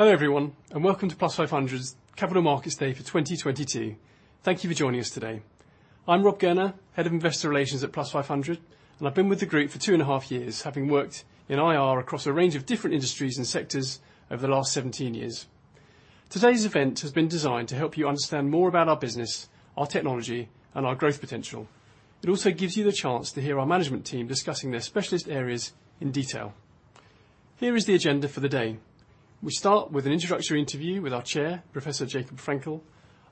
Hello, everyone, and welcome to Plus500's Capital Markets Day for 2022. Thank you for joining us today. I'm Rob Gerner, Head of Investor Relations at Plus500, and I've been with the group for 2.5 years, having worked in IR across a range of different industries and sectors over the last 17 years. Today's event has been designed to help you understand more about our business, our technology, and our growth potential. It also gives you the chance to hear our management team discussing their specialist areas in detail. Here is the agenda for the day. We start with an introductory interview with our chair, Professor Jacob Frenkel.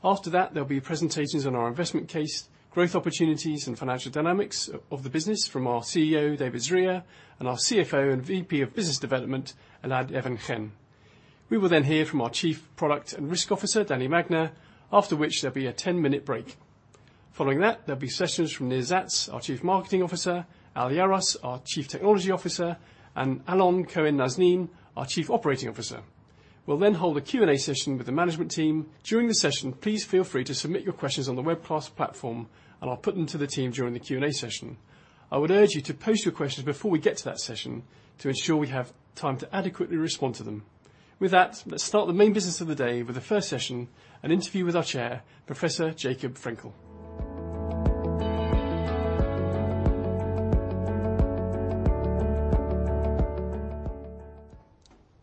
After that, there'll be presentations on our investment case, growth opportunities, and financial dynamics of the business from our CEO, David Zruia, and our CFO and VP of Business Development, Elad Even-Chen. We will then hear from our Chief Product and Risk Officer, Dani Magner, after which there'll be a 10 minute break. Following that, there'll be sessions from Nir Zatz, our Chief Marketing Officer, Al Yaros, our Chief Technology Officer, and Alon Cohen Naznin, our Chief Operating Officer. We'll then hold a Q&A session with the management team. During the session, please feel free to submit your questions on the webcast platform, and I'll put them to the team during the Q&A session. I would urge you to post your questions before we get to that session to ensure we have time to adequately respond to them. With that, let's start the main business of the day with the first session, an interview with our chair, Professor Jacob Frenkel.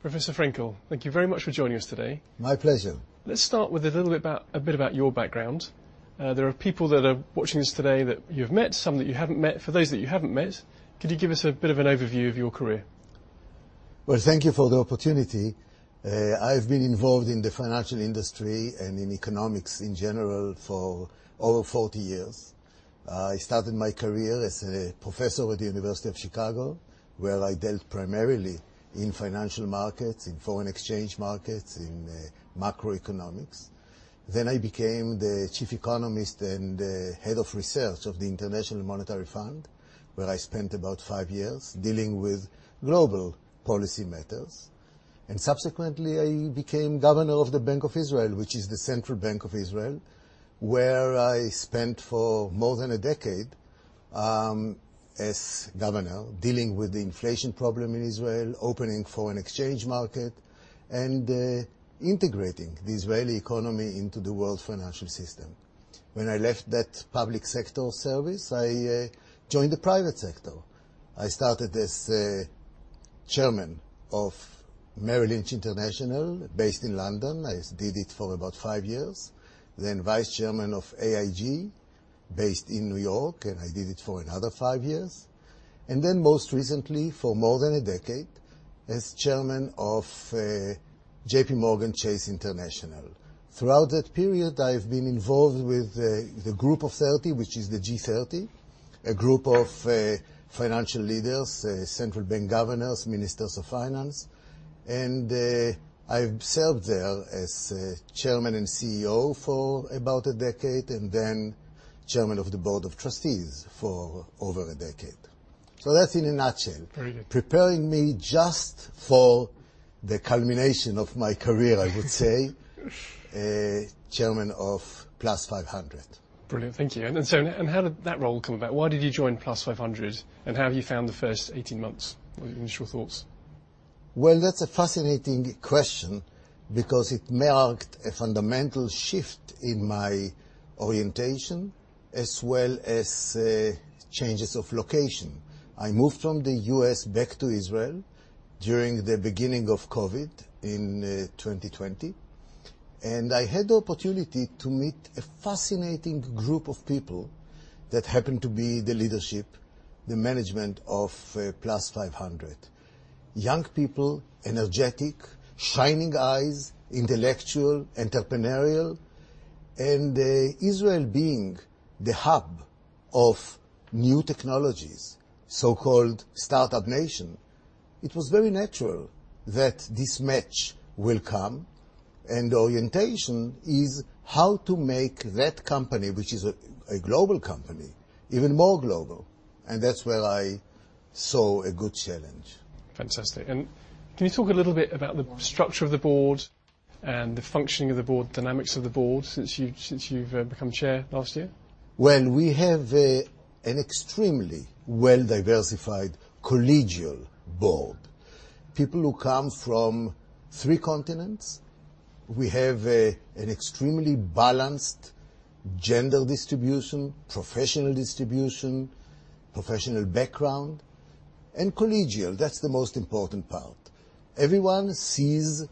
Professor Frenkel, thank you very much for joining us today. My pleasure. Let's start with a bit about your background. There are people that are watching this today that you've met, some that you haven't met. For those that you haven't met, could you give us a bit of an overview of your career? Well, thank you for the opportunity. I've been involved in the financial industry and in economics in general for over 40 years. I started my career as a professor with the University of Chicago, where I dealt primarily in financial markets, in foreign exchange markets, in macroeconomics. I became the chief economist and the head of research of the International Monetary Fund, where I spent about five years dealing with global policy matters. Subsequently, I became governor of the Bank of Israel, which is the Central Bank of Israel, where I spent for more than a decade as governor, dealing with the inflation problem in Israel, opening foreign exchange market, and integrating the Israeli economy into the world financial system. When I left that public sector service, I joined the private sector. I started as chairman of Merrill Lynch International based in London. I did it for about five years. Then vice chairman of AIG based in New York, and I did it for another five years. Then most recently, for more than a decade, as chairman of JPMorgan Chase International. Throughout that period, I've been involved with the Group of Thirty, which is the G30, a group of financial leaders, central bank governors, ministers of finance. I've served there as chairman and CEO for about a decade, and then chairman of the board of trustees for over a decade. That's in a nutshell. Very good.... preparing me just for the culmination of my career, I would say. Chairman of Plus500. Brilliant. Thank you. How did that role come about? Why did you join Plus500, and how have you found the first 18 months? What are your initial thoughts? Well, that's a fascinating question because it marked a fundamental shift in my orientation as well as changes of location. I moved from the U.S. back to Israel during the beginning of COVID in 2020, and I had the opportunity to meet a fascinating group of people that happened to be the leadership, the management of Plus500. Young people, energetic, shining eyes, intellectual, entrepreneurial. Israel being the hub of new technologies, so-called startup nation, it was very natural that this match will come, and orientation is how to make that company, which is a global company, even more global, and that's where I saw a good challenge. Fantastic. Can you talk a little bit about the structure of the board and the functioning of the board, dynamics of the board since you've become chair last year? Well, we have an extremely well-diversified collegial board, people who come from three continents. We have an extremely balanced gender distribution, professional distribution, professional background, and collegial. That's the most important part. Everyone sees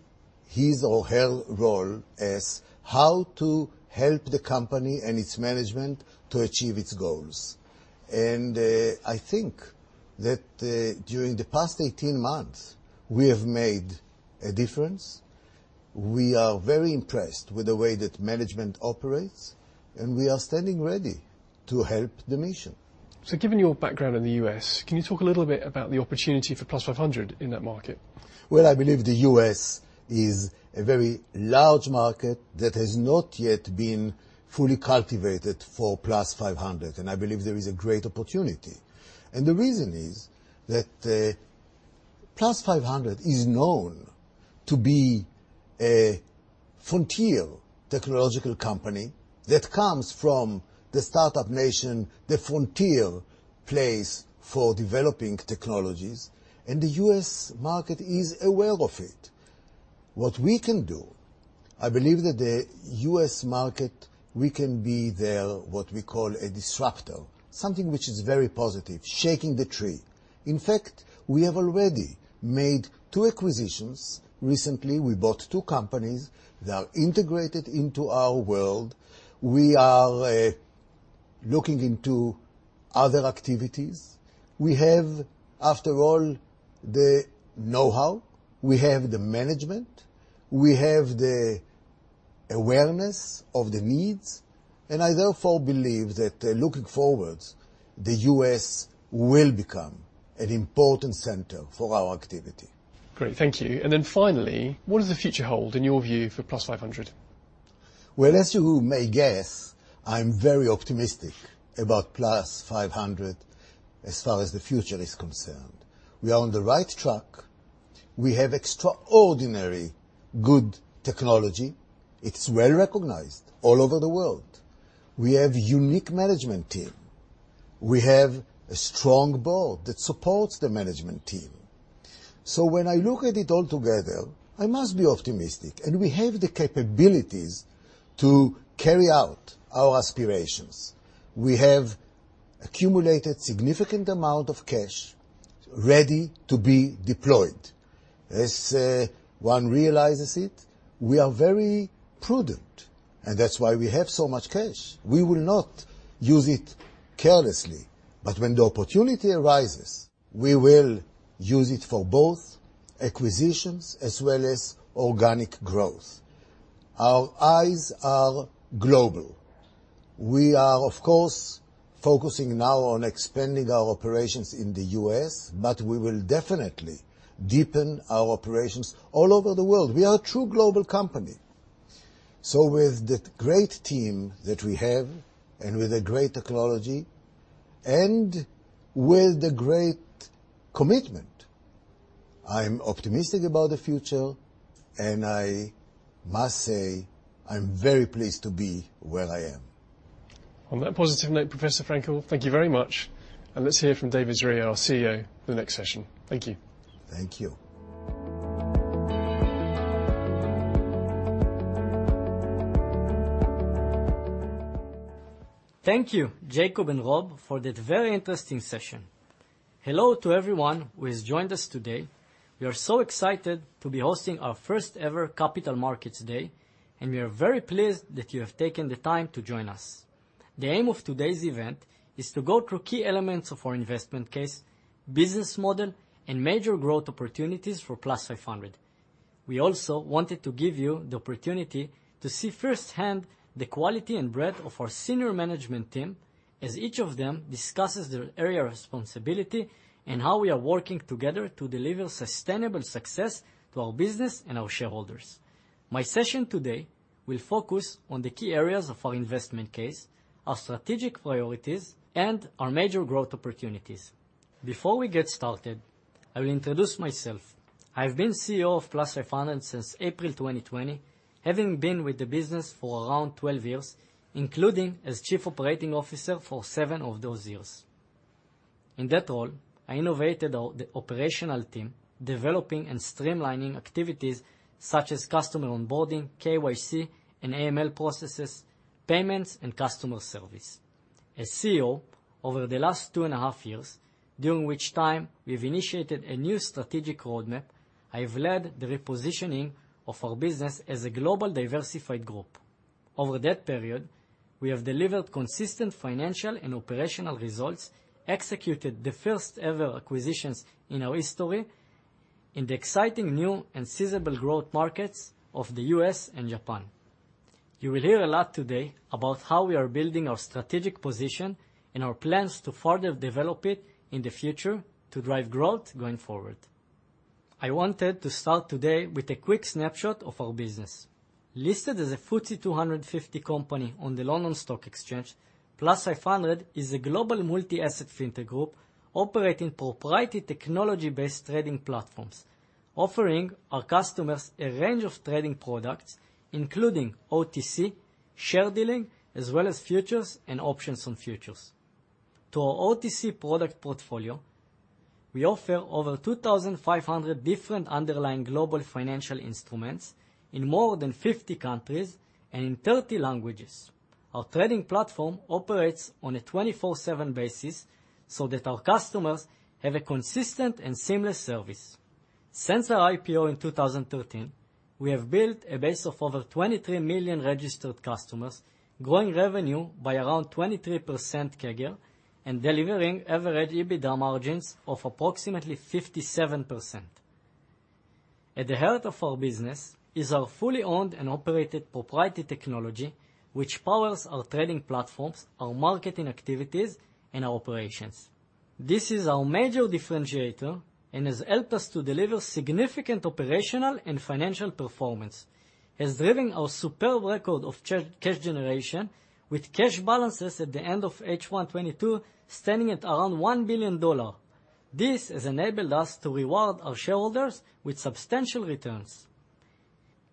his or her role as how to help the company and its management to achieve its goals. I think that during the past 18 months, we have made a difference. We are very impressed with the way that management operates, and we are standing ready to help the mission. Given your background in the U.S., can you talk a little bit about the opportunity for Plus500 in that market? Well, I believe the U.S. is a very large market that has not yet been fully cultivated for Plus500, and I believe there is a great opportunity. The reason is that, Plus500 is known to be a frontier technological company that comes from the startup nation, the frontier place for developing technologies, and the U.S. market is aware of it. What we can do, I believe that the U.S. market, we can be their, what we call, a disruptor, something which is very positive, shaking the tree. In fact, we have already made two acquisitions. Recently, we bought two companies that are integrated into our world. We are looking into other activities. We have, after all, the know-how, we have the management, we have the awareness of the needs, and I therefore believe that, looking forward, the U.S. will become an important center for our activity. Great. Thank you. Finally, what does the future hold in your view for Plus500? Well, as you may guess, I'm very optimistic about Plus500 as far as the future is concerned. We are on the right track. We have extraordinary good technology. It's well-recognized all over the world. We have unique management team. We have a strong board that supports the management team. When I look at it all together, I must be optimistic, and we have the capabilities to carry out our aspirations. We have accumulated significant amount of cash ready to be deployed. As one realizes it, we are very prudent, and that's why we have so much cash. We will not use it carelessly. When the opportunity arises, we will use it for both acquisitions as well as organic growth. Our eyes are global. We are, of course, focusing now on expanding our operations in the US, but we will definitely deepen our operations all over the world. We are a true global company. With the great team that we have and with the great technology and with the great commitment, I'm optimistic about the future, and I must say, I'm very pleased to be where I am. On that positive note, Professor Frenkel, thank you very much. Let's hear from David Zruia, our CEO, the next session. Thank you. Thank you. Thank you, Jacob and Rob, for that very interesting session. Hello to everyone who has joined us today. We are so excited to be hosting our first ever Capital Markets Day, and we are very pleased that you have taken the time to join us. The aim of today's event is to go through key elements of our investment case, business model, and major growth opportunities for Plus500. We also wanted to give you the opportunity to see firsthand the quality and breadth of our senior management team as each of them discusses their area of responsibility and how we are working together to deliver sustainable success to our business and our shareholders. My session today will focus on the key areas of our investment case, our strategic priorities, and our major growth opportunities. Before we get started, I will introduce myself. I've been CEO of Plus500 since April 2020, having been with the business for around 12 years, including as Chief Operating Officer for seven of those years. In that role, I innovated the operational team, developing and streamlining activities such as customer onboarding, KYC and AML processes, payments, and customer service. As CEO, over the last two in a half years, during which time we've initiated a new strategic roadmap, I have led the repositioning of our business as a global diversified group. Over that period, we have delivered consistent financial and operational results, executed the first ever acquisitions in our history in the exciting new and sizable growth markets of the U.S. and Japan. You will hear a lot today about how we are building our strategic position and our plans to further develop it in the future to drive growth going forward. I wanted to start today with a quick snapshot of our business. Listed as a FTSE 250 company on the London Stock Exchange, Plus500 is a global multi-asset fintech group operating proprietary technology-based trading platforms, offering our customers a range of trading products, including OTC, share dealing, as well as futures and options on futures. To our OTC product portfolio, we offer over 2,500 different underlying global financial instruments in more than 50 countries and in 30 languages. Our trading platform operates on a 24/7 basis so that our customers have a consistent and seamless service. Since our IPO in 2013, we have built a base of over 23 million registered customers, growing revenue by around 23% CAGR and delivering average EBITDA margins of approximately 57%. At the heart of our business is our fully owned and operated proprietary technology, which powers our trading platforms, our marketing activities, and our operations. This is our major differentiator and has helped us to deliver significant operational and financial performance, has driven our superb record of cash generation with cash balances at the end of H1 2022 standing at around $1 billion. This has enabled us to reward our shareholders with substantial returns.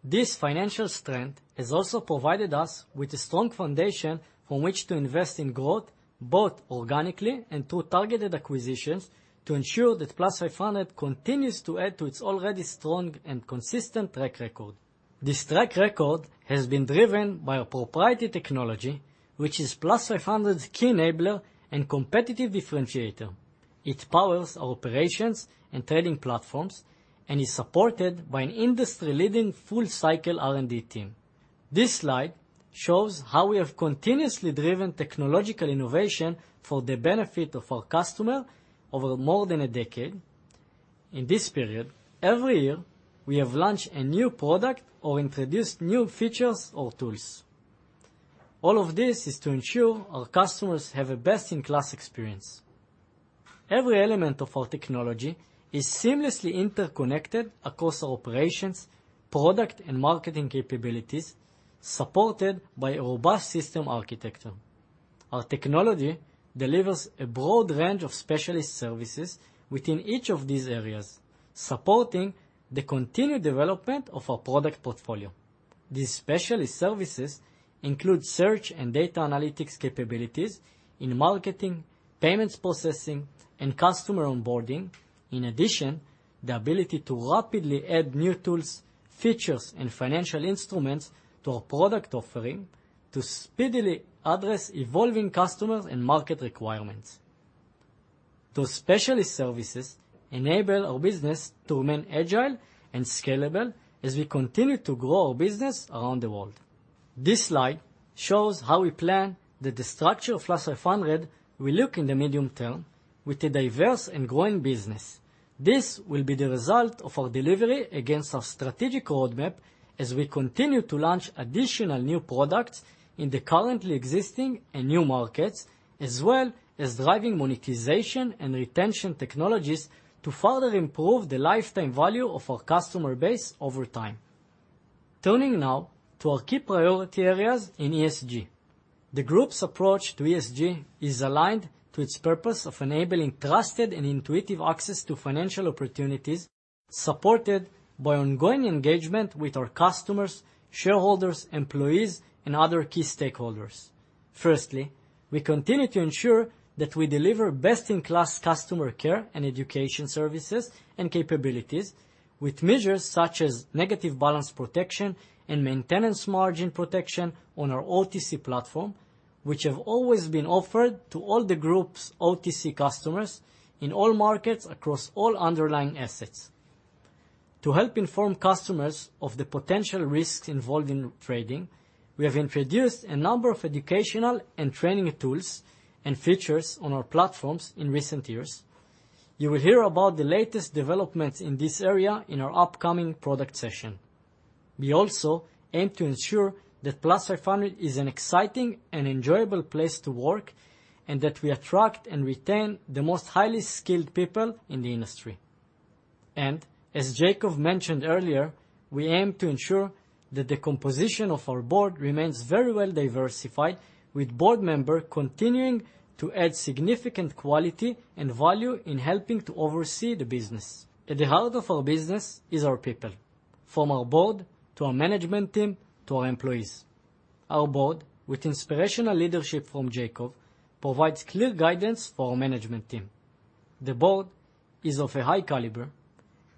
This financial strength has also provided us with a strong foundation from which to invest in growth, both organically and through targeted acquisitions, to ensure that Plus500 continues to add to its already strong and consistent track record. This track record has been driven by a proprietary technology, which is Plus500's key enabler and competitive differentiator. It powers our operations and trading platforms and is supported by an industry-leading full-cycle R&D team. This slide shows how we have continuously driven technological innovation for the benefit of our customer over more than a decade. In this period, every year, we have launched a new product or introduced new features or tools. All of this is to ensure our customers have a best-in-class experience. Every element of our technology is seamlessly interconnected across our operations, product, and marketing capabilities, supported by a robust system architecture. Our technology delivers a broad range of specialist services within each of these areas, supporting the continued development of our product portfolio. These specialist services include search and data analytics capabilities in marketing, payments processing, and customer onboarding. In addition, the ability to rapidly add new tools, features, and financial instruments to our product offering to speedily address evolving customer and market requirements. Those specialist services enable our business to remain agile and scalable as we continue to grow our business around the world. This slide shows how we plan that the structure of Plus500 will look in the medium term with a diverse and growing business. This will be the result of our delivery against our strategic roadmap as we continue to launch additional new products in the currently existing and new markets, as well as driving monetization and retention technologies to further improve the lifetime value of our customer base over time. Turning now to our key priority areas in ESG. The group's approach to ESG is aligned to its purpose of enabling trusted and intuitive access to financial opportunities, supported by ongoing engagement with our customers, shareholders, employees, and other key stakeholders. Firstly, we continue to ensure that we deliver best-in-class customer care and education services and capabilities with measures such as negative balance protection and maintenance margin protection on our OTC platform, which have always been offered to all the group's OTC customers in all markets across all underlying assets. To help inform customers of the potential risks involved in trading, we have introduced a number of educational and training tools and features on our platforms in recent years. You will hear about the latest developments in this area in our upcoming product session. We also aim to ensure that Plus500 is an exciting and enjoyable place to work, and that we attract and retain the most highly skilled people in the industry. As Jacob mentioned earlier, we aim to ensure that the composition of our board remains very well diversified, with board members continuing to add significant quality and value in helping to oversee the business. At the heart of our business is our people, from our board to our management team, to our employees. Our board, with inspirational leadership from Jacob, provides clear guidance for our management team. The board is of a high caliber,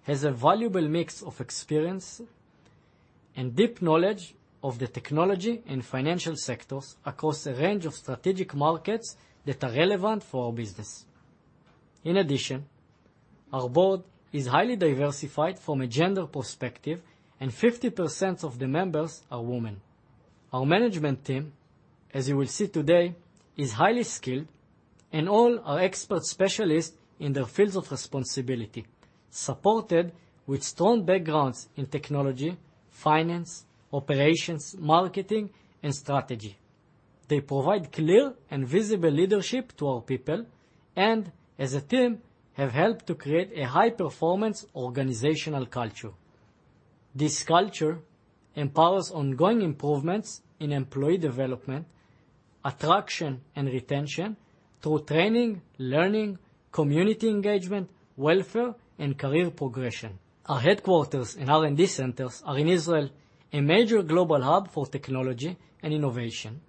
has a valuable mix of experience and deep knowledge of the technology and financial sectors across a range of strategic markets that are relevant for our business. In addition, our board is highly diversified from a gender perspective, and 50% of the members are women. Our management team, as you will see today, is highly skilled and all are expert specialists in their fields of responsibility, supported with strong backgrounds in technology, finance, operations, marketing, and strategy. They provide clear and visible leadership to our people, and as a team, have helped to create a high-performance organizational culture. This culture empowers ongoing improvements in employee development, attraction, and retention through training, learning, community engagement, welfare, and career progression. Our headquarters and R&D centers are in Israel, a major global hub for technology and innovation,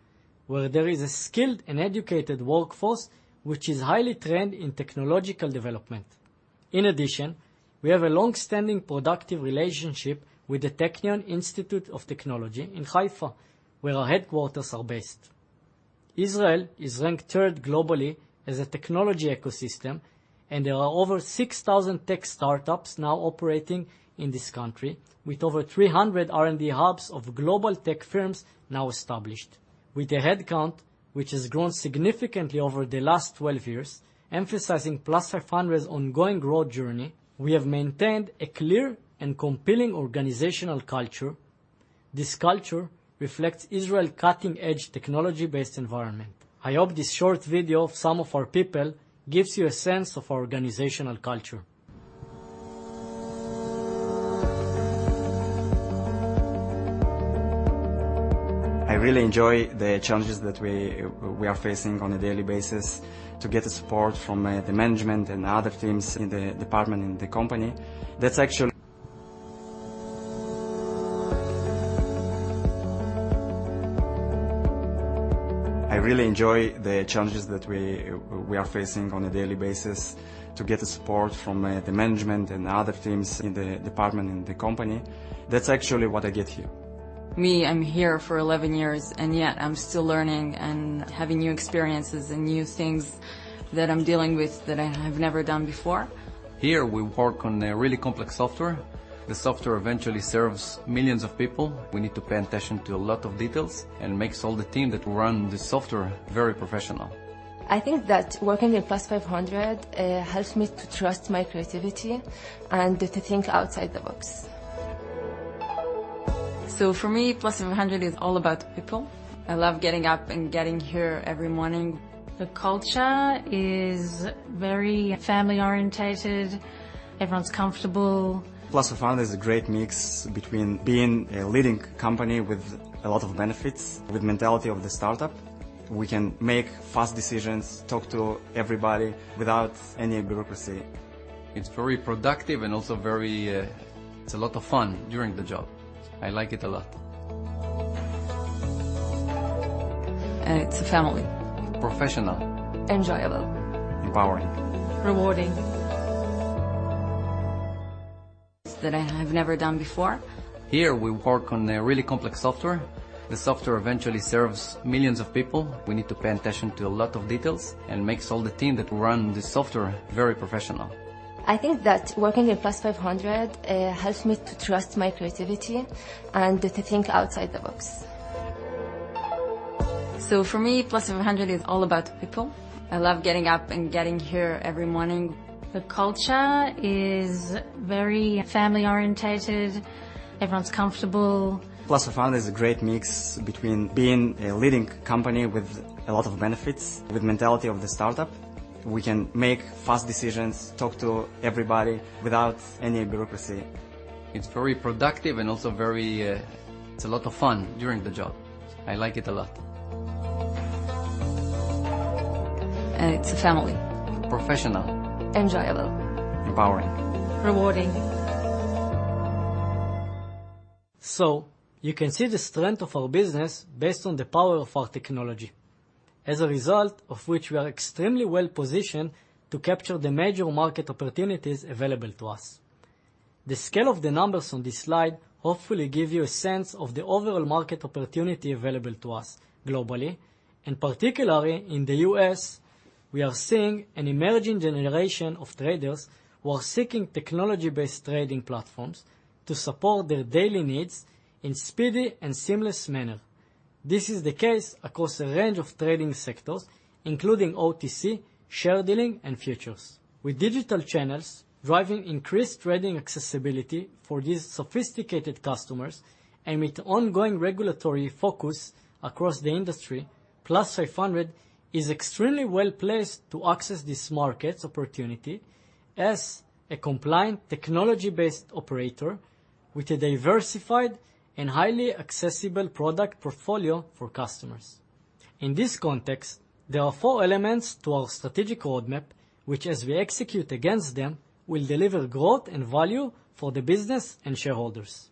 where there is a skilled and educated workforce, which is highly trained in technological development. In addition, we have a long-standing productive relationship with the Technion – Israel Institute of Technology in Haifa, where our headquarters are based. Israel is ranked third globally as a technology ecosystem, and there are over 6,000 tech startups now operating in this country, with over 300 R&D hubs of global tech firms now established. With a headcount which has grown significantly over the last 12 years, emphasizing Plus500's ongoing growth journey, we have maintained a clear and compelling organizational culture. This culture reflects Israel's cutting-edge technology-based environment. I hope this short video of some of our people gives you a sense of our organizational culture. I really enjoy the challenges that we are facing on a daily basis to get the support from the management and other teams in the department, in the company. That's actually what I get here. Me, I'm here for 11 years, and yet I'm still learning and having new experiences and new things that I'm dealing with that I have never done before. Here, we work on a really complex software. The software eventually serves millions of people. We need to pay attention to a lot of details, and makes all the team that runs the software very professional. I think that working in Plus500 helps me to trust my creativity and to think outside the box. For me, Plus500 is all about people. I love getting up and getting here every morning. The culture is very family-oriented. Everyone's comfortable. Plus500 is a great mix between being a leading company with a lot of benefits, with mentality of the startup. We can make fast decisions, talk to everybody without any bureaucracy. It's very productive and also very. It's a lot of fun during the job. I like it a lot. It's a family. Professional. Enjoyable. Empowering. Rewarding. That I have never done before. Here, we work on a really complex software. The software eventually serves millions of people. We need to pay attention to a lot of details, and makes all the team that run the software very professional. I think that working in Plus500 helps me to trust my creativity and to think outside the box. For me, Plus500 is all about people. I love getting up and getting here every morning. The culture is very family-oriented. Everyone's comfortable. Plus500 is a great mix between being a leading company with a lot of benefits, with mentality of the startup. We can make fast decisions, talk to everybody without any bureaucracy. It's very productive and also very. It's a lot of fun during the job. I like it a lot. It's a family. Professional. Enjoyable. Empowering. Rewarding. You can see the strength of our business based on the power of our technology. As a result of which we are extremely well-positioned to capture the major market opportunities available to us. The scale of the numbers on this slide hopefully give you a sense of the overall market opportunity available to us globally, and particularly in the U.S., we are seeing an emerging generation of traders who are seeking technology-based trading platforms to support their daily needs in speedy and seamless manner. This is the case across a range of trading sectors, including OTC, share dealing, and futures. With digital channels driving increased trading accessibility for these sophisticated customers, and with ongoing regulatory focus across the industry, Plus500 is extremely well-placed to access this market's opportunity as a compliant technology-based operator with a diversified and highly accessible product portfolio for customers. In this context, there are four elements to our strategic roadmap, which as we execute against them, will deliver growth and value for the business and shareholders.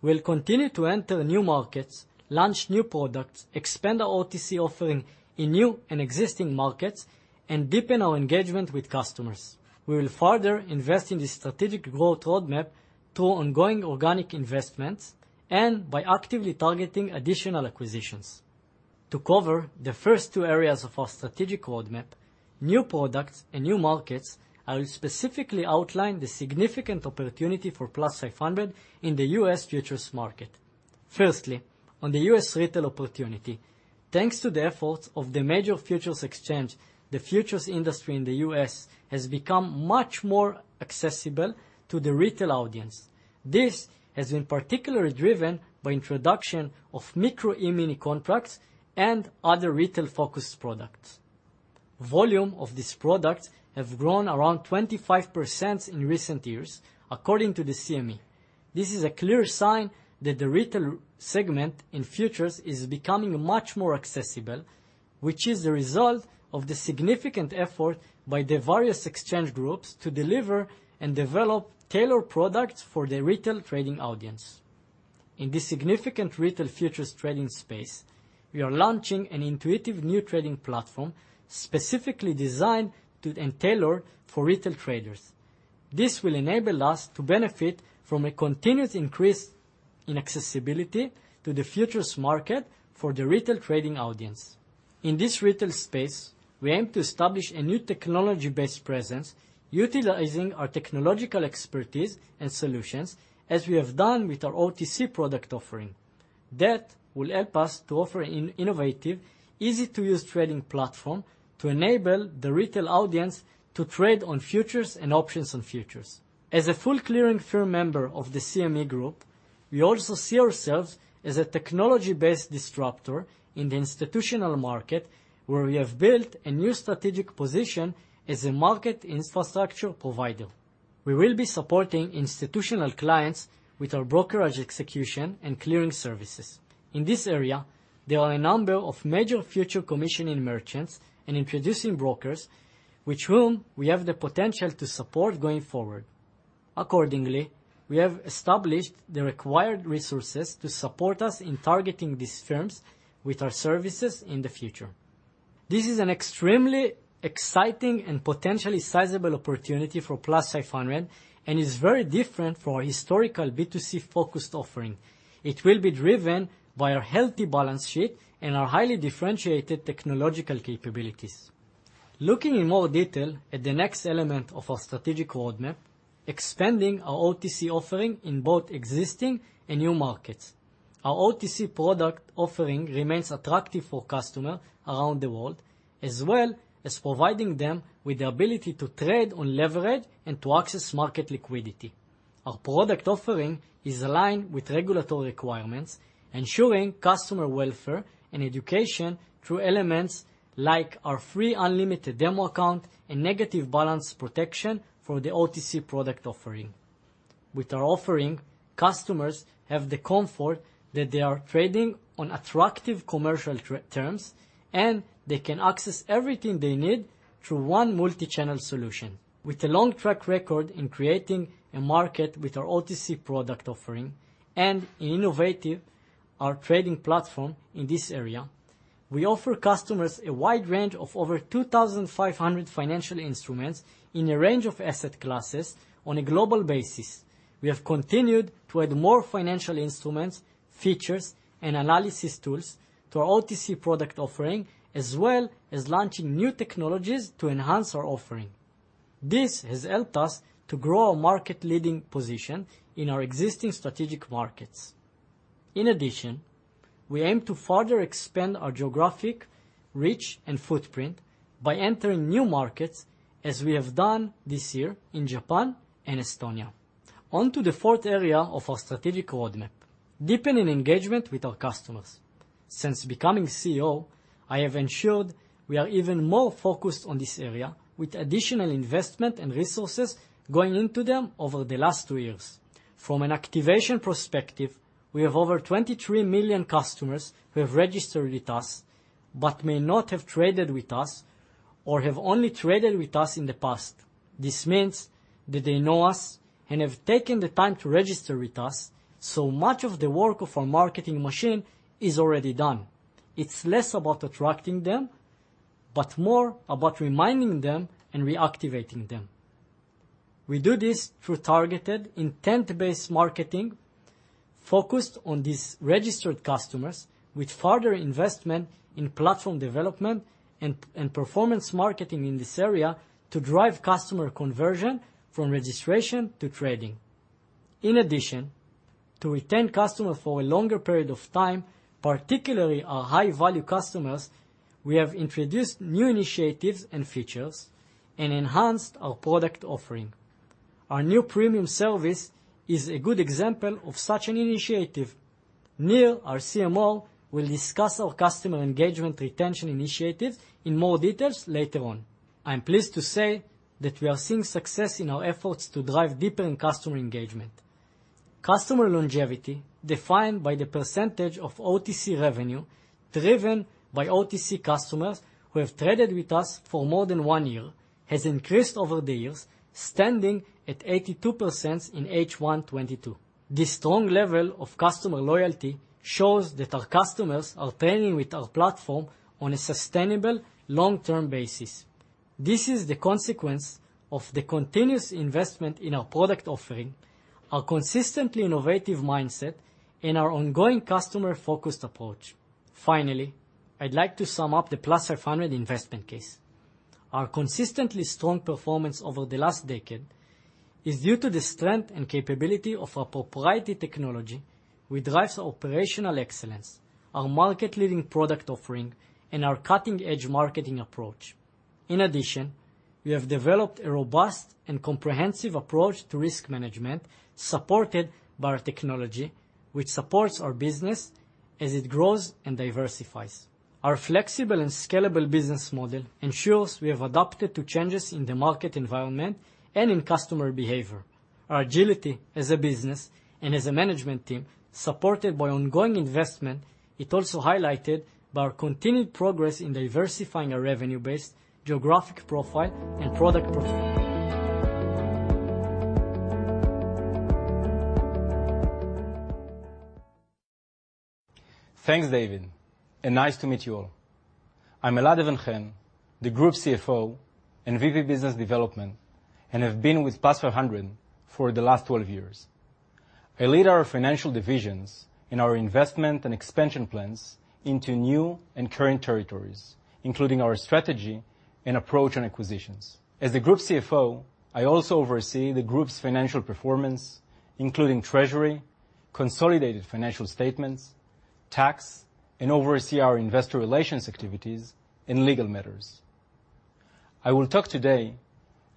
We'll continue to enter new markets, launch new products, expand our OTC offering in new and existing markets, and deepen our engagement with customers. We will further invest in the strategic growth roadmap through ongoing organic investments and by actively targeting additional acquisitions. To cover the first two areas of our strategic roadmap, new products and new markets, I will specifically outline the significant opportunity for Plus500 in the U.S. futures market. Firstly, on the U.S. retail opportunity. Thanks to the efforts of the major futures exchange, the futures industry in the U.S. has become much more accessible to the retail audience. This has been particularly driven by introduction of Micro E-mini contracts and other retail-focused products. Volume of these products has grown around 25% in recent years, according to the CME. This is a clear sign that the retail segment in futures is becoming much more accessible, which is the result of the significant effort by the various exchange groups to deliver and develop tailored products for the retail trading audience. In this significant retail futures trading space, we are launching an intuitive new trading platform, specifically designed and tailored for retail traders. This will enable us to benefit from a continuous increase in accessibility to the futures market for the retail trading audience. In this retail space, we aim to establish a new technology-based presence utilizing our technological expertise and solutions as we have done with our OTC product offering. That will help us to offer innovative, easy-to-use trading platform to enable the retail audience to trade on futures and options on futures. As a full clearing firm member of the CME Group, we also see ourselves as a technology-based disruptor in the institutional market, where we have built a new strategic position as a market infrastructure provider. We will be supporting institutional clients with our brokerage execution and clearing services. In this area, there are a number of major futures commission merchants and introducing brokers, with whom we have the potential to support going forward. Accordingly, we have established the required resources to support us in targeting these firms with our services in the future. This is an extremely exciting and potentially sizable opportunity for Plus500, and is very different from our historical B2C-focused offering. It will be driven by our healthy balance sheet and our highly differentiated technological capabilities. Looking in more detail at the next element of our strategic roadmap, expanding our OTC offering in both existing and new markets. Our OTC product offering remains attractive for customers around the world, as well as providing them with the ability to trade on leverage and to access market liquidity. Our product offering is aligned with regulatory requirements, ensuring customer welfare and education through elements like our free unlimited demo account and negative balance protection for the OTC product offering. With our offering, customers have the comfort that they are trading on attractive commercial terms, and they can access everything they need through one multi-channel solution. With a long track record in creating a market with our OTC product offering and our innovative trading platform in this area, we offer customers a wide range of over 2,500 financial instruments in a range of asset classes on a global basis. We have continued to add more financial instruments, features, and analysis tools to our OTC product offering, as well as launching new technologies to enhance our offering. This has helped us to grow our market-leading position in our existing strategic markets. In addition, we aim to further expand our geographic reach and footprint by entering new markets as we have done this year in Japan and Estonia. On to the fourth area of our strategic roadmap, deepening engagement with our customers. Since becoming CEO, I have ensured we are even more focused on this area with additional investment and resources going into them over the last two years. From an activation perspective, we have over 23 million customers who have registered with us but may not have traded with us or have only traded with us in the past. This means that they know us and have taken the time to register with us, so much of the work of our marketing machine is already done. It's less about attracting them, but more about reminding them and reactivating them. We do this through targeted intent-based marketing focused on these registered customers with further investment in platform development and performance marketing in this area to drive customer conversion from registration to trading. In addition, to retain customers for a longer period of time, particularly our high-value customers, we have introduced new initiatives and features and enhanced our product offering. Our new premium service is a good example of such an initiative. Nir, our CMO, will discuss our customer engagement retention initiative in more details later on. I'm pleased to say that we are seeing success in our efforts to drive deeper in customer engagement. Customer longevity, defined by the percentage of OTC revenue driven by OTC customers who have traded with us for more than one year, has increased over the years, standing at 82% in H1 2022. This strong level of customer loyalty shows that our customers are trading with our platform on a sustainable long-term basis. This is the consequence of the continuous investment in our product offering, our consistently innovative mindset, and our ongoing customer-focused approach. Finally, I'd like to sum up the Plus500 investment case. Our consistently strong performance over the last decade is due to the strength and capability of our proprietary technology, which drives operational excellence, our market-leading product offering, and our cutting-edge marketing approach. In addition, we have developed a robust and comprehensive approach to risk management supported by our technology, which supports our business as it grows and diversifies. Our flexible and scalable business model ensures we have adapted to changes in the market environment and in customer behavior. Our agility as a business and as a management team, supported by ongoing investment, is also highlighted by our continued progress in diversifying our revenue base, geographic profile, and product profile. Thanks, David, and nice to meet you all. I'm Elad Even-Chen, the group CFO and VP Business Development, and have been with Plus500 for the last 12 years. I lead our financial divisions in our investment and expansion plans into new and current territories, including our strategy and approach on acquisitions. As the group CFO, I also oversee the group's financial performance, including treasury, consolidated financial statements, tax, and oversee our investor relations activities and legal matters. I will talk today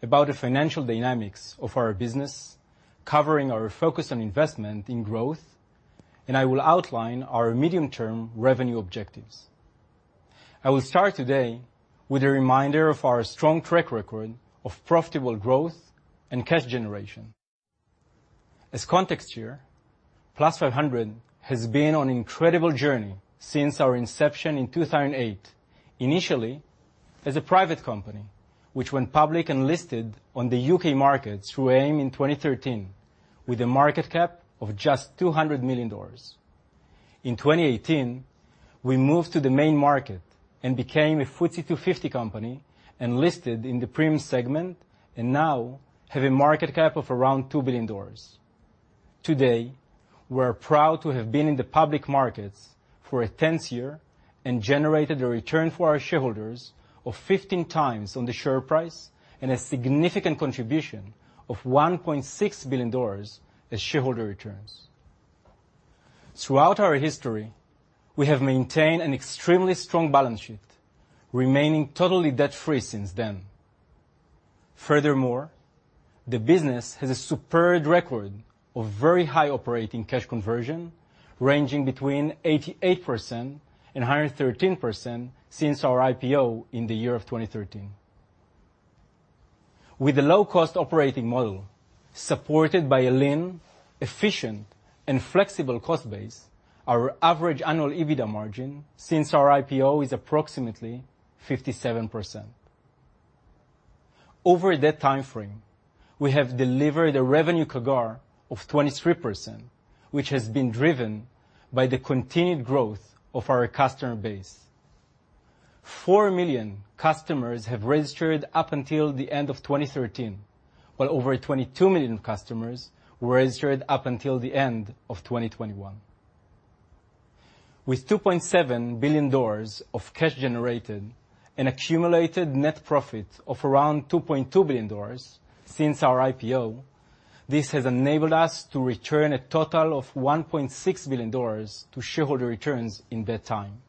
about the financial dynamics of our business, covering our focus on investment in growth, and I will outline our medium-term revenue objectives. I will start today with a reminder of our strong track record of profitable growth and cash generation. As context here, Plus500 has been on incredible journey since our inception in 2008. Initially, as a private company, which went public and listed on the UK market through AIM in 2013, with a market cap of just $200 million. In 2018, we moved to the main market and became a FTSE 250 company and listed in the premium segment, and now have a market cap of around $2 billion. Today, we're proud to have been in the public markets for a 10th year and generated a return for our shareholders of 15x on the share price, and a significant contribution of $1.6 billion as shareholder returns. Throughout our history, we have maintained an extremely strong balance sheet, remaining totally debt-free since then. Furthermore, the business has a superb record of very high operating cash conversion, ranging between 88% and 113% since our IPO in the year of 2013. With a low-cost operating model supported by a lean, efficient, and flexible cost base, our average annual EBITDA margin since our IPO is approximately 57%. Over that timeframe, we have delivered a revenue CAGR of 23%, which has been driven by the continued growth of our customer base. four million customers have registered up until the end of 2013, while over 22 million customers were registered up until the end of 2021. With $2.7 billion of cash generated and accumulated net profit of around $2.2 billion since our IPO, this has enabled us to return a total of $1.6 billion to shareholder returns in that time.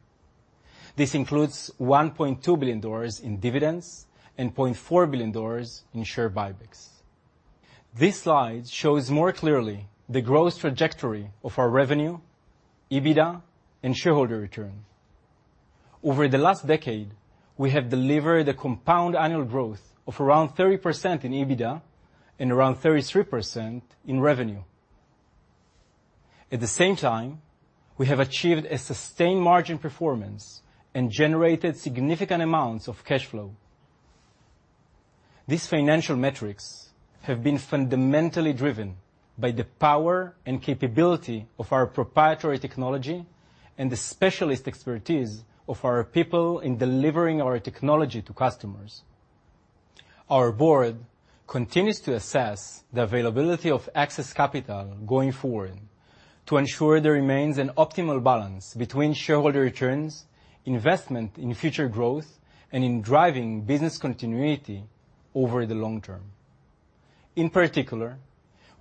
This includes $1.2 billion in dividends and $0.4 billion in share buybacks. This slide shows more clearly the growth trajectory of our revenue, EBITDA, and shareholder return. Over the last decade, we have delivered a compound annual growth of around 30% in EBITDA and around 33% in revenue. At the same time, we have achieved a sustained margin performance and generated significant amounts of cash flow. These financial metrics have been fundamentally driven by the power and capability of our proprietary technology and the specialist expertise of our people in delivering our technology to customers. Our board continues to assess the availability of excess capital going forward to ensure there remains an optimal balance between shareholder returns, investment in future growth, and in driving business continuity over the long term. In particular,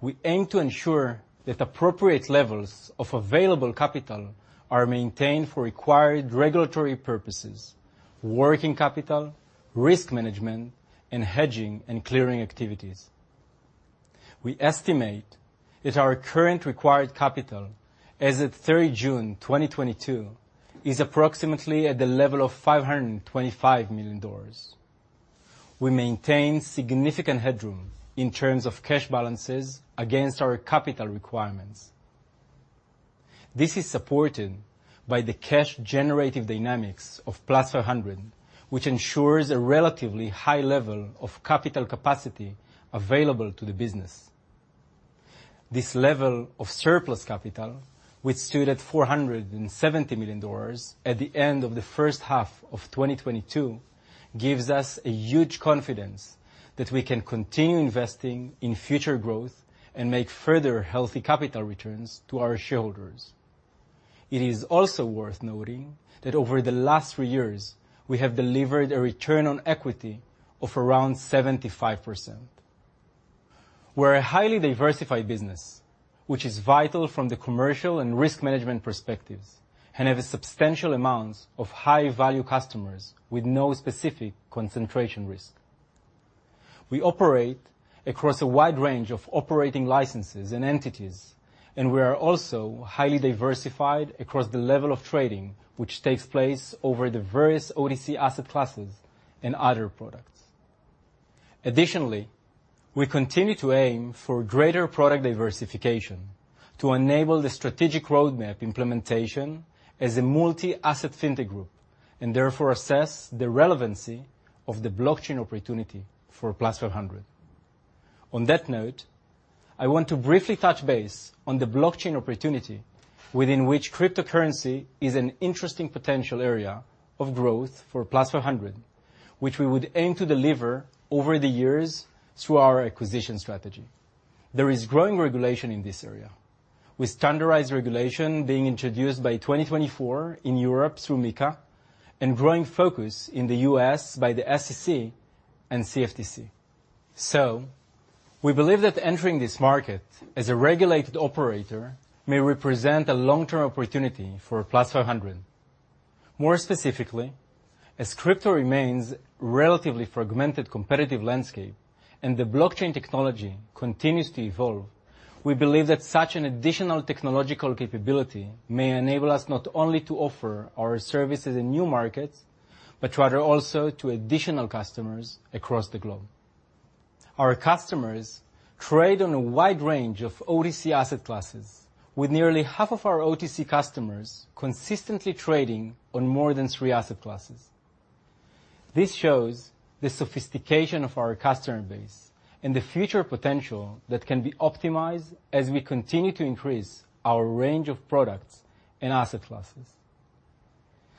we aim to ensure that appropriate levels of available capital are maintained for required regulatory purposes, working capital, risk management, and hedging and clearing activities. We estimate that our current required capital as at 3 June 2022 is approximately at the level of $525 million. We maintain significant headroom in terms of cash balances against our capital requirements. This is supported by the cash generative dynamics of Plus500, which ensures a relatively high level of capital capacity available to the business. This level of surplus capital, which stood at $470 million at the end of the first half of 2022, gives us a huge confidence that we can continue investing in future growth and make further healthy capital returns to our shareholders. It is also worth noting that over the last three years, we have delivered a return on equity of around 75%. We're a highly diversified business, which is vital from the commercial and risk management perspectives, and have a substantial amounts of high value customers with no specific concentration risk. We operate across a wide range of operating licenses and entities, and we are also highly diversified across the level of trading, which takes place over the various OTC asset classes and other products. Additionally, we continue to aim for greater product diversification to enable the strategic roadmap implementation as a multi-asset fintech group, and therefore assess the relevancy of the blockchain opportunity for Plus500. On that note, I want to briefly touch base on the blockchain opportunity within which cryptocurrency is an interesting potential area of growth for Plus500, which we would aim to deliver over the years through our acquisition strategy. There is growing regulation in this area with standardized regulation being introduced by 2024 in Europe through MiCA, and growing focus in the US by the SEC and CFTC. We believe that entering this market as a regulated operator may represent a long-term opportunity for Plus500. More specifically, as crypto remains a relatively fragmented competitive landscape, and the blockchain technology continues to evolve. We believe that such an additional technological capability may enable us not only to offer our services in new markets, but rather also to additional customers across the globe. Our customers trade on a wide range of OTC asset classes, with nearly half of our OTC customers consistently trading on more than three asset classes. This shows the sophistication of our customer base and the future potential that can be optimized as we continue to increase our range of products and asset classes.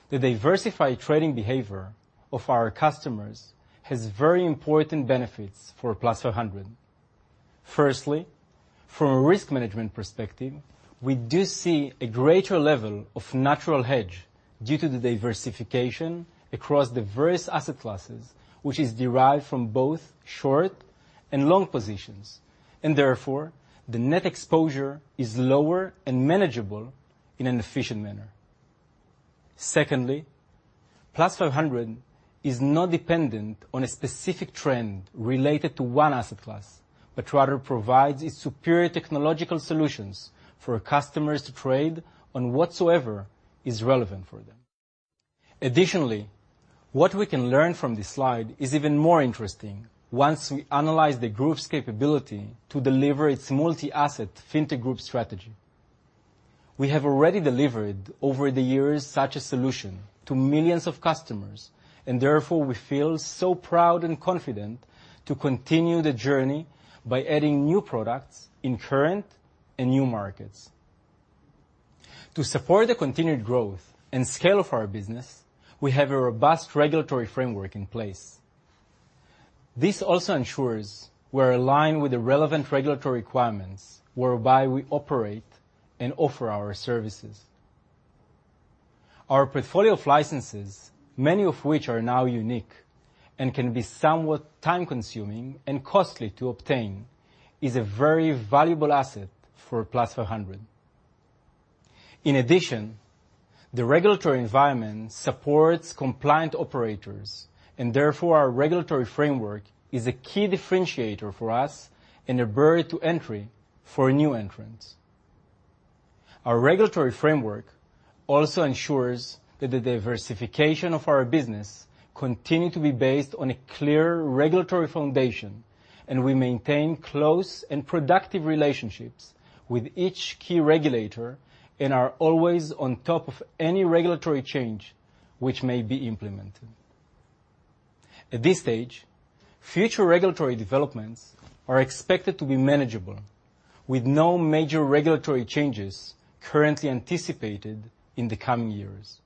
The diversified trading behavior of our customers has very important benefits for Plus500. Firstly, from a risk management perspective, we do see a greater level of natural hedge due to the diversification across the various asset classes, which is derived from both short and long positions, and therefore the net exposure is lower and manageable in an efficient manner. Secondly, Plus500 is not dependent on a specific trend related to one asset class, but rather provides a superior technological solutions for customers to trade on whatsoever is relevant for them. Additionally, what we can learn from this slide is even more interesting once we analyze the group's capability to deliver its multi-asset fintech group strategy. We have already delivered over the years such a solution to millions of customers, and therefore we feel so proud and confident to continue the journey by adding new products in current and new markets. To support the continued growth and scale of our business, we have a robust regulatory framework in place. This also ensures we're aligned with the relevant regulatory requirements whereby we operate and offer our services. Our portfolio of licenses, many of which are now unique and can be somewhat time-consuming and costly to obtain, is a very valuable asset for Plus500. In addition, the regulatory environment supports compliant operators, and therefore our regulatory framework is a key differentiator for us and a barrier to entry for new entrants. Our regulatory framework also ensures that the diversification of our business continue to be based on a clear regulatory foundation, and we maintain close and productive relationships with each key regulator and are always on top of any regulatory change which may be implemented. At this stage, future regulatory developments are expected to be manageable, with no major regulatory changes currently anticipated in the coming years.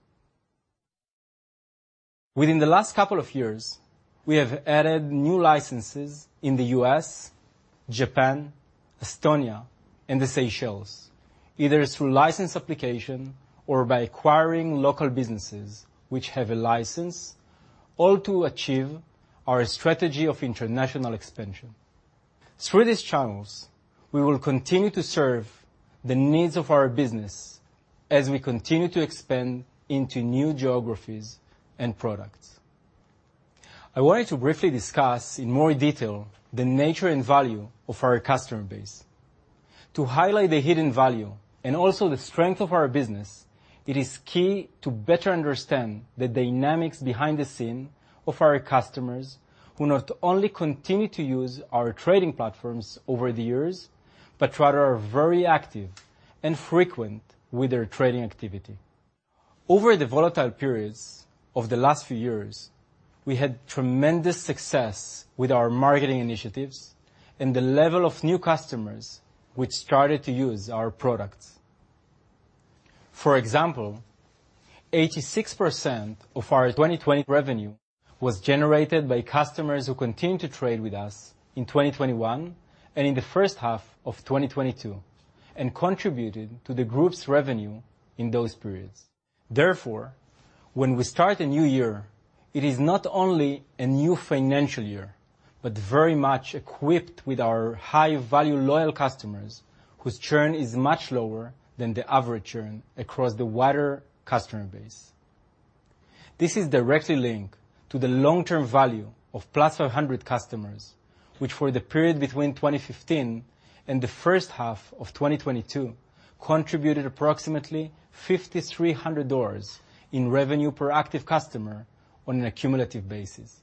Within the last couple of years, we have added new licenses in the U.S., Japan, Estonia, and the Seychelles, either through license application or by acquiring local businesses which have a license, all to achieve our strategy of international expansion. Through these channels, we will continue to serve the needs of our business as we continue to expand into new geographies and products. I wanted to briefly discuss in more detail the nature and value of our customer base. To highlight the hidden value and also the strength of our business, it is key to better understand the dynamics behind the scenes of our customers who not only continue to use our trading platforms over the years, but rather are very active and frequent with their trading activity. Over the volatile periods of the last few years, we had tremendous success with our marketing initiatives and the level of new customers which started to use our products. For example, 86% of our 2020 revenue was generated by customers who continued to trade with us in 2021 and in the first half of 2022, and contributed to the group's revenue in those periods. Therefore, when we start a new year, it is not only a new financial year, but very much equipped with our high-value loyal customers whose churn is much lower than the average churn across the wider customer base. This is directly linked to the long-term value of Plus500 customers, which for the period between 2015 and the first half of 2022, contributed approximately $5,300 in revenue per active customer on an accumulative basis.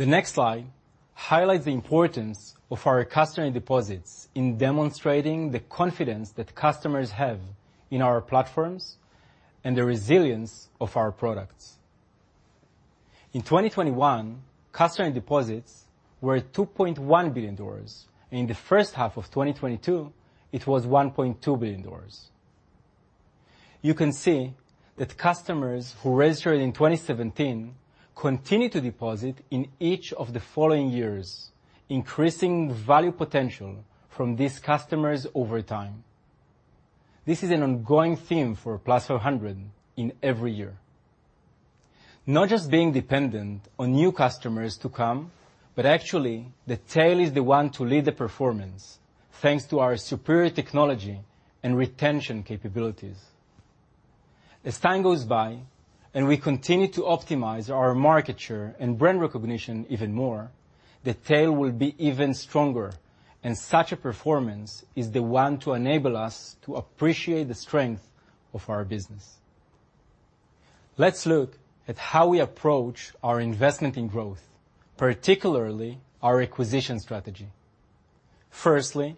The next slide highlights the importance of our customer deposits in demonstrating the confidence that customers have in our platforms and the resilience of our products. In 2021, customer deposits were $2.1 billion. In the first half of 2022, it was $1.2 billion. You can see that customers who registered in 2017 continued to deposit in each of the following years, increasing value potential from these customers over time. This is an ongoing theme for Plus500 in every year. Not just being dependent on new customers to come, but actually the tail is the one to lead the performance thanks to our superior technology and retention capabilities. As time goes by and we continue to optimize our market share and brand recognition even more, the tail will be even stronger, and such a performance is the one to enable us to appreciate the strength of our business. Let's look at how we approach our investment in growth, particularly our acquisition strategy. Firstly,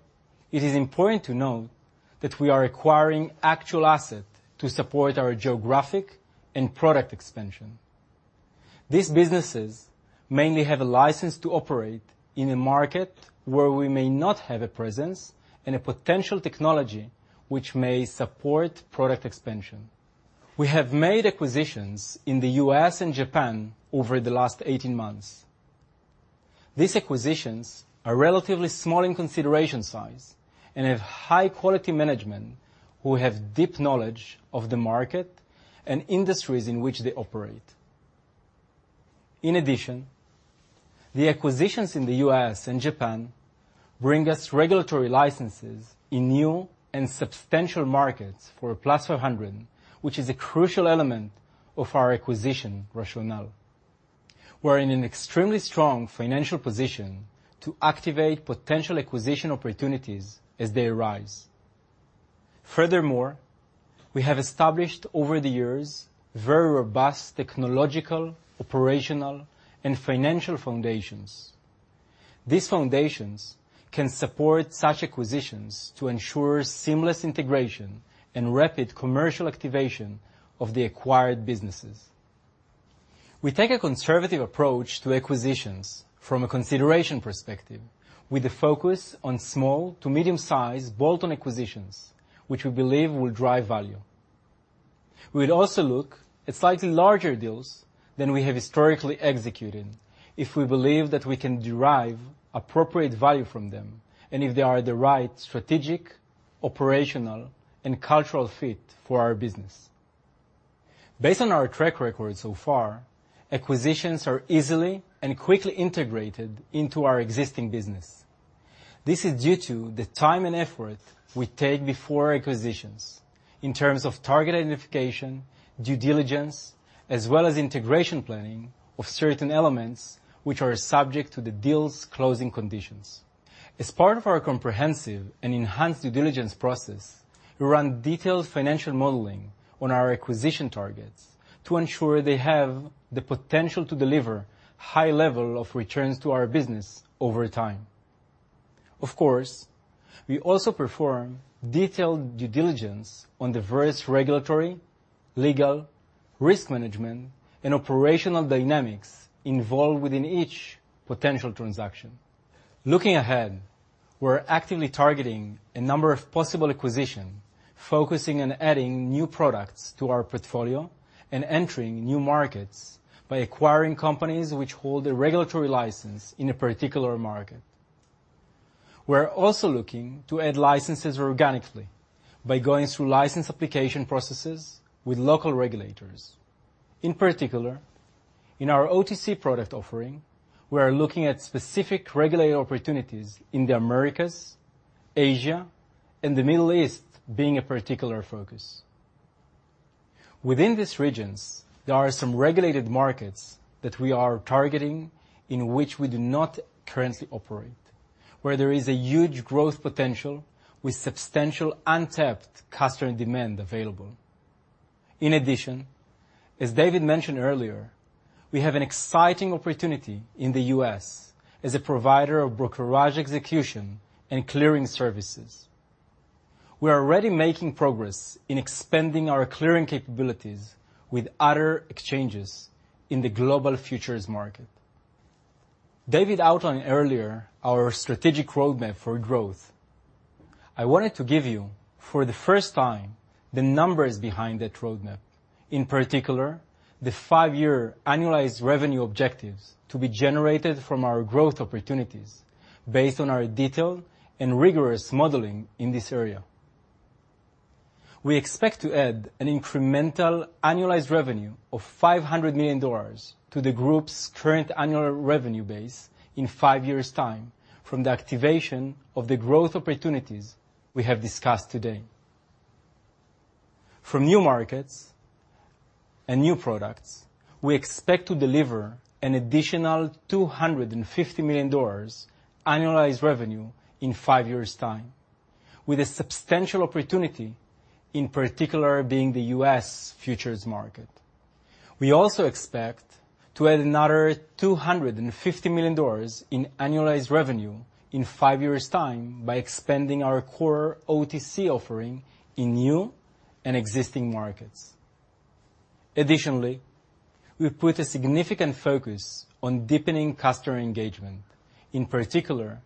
it is important to note that we are acquiring actual assets to support our geographic and product expansion. These businesses mainly have a license to operate in a market where we may not have a presence, and a potential technology which may support product expansion. We have made acquisitions in the U.S. and Japan over the last 18 months. These acquisitions are relatively small in consideration size and have high-quality management who have deep knowledge of the market and industries in which they operate. In addition, the acquisitions in the US and Japan bring us regulatory licenses in new and substantial markets for Plus500, which is a crucial element of our acquisition rationale. We're in an extremely strong financial position to activate potential acquisition opportunities as they arise. Furthermore, we have established over the years very robust technological, operational, and financial foundations. These foundations can support such acquisitions to ensure seamless integration and rapid commercial activation of the acquired businesses. We take a conservative approach to acquisitions from a consideration perspective with the focus on small to medium-size bolt-on acquisitions, which we believe will drive value. We'd also look at slightly larger deals than we have historically executed if we believe that we can derive appropriate value from them, and if they are the right strategic, operational, and cultural fit for our business. Based on our track record so far, acquisitions are easily and quickly integrated into our existing business. This is due to the time and effort we take before acquisitions in terms of target identification, due diligence, as well as integration planning of certain elements which are subject to the deal's closing conditions. As part of our comprehensive and enhanced due diligence process, we run detailed financial modeling on our acquisition targets to ensure they have the potential to deliver high level of returns to our business over time. Of course, we also perform detailed due diligence on the various regulatory, legal, risk management, and operational dynamics involved within each potential transaction. Looking ahead, we're actively targeting a number of possible acquisitions, focusing on adding new products to our portfolio and entering new markets by acquiring companies which hold a regulatory license in a particular market. We're also looking to add licenses organically by going through license application processes with local regulators. In particular, in our OTC product offering, we are looking at specific regulatory opportunities in the Americas, Asia, and the Middle East being a particular focus. Within these regions, there are some regulated markets that we are targeting in which we do not currently operate, where there is a huge growth potential with substantial untapped customer demand available. In addition, as David mentioned earlier, we have an exciting opportunity in the U.S. as a provider of brokerage execution and clearing services. We are already making progress in expanding our clearing capabilities with other exchanges in the global futures market. David outlined earlier our strategic roadmap for growth. I wanted to give you, for the first time, the numbers behind that roadmap, in particular, the five-year annualized revenue objectives to be generated from our growth opportunities based on our detailed and rigorous modeling in this area. We expect to add an incremental annualized revenue of $500 million to the group's current annual revenue base in five years' time from the activation of the growth opportunities we have discussed today. From new markets and new products, we expect to deliver an additional $250 million annualized revenue in five years' time, with a substantial opportunity, in particular, being the U.S. futures market. We also expect to add another $250 million in annualized revenue in five years' time by expanding our core OTC offering in new and existing markets. Additionally, we put a significant focus on deepening customer engagement, in particular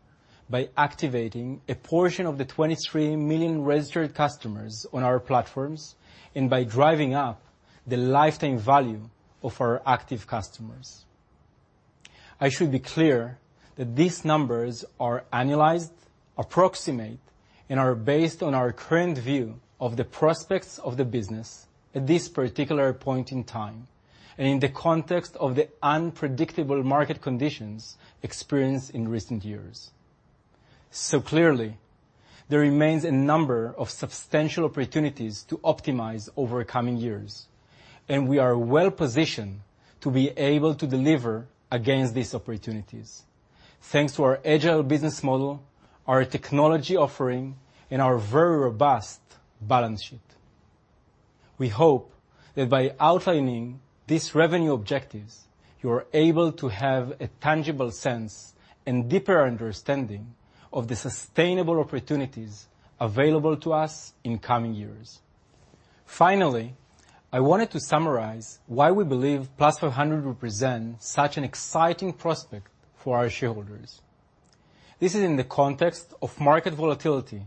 by activating a portion of the 23 million registered customers on our platforms and by driving up the lifetime value of our active customers. I should be clear that these numbers are annualized, approximate, and are based on our current view of the prospects of the business at this particular point in time and in the context of the unpredictable market conditions experienced in recent years. Clearly, there remains a number of substantial opportunities to optimize over coming years, and we are well-positioned to be able to deliver against these opportunities. Thanks to our agile business model, our technology offering, and our very robust balance sheet. We hope that by outlining these revenue objectives, you are able to have a tangible sense and deeper understanding of the sustainable opportunities available to us in coming years. Finally, I wanted to summarize why we believe Plus500 represents such an exciting prospect for our shareholders. This is in the context of market volatility,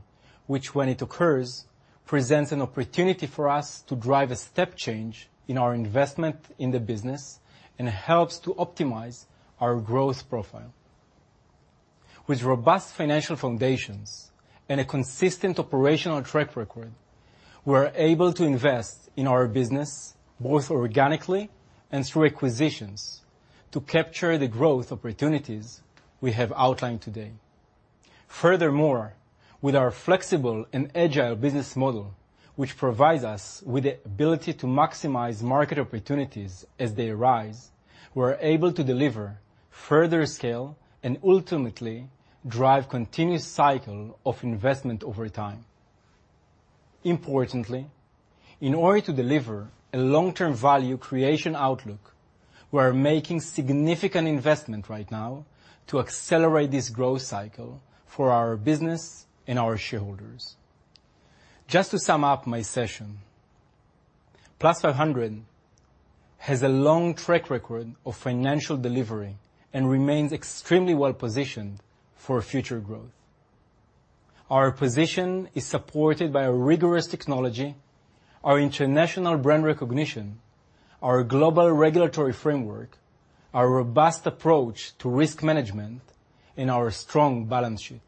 which when it occurs, presents an opportunity for us to drive a step change in our investment in the business and helps to optimize our growth profile. With robust financial foundations and a consistent operational track record, we're able to invest in our business, both organically and through acquisitions to capture the growth opportunities we have outlined today. Furthermore, with our flexible and agile business model, which provides us with the ability to maximize market opportunities as they arise, we're able to deliver further scale and ultimately drive continuous cycle of investment over time. Importantly, in order to deliver a long-term value creation outlook, we are making significant investment right now to accelerate this growth cycle for our business and our shareholders. Just to sum up my session. Plus500 has a long track record of financial delivery and remains extremely well-positioned for future growth. Our position is supported by a rigorous technology, our international brand recognition, our global regulatory framework, our robust approach to risk management, and our strong balance sheet.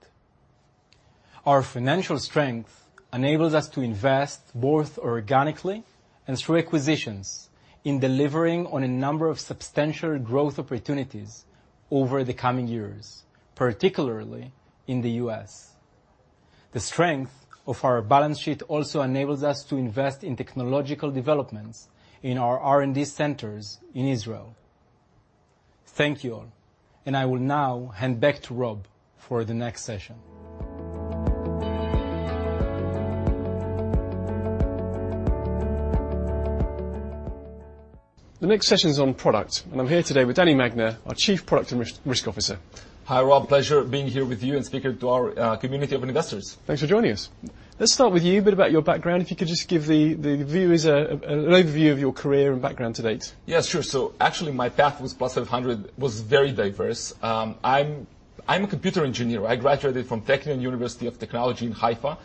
Our financial strength enables us to invest both organically and through acquisitions in delivering on a number of substantial growth opportunities over the coming years, particularly in the U.S. The strength of our balance sheet also enables us to invest in technological developments in our R&D centers in Israel. Thank you all. I will now hand back to Rob for the next session. The next session is on product, and I'm here today with Dani Magner, our Chief Product and Risk Officer. Hi, Rob. Pleasure being here with you and speaking to our community of investors. Thanks for joining us. Let's start with you, a bit about your background. If you could just give the viewers an overview of your career and background to date. Yeah, sure. Actually my path with Plus500 was very diverse. I'm a computer engineer. I graduated from Technion – Israel Institute of Technology in Haifa,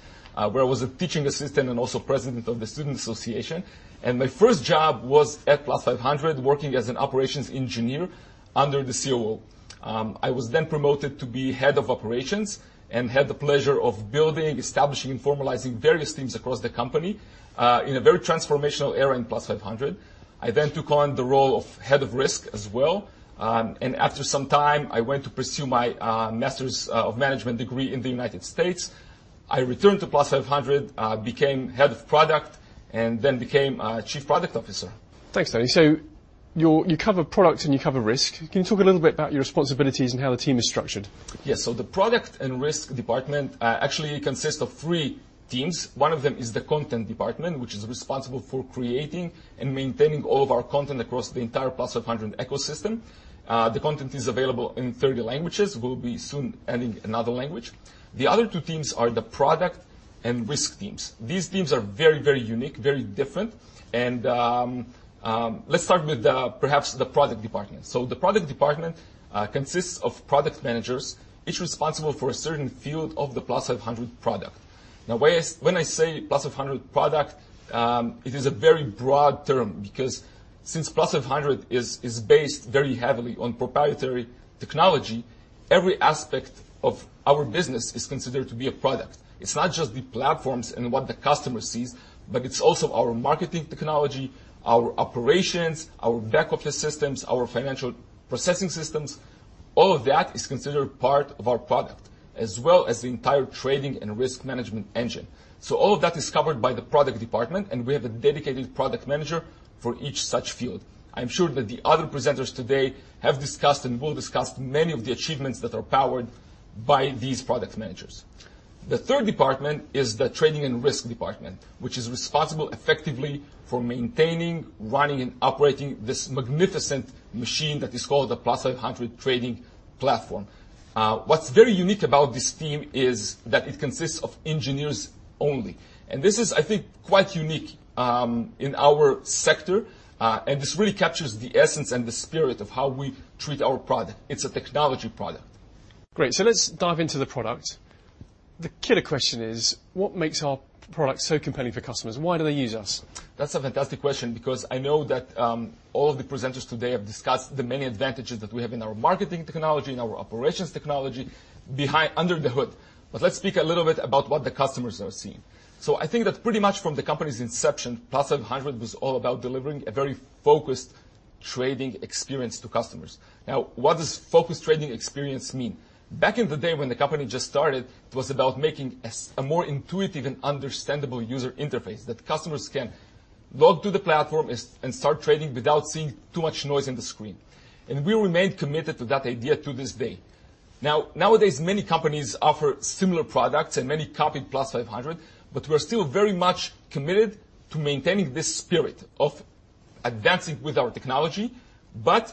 where I was a teaching assistant and also president of the student association. My first job was at Plus500 working as an operations engineer under the COO. I was then promoted to be head of operations and had the pleasure of building, establishing, formalizing various teams across the company, in a very transformational era in Plus500. I took on the role of head of risk as well. After some time, I went to pursue my Master's of Management degree in the United States. I returned to Plus500, became head of product, and then became chief product officer. Thanks, Dani. You cover product, and you cover risk. Can you talk a little bit about your responsibilities and how the team is structured? Yes. The product and risk department actually consists of three teams. One of them is the content department, which is responsible for creating and maintaining all of our content across the entire Plus500 ecosystem. The content is available in 30 languages. We'll be soon adding another language. The other two teams are the product and risk teams. These teams are very, very unique, very different. Let's start with perhaps the product department. The product department consists of product managers each responsible for a certain field of the Plus500 product. Now, when I say Plus500 product, it is a very broad term because since Plus500 is based very heavily on proprietary technology, every aspect of our business is considered to be a product. It's not just the platforms and what the customer sees, but it's also our marketing technology, our operations, our back office systems, our financial processing systems. All of that is considered part of our product, as well as the entire trading and risk management engine. All of that is covered by the product department, and we have a dedicated product manager for each such field. I'm sure that the other presenters today have discussed and will discuss many of the achievements that are powered by these product managers. The third department is the trading and risk department, which is responsible effectively for maintaining, running, and operating this magnificent machine that is called the Plus500 trading platform. What's very unique about this team is that it consists of engineers only. This is, I think, quite unique in our sector, and this really captures the essence and the spirit of how we treat our product. It's a technology product. Great. Let's dive into the product. The killer question is, what makes our product so compelling for customers? Why do they use us? That's a fantastic question because I know that all of the presenters today have discussed the many advantages that we have in our marketing technology, in our operations technology under the hood. Let's speak a little bit about what the customers are seeing. I think that pretty much from the company's inception, Plus500 was all about delivering a very focused trading experience to customers. Now, what does focused trading experience mean? Back in the day when the company just started, it was about making a more intuitive and understandable user interface that customers can log to the platform and start trading without seeing too much noise in the screen. We remain committed to that idea to this day. Nowadays, many companies offer similar products, and many copied Plus500, but we're still very much committed to maintaining this spirit of advancing with our technology, but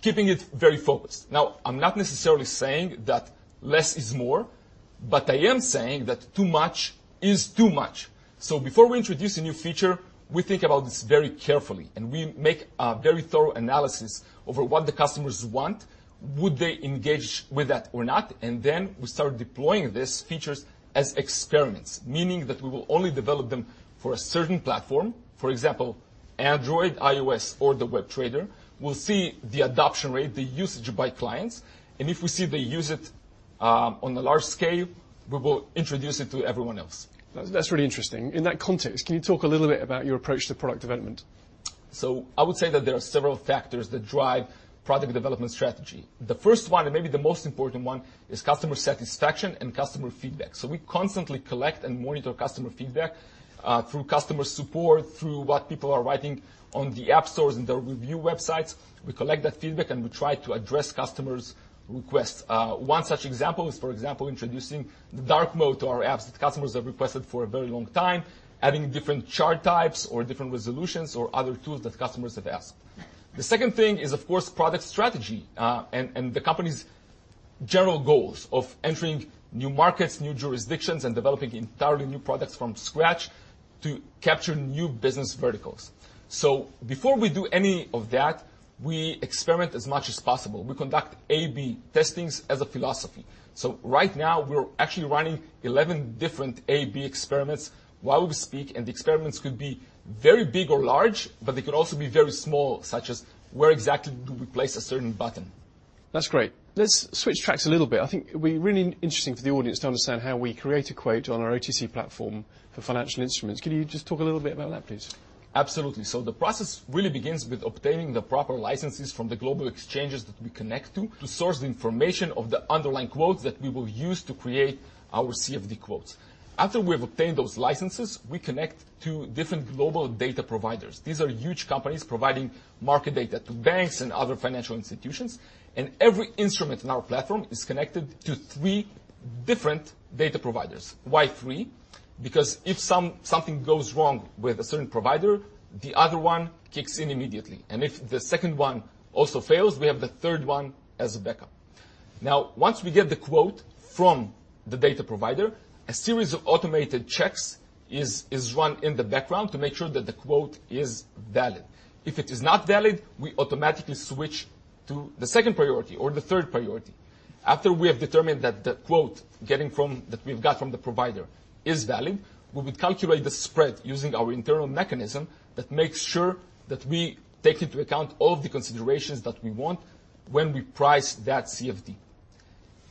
keeping it very focused. Now, I'm not necessarily saying that less is more, but I am saying that too much is too much. Before we introduce a new feature, we think about this very carefully, and we make a very thorough analysis over what the customers want. Would they engage with that or not? We start deploying these features as experiments, meaning that we will only develop them for a certain platform, for example, Android, iOS or the web trader. We'll see the adoption rate, the usage by clients, and if we see they use it on a large scale, we will introduce it to everyone else. That's really interesting. In that context, can you talk a little bit about your approach to product development? I would say that there are several factors that drive product development strategy. The first one, and maybe the most important one is customer satisfaction and customer feedback. We constantly collect and monitor customer feedback through customer support, through what people are writing on the app stores and the review websites. We collect that feedback, and we try to address customers' requests. One such example is, for example, introducing the dark mode to our apps that customers have requested for a very long time, adding different chart types or different resolutions or other tools that customers have asked. The second thing is, of course, product strategy and the company's general goals of entering new markets, new jurisdictions, and developing entirely new products from scratch to capture new business verticals. Before we do any of that, we experiment as much as possible. We conduct A/B testing as a philosophy. Right now we're actually running 11 different A/B experiments while we speak, and the experiments could be very big or large, but they could also be very small, such as where exactly do we place a certain button. That's great. Let's switch tracks a little bit. I think it'd be really interesting for the audience to understand how we create a quote on our OTC platform for financial instruments. Can you just talk a little bit about that, please? Absolutely. The process really begins with obtaining the proper licenses from the global exchanges that we connect to to source the information of the underlying quotes that we will use to create our CFD quotes. After we have obtained those licenses, we connect to different global data providers. These are huge companies providing market data to banks and other financial institutions, and every instrument in our platform is connected to three different data providers. Why three? Because if something goes wrong with a certain provider, the other one kicks in immediately. If the second one also fails, we have the third one as a backup. Now, once we get the quote from the data provider, a series of automated checks is run in the background to make sure that the quote is valid. If it is not valid, we automatically switch to the second priority or the third priority. After we have determined that we've got from the provider is valid, we would calculate the spread using our internal mechanism that makes sure that we take into account all of the considerations that we want when we price that CFD.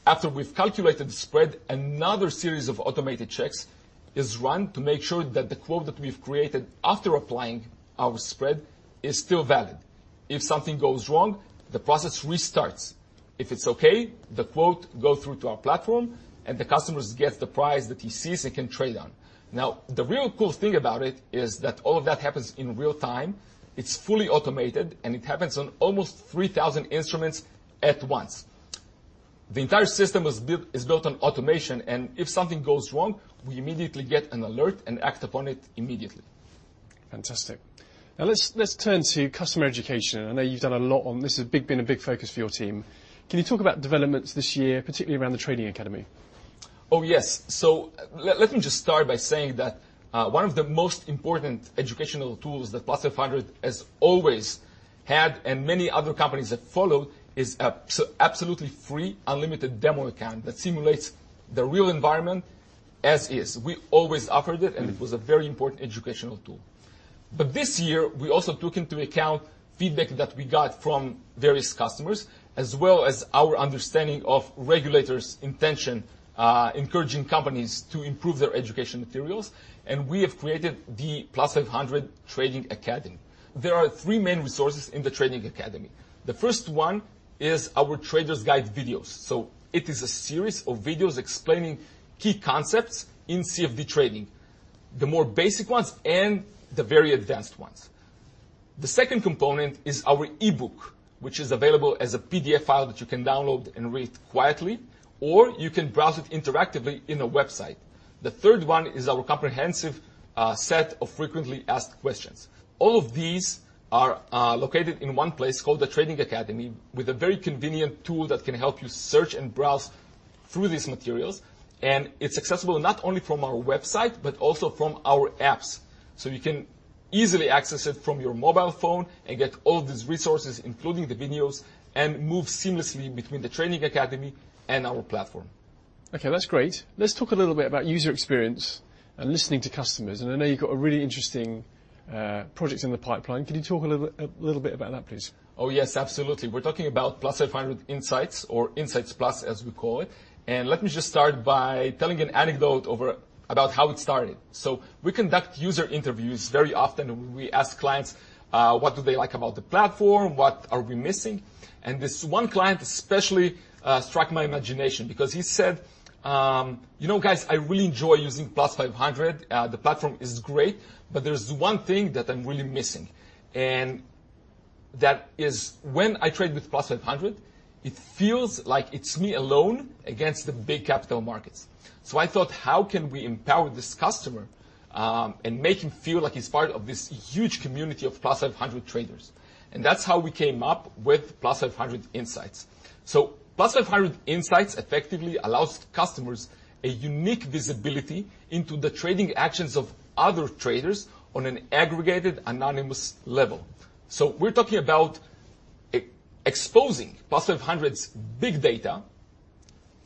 After we've calculated the spread, another series of automated checks is run to make sure that the quote that we've created after applying our spread is still valid. If something goes wrong, the process restarts. If it's okay, the quote go through to our platform, and the customers get the price that he sees he can trade on. Now, the real cool thing about it is that all of that happens in real time. It's fully automated, and it happens on almost 3,000 instruments at once. The entire system is built on automation, and if something goes wrong, we immediately get an alert and act upon it immediately. Fantastic. Now let's turn to customer education. I know you've done a lot on this. It's been a big focus for your team. Can you talk about developments this year, particularly around the Trading Academy? Oh, yes. Let me just start by saying that, one of the most important educational tools that Plus500 has always had, and many other companies have followed, is so absolutely free, unlimited demo account that simulates the real environment as is. We always offered it, and it was a very important educational tool. This year, we also took into account feedback that we got from various customers, as well as our understanding of regulators' intention, encouraging companies to improve their education materials, and we have created the Plus500 Trading Academy. There are three main resources in the Trading Academy. The first one is our traders guide videos. It is a series of videos explaining key concepts in CFD trading, the more basic ones and the very advanced ones. The second component is our e-book, which is available as a PDF file that you can download and read quietly, or you can browse it interactively in a website. The third one is our comprehensive set of frequently asked questions. All of these are located in one place called the Trading Academy, with a very convenient tool that can help you search and browse through these materials. It's accessible not only from our website but also from our apps. You can easily access it from your mobile phone and get all of these resources, including the videos, and move seamlessly between the Trading Academy and our platform. Okay, that's great. Let's talk a little bit about user experience and listening to customers. I know you've got a really interesting projects in the pipeline. Can you talk a little bit about that, please? Oh, yes. Absolutely. We're talking about Plus500 Insights or Insights Plus, as we call it. Let me just start by telling an anecdote about how it started. We conduct user interviews very often, and we ask clients what do they like about the platform? What are we missing? This one client especially struck my imagination because he said, "You know, guys, I really enjoy using Plus500. The platform is great, but there's one thing that I'm really missing, and that is when I trade with Plus500, it feels like it's me alone against the big capital markets." I thought, how can we empower this customer, and make him feel like he's part of this huge community of Plus500 traders? That's how we came up with Plus500 Insights. Plus500 Insights effectively allows customers a unique visibility into the trading actions of other traders on an aggregated, anonymous level. We're talking about exposing Plus500's big data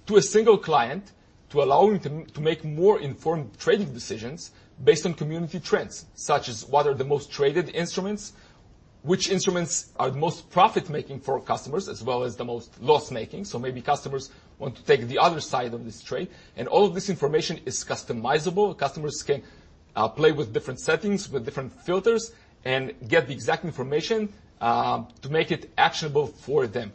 to a single client to allow him to make more informed trading decisions based on community trends, such as what are the most traded instruments, which instruments are the most profit-making for customers, as well as the most loss-making. Maybe customers want to take the other side of this trade, and all of this information is customizable. Customers can play with different settings, with different filters, and get the exact information to make it actionable for them.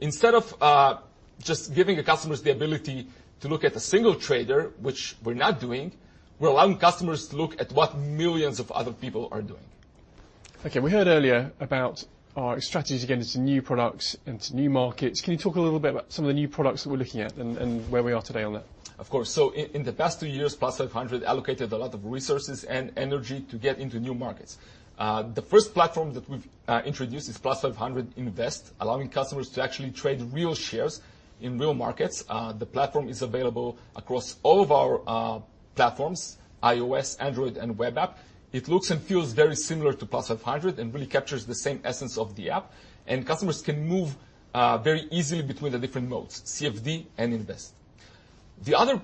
Instead of just giving the customers the ability to look at a single trader, which we're not doing, we're allowing customers to look at what millions of other people are doing. Okay, we heard earlier about our strategy getting into new products, into new markets. Can you talk a little bit about some of the new products we're looking at and where we are today on that? Of course. In the past two years, Plus500 allocated a lot of resources and energy to get into new markets. The first platform that we've introduced is Plus500 Invest, allowing customers to actually trade real shares in real markets. The platform is available across all of our platforms, iOS, Android, and web app. It looks and feels very similar to Plus500 and really captures the same essence of the app. Customers can move very easily between the different modes, CFD and Invest. The other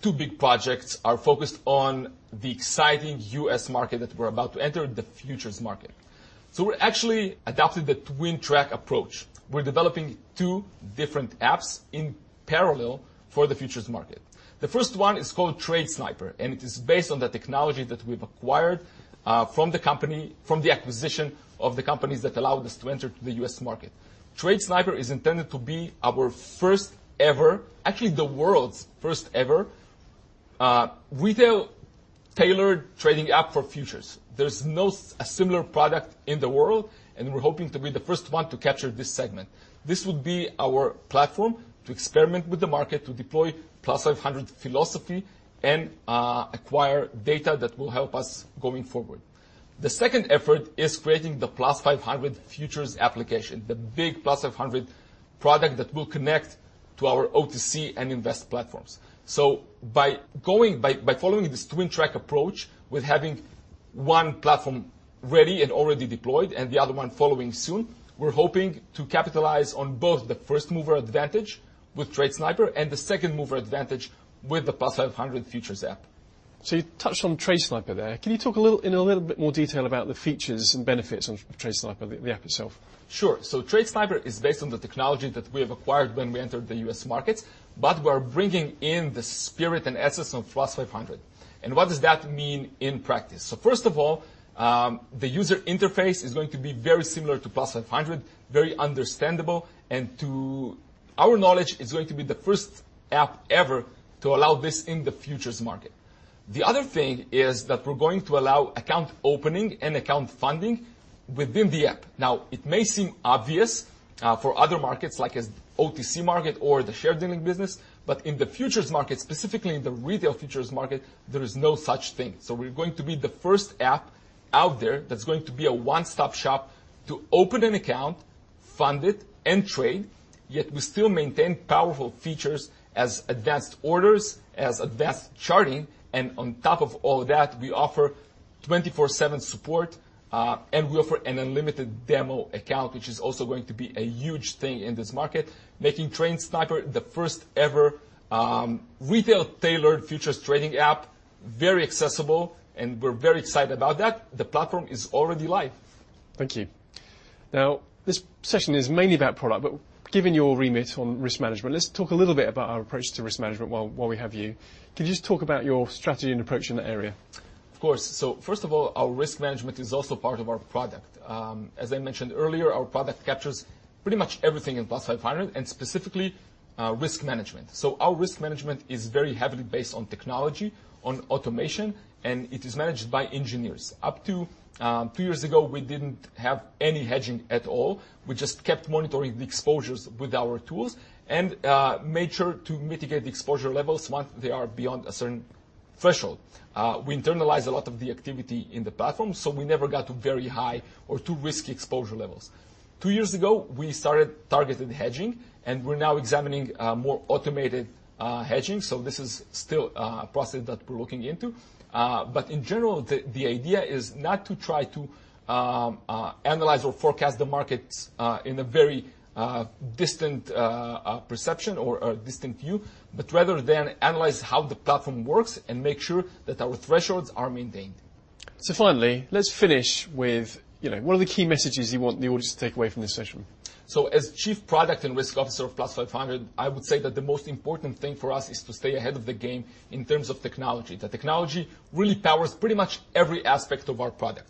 two big projects are focused on the exciting U.S. market that we're about to enter, the futures market. We actually adopted the twin-track approach. We're developing two different apps in parallel for the futures market. The first one is called TradeSniper, and it is based on the technology that we've acquired from the acquisition of the companies that allowed us to enter the US market. TradeSniper is intended to be our first-ever, actually, the world's first-ever, retail-tailored trading app for futures. There's no similar product in the world, and we're hoping to be the first one to capture this segment. This would be our platform to experiment with the market, to deploy Plus500 philosophy, and acquire data that will help us going forward. The second effort is creating the Plus500 Futures application, the big Plus500 product that will connect to our OTC and Invest platforms. By following this twin-track approach with having one platform ready and already deployed and the other one following soon, we're hoping to capitalize on both the first-mover advantage with TradeSniper and the second-mover advantage with the Plus500 Futures app. You touched on TradeSniper there. Can you talk a little in a little bit more detail about the features and benefits of TradeSniper, the app itself? Sure. TradeSniper is based on the technology that we have acquired when we entered the U.S. market, but we're bringing in the spirit and essence of Plus500. What does that mean in practice? First of all, the user interface is going to be very similar to Plus500, very understandable, and to our knowledge, it's going to be the first app ever to allow this in the futures market. The other thing is that we're going to allow account opening and account funding within the app. Now, it may seem obvious for other markets like the OTC market or the share dealing business, but in the futures market, specifically in the retail futures market, there is no such thing. We're going to be the first app out there that's going to be a one-stop shop to open an account, fund it, and trade, yet we still maintain powerful features as advanced orders, as advanced charting, and on top of all of that, we offer 24/7 support, and we offer an unlimited demo account, which is also going to be a huge thing in this market, making TradeSniper the first ever, retail-tailored futures trading app, very accessible, and we're very excited about that. The platform is already live. Thank you. Now, this session is mainly about product, but given your remit on risk management, let's talk a little bit about our approach to risk management while we have you. Could you just talk about your strategy and approach in that area? Of course. First of all, our risk management is also part of our product. As I mentioned earlier, our product captures pretty much everything in Plus500 and specifically, risk management. Our risk management is very heavily based on technology, on automation, and it is managed by engineers. Up to two years ago, we didn't have any hedging at all. We just kept monitoring the exposures with our tools and made sure to mitigate the exposure levels once they are beyond a certain threshold. We internalize a lot of the activity in the platform, so we never got to very high or too risky exposure levels. Two years ago, we started targeted hedging, and we're now examining more automated hedging. This is still a process that we're looking into. In general, the idea is not to try to analyze or forecast the markets in a very distant perception or a distant view, but rather than analyze how the platform works and make sure that our thresholds are maintained. Finally, let's finish with, you know, what are the key messages you want the audience to take away from this session? As Chief Product and Risk Officer of Plus500, I would say that the most important thing for us is to stay ahead of the game in terms of technology. The technology really powers pretty much every aspect of our product.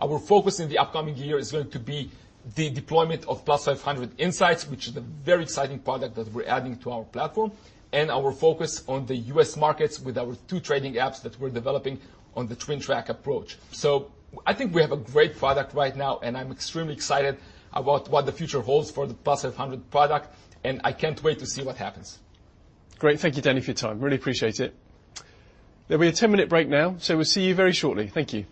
Our focus in the upcoming year is going to be the deployment of Plus500 Insights, which is a very exciting product that we're adding to our platform, and our focus on the U.S. markets with our two trading apps that we're developing on the twin track approach. I think we have a great product right now, and I'm extremely excited about what the future holds for the Plus500 product, and I can't wait to see what happens. Great. Thank you, Dani, for your time. Really appreciate it. There'll be a 10-minute break now, so we'll see you very shortly. Thank you.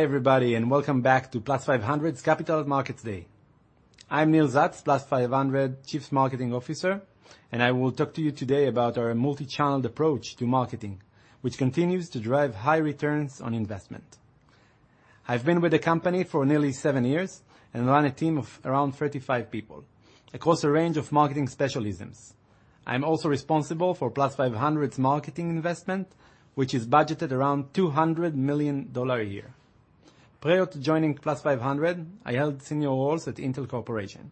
Hi, everybody, and welcome back to Plus500's Capital Markets Day. I'm Nir Zatz, Plus500 Chief Marketing Officer, and I will talk to you today about our multi-channeled approach to marketing, which continues to drive high returns on investment. I've been with the company for nearly seven years and run a team of around 35 people across a range of marketing specialisms. I'm also responsible for Plus500's marketing investment, which is budgeted around $200 million a year. Prior to joining Plus500, I held senior roles at Intel Corporation.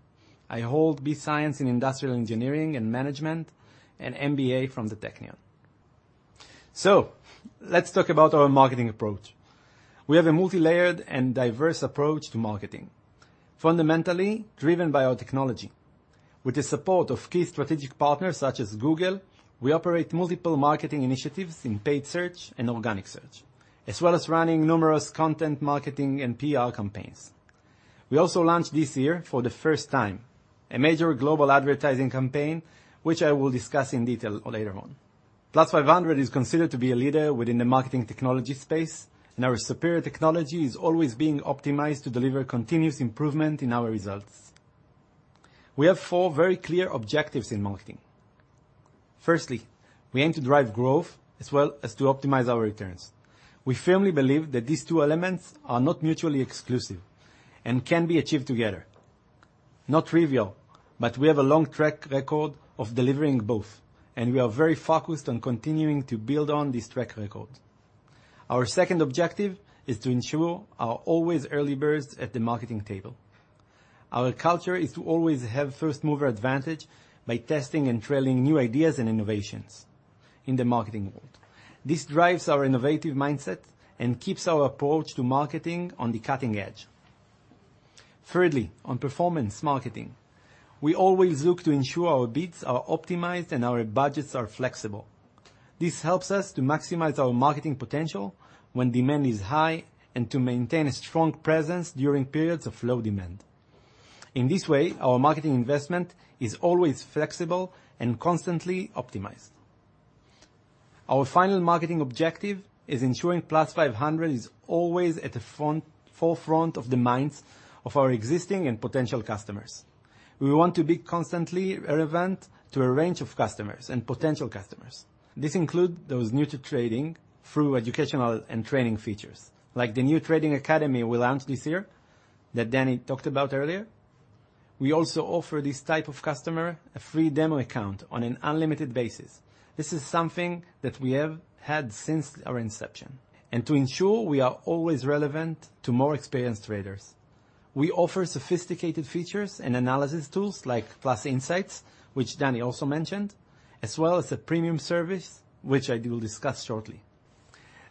I hold B.S. In Industrial Engineering and Management and MBA from the Technion. Let's talk about our marketing approach. We have a multilayered and diverse approach to marketing, fundamentally driven by our technology. With the support of key strategic partners such as Google, we operate multiple marketing initiatives in paid search and organic search, as well as running numerous content marketing and PR campaigns. We also launched this year for the first time, a major global advertising campaign, which I will discuss in detail later on. Plus500 is considered to be a leader within the marketing technology space, and our superior technology is always being optimized to deliver continuous improvement in our results. We have four very clear objectives in marketing. Firstly, we aim to drive growth as well as to optimize our returns. We firmly believe that these two elements are not mutually exclusive and can be achieved together. Not trivial, but we have a long track record of delivering both, and we are very focused on continuing to build on this track record. Our second objective is to ensure we're always early birds at the marketing table. Our culture is to always have first mover advantage by testing and trialing new ideas and innovations in the marketing world. This drives our innovative mindset and keeps our approach to marketing on the cutting edge. Thirdly, on performance marketing, we always look to ensure our bids are optimized and our budgets are flexible. This helps us to maximize our marketing potential when demand is high and to maintain a strong presence during periods of low demand. In this way, our marketing investment is always flexible and constantly optimized. Our final marketing objective is ensuring Plus500 is always at the forefront of the minds of our existing and potential customers. We want to be constantly relevant to a range of customers and potential customers. This includes those new to trading through educational and training features, like the new trading academy we launched this year that Dani talked about earlier. We also offer this type of customer a free demo account on an unlimited basis. This is something that we have had since our inception. To ensure we are always relevant to more experienced traders, we offer sophisticated features and analysis tools like +Insights, which Dani also mentioned, as well as the premium service, which I will discuss shortly.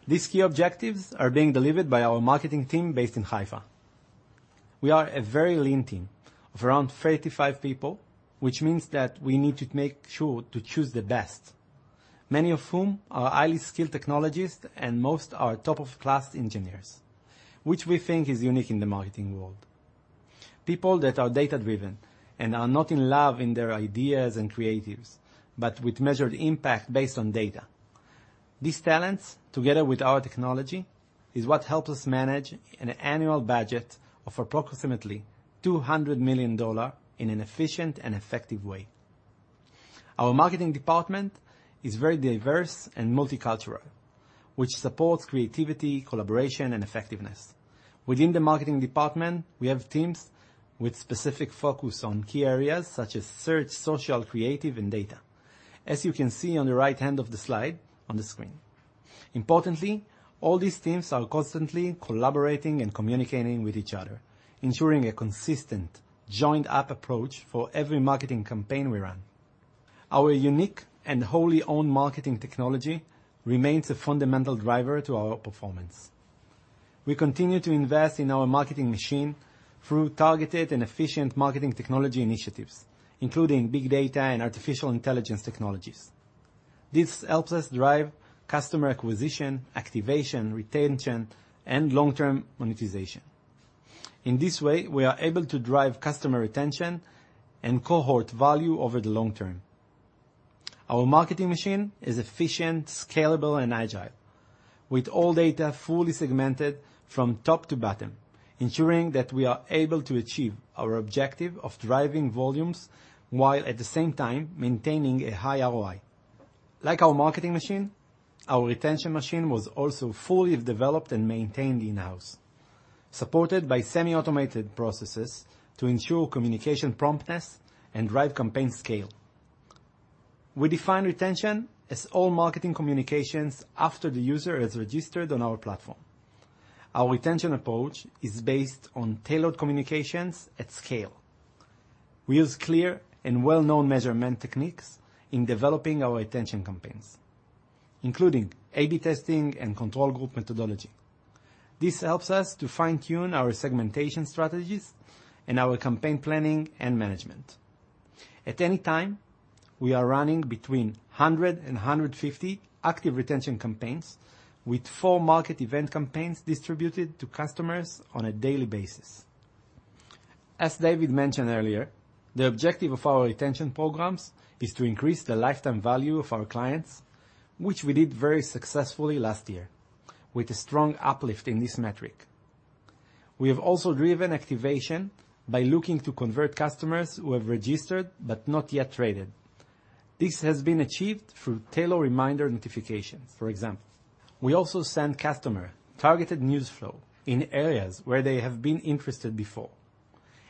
These key objectives are being delivered by our marketing team based in Haifa. We are a very lean team of around 35 people, which means that we need to make sure to choose the best, many of whom are highly skilled technologists, and most are top-of-class engineers, which we think is unique in the marketing world. People that are data-driven and are not in love in their ideas and creatives, but with measured impact based on data. These talents, together with our technology, is what helps us manage an annual budget of approximately $200 million in an efficient and effective way. Our marketing department is very diverse and multicultural, which supports creativity, collaboration, and effectiveness. Within the marketing department, we have teams with specific focus on key areas such as search, social, creative, and data, as you can see on the right-hand of the slide on the screen. Importantly, all these teams are constantly collaborating and communicating with each other, ensuring a consistent, joined-up approach for every marketing campaign we run. Our unique and wholly owned marketing technology remains a fundamental driver to our performance. We continue to invest in our marketing machine through targeted and efficient marketing technology initiatives, including big data and artificial intelligence technologies. This helps us drive customer acquisition, activation, retention, and long-term monetization. In this way, we are able to drive customer retention and cohort value over the long term. Our marketing machine is efficient, scalable, and agile, with all data fully segmented from top to bottom, ensuring that we are able to achieve our objective of driving volumes while at the same time maintaining a high ROI. Like our marketing machine, our retention machine was also fully developed and maintained in-house, supported by semi-automated processes to ensure communication promptness and drive campaign scale. We define retention as all marketing communications after the user is registered on our platform. Our retention approach is based on tailored communications at scale. We use clear and well-known measurement techniques in developing our retention campaigns, including A/B testing and control group methodology. This helps us to fine-tune our segmentation strategies and our campaign planning and management. At any time, we are running between 100 and 150 active retention campaigns with 4 market event campaigns distributed to customers on a daily basis. As David mentioned earlier, the objective of our retention programs is to increase the lifetime value of our clients, which we did very successfully last year with a strong uplift in this metric. We have also driven activation by looking to convert customers who have registered but not yet traded. This has been achieved through tailored reminder notifications, for example. We also send customer targeted news flow in areas where they have been interested before.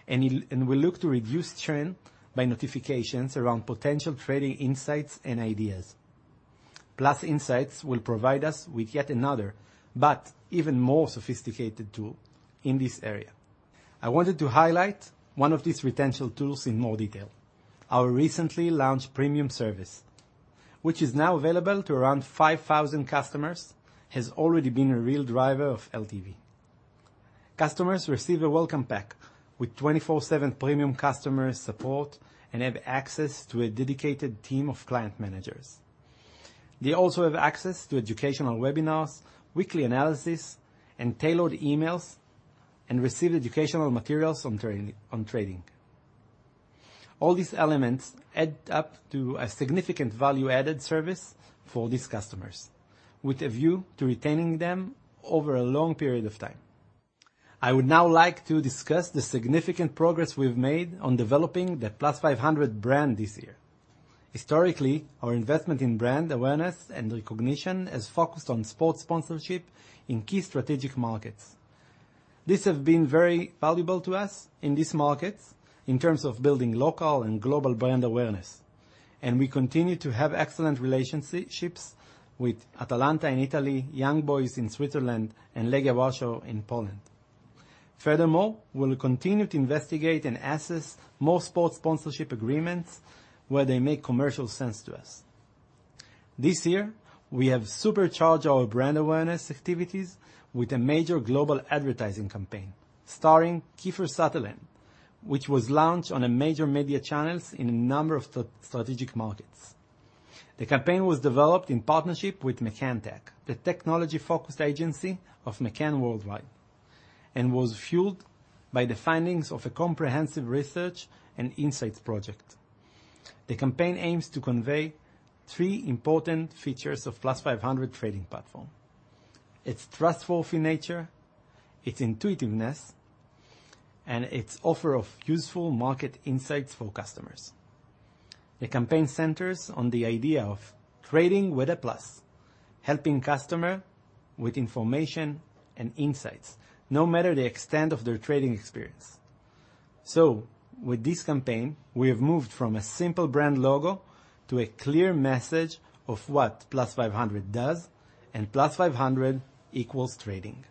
We look to reduce churn by notifications around potential trading insights and ideas. Plus Insights will provide us with yet another, but even more sophisticated tool in this area. I wanted to highlight one of these retention tools in more detail. Our recently launched premium service, which is now available to around 5,000 customers, has already been a real driver of LTV. Customers receive a welcome pack with 24/7 premium customer support and have access to a dedicated team of client managers. They also have access to educational webinars, weekly analysis, and tailored emails, and receive educational materials on training on trading. All these elements add up to a significant value-added service for these customers with a view to retaining them over a long period of time. I would now like to discuss the significant progress we've made on developing the Plus500 brand this year. Historically, our investment in brand awareness and recognition has focused on sports sponsorship in key strategic markets. This has been very valuable to us in these markets in terms of building local and global brand awareness, and we continue to have excellent relationships with Atalanta in Italy, Young Boys in Switzerland, and Legia Warsaw in Poland. Furthermore, we'll continue to investigate and assess more sports sponsorship agreements where they make commercial sense to us. This year, we have supercharged our brand awareness activities with a major global advertising campaign starring Kiefer Sutherland, which was launched on major media channels in a number of strategic markets. The campaign was developed in partnership with McCann Worldgroup, the technology-focused agency of McCann Worldwide, and was fueled by the findings of a comprehensive research and insights project. The campaign aims to convey three important features of Plus500 trading platform, its trustworthy nature, its intuitiveness, and its offer of useful market insights for customers. The campaign centers on the idea of trading with a plus, helping customer with information and insights, no matter the extent of their trading experience. With this campaign, we have moved from a simple brand logo to a clear message of what Plus500 does, and Plus500 equals trading.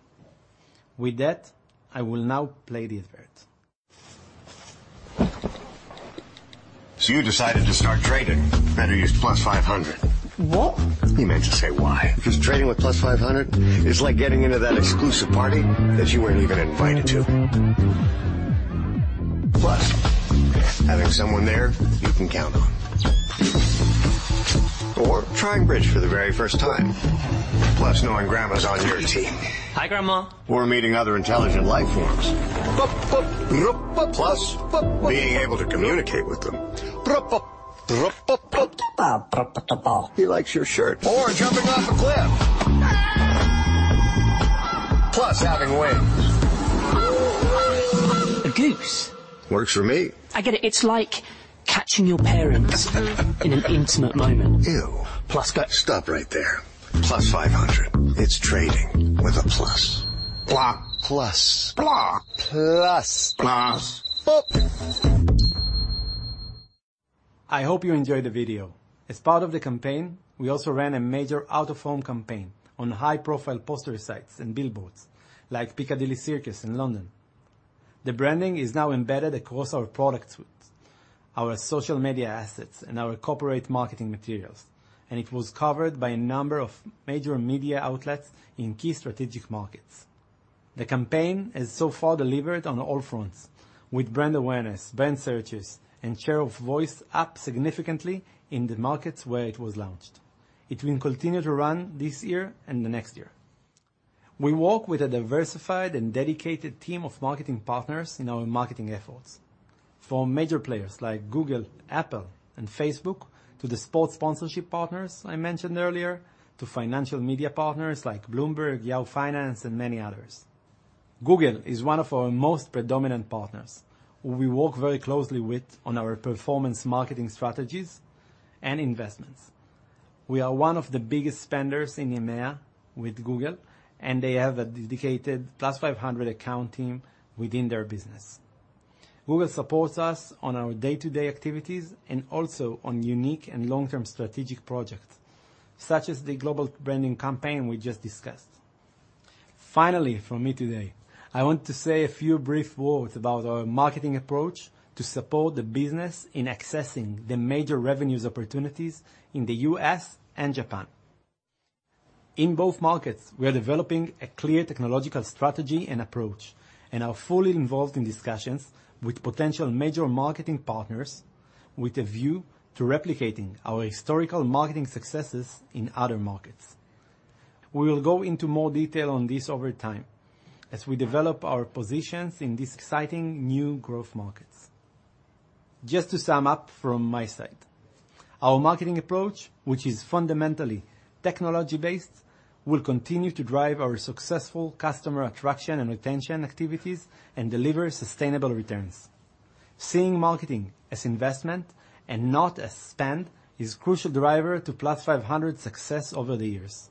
With that, I will now play the advert. You decided to start trading. Better use Plus500. What? He meant to say why. 'Cause trading with Plus500 is like getting into that exclusive party that you weren't even invited to. Plus, having someone there you can count on. Trying bridge for the very first time. Plus knowing Grandma's on your team. Hi, Grandma. Meeting other intelligent life forms. Plus, being able to communicate with them. He likes your shirt. Jumping off a cliff. Plus having wings. A goose? Works for me. I get it. It's like catching your parents in an intimate moment. Ew. Stop right there. Plus500, it's trading with a plus. Plus. Plus. Plus. Plus. I hope you enjoyed the video. As part of the campaign, we also ran a major out-of-home campaign on high-profile poster sites and billboards like Piccadilly Circus in London. The branding is now embedded across our product suite, our social media assets, and our corporate marketing materials, and it was covered by a number of major media outlets in key strategic markets. The campaign has so far delivered on all fronts, with brand awareness, brand searches, and share of voice up significantly in the markets where it was launched. It will continue to run this year and the next year. We work with a diversified and dedicated team of marketing partners in our marketing efforts. From major players like Google, Apple, and Facebook, to the sports sponsorship partners I mentioned earlier, to financial media partners like Bloomberg, Yahoo Finance, and many others. Google is one of our most predominant partners who we work very closely with on our performance marketing strategies and investments. We are one of the biggest spenders in EMEA with Google, and they have a dedicated Plus500 account team within their business. Google supports us on our day-to-day activities and also on unique and long-term strategic projects, such as the global branding campaign we just discussed. Finally, for me today, I want to say a few brief words about our marketing approach to support the business in accessing the major revenues opportunities in the US and Japan. In both markets, we are developing a clear technological strategy and approach, and are fully involved in discussions with potential major marketing partners with a view to replicating our historical marketing successes in other markets. We will go into more detail on this over time as we develop our positions in these exciting new growth markets. Just to sum up from my side, our marketing approach, which is fundamentally technology-based, will continue to drive our successful customer attraction and retention activities and deliver sustainable returns. Seeing marketing as investment and not as spend is crucial driver to Plus500 success over the years.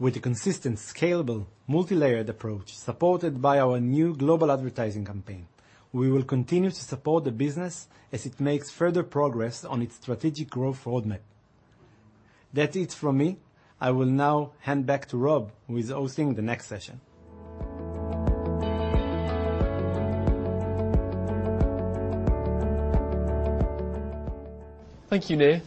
With a consistent, scalable, multilayered approach supported by our new global advertising campaign, we will continue to support the business as it makes further progress on its strategic growth roadmap. That's it from me. I will now hand back to Rob, who is hosting the next session. Thank you, Nir.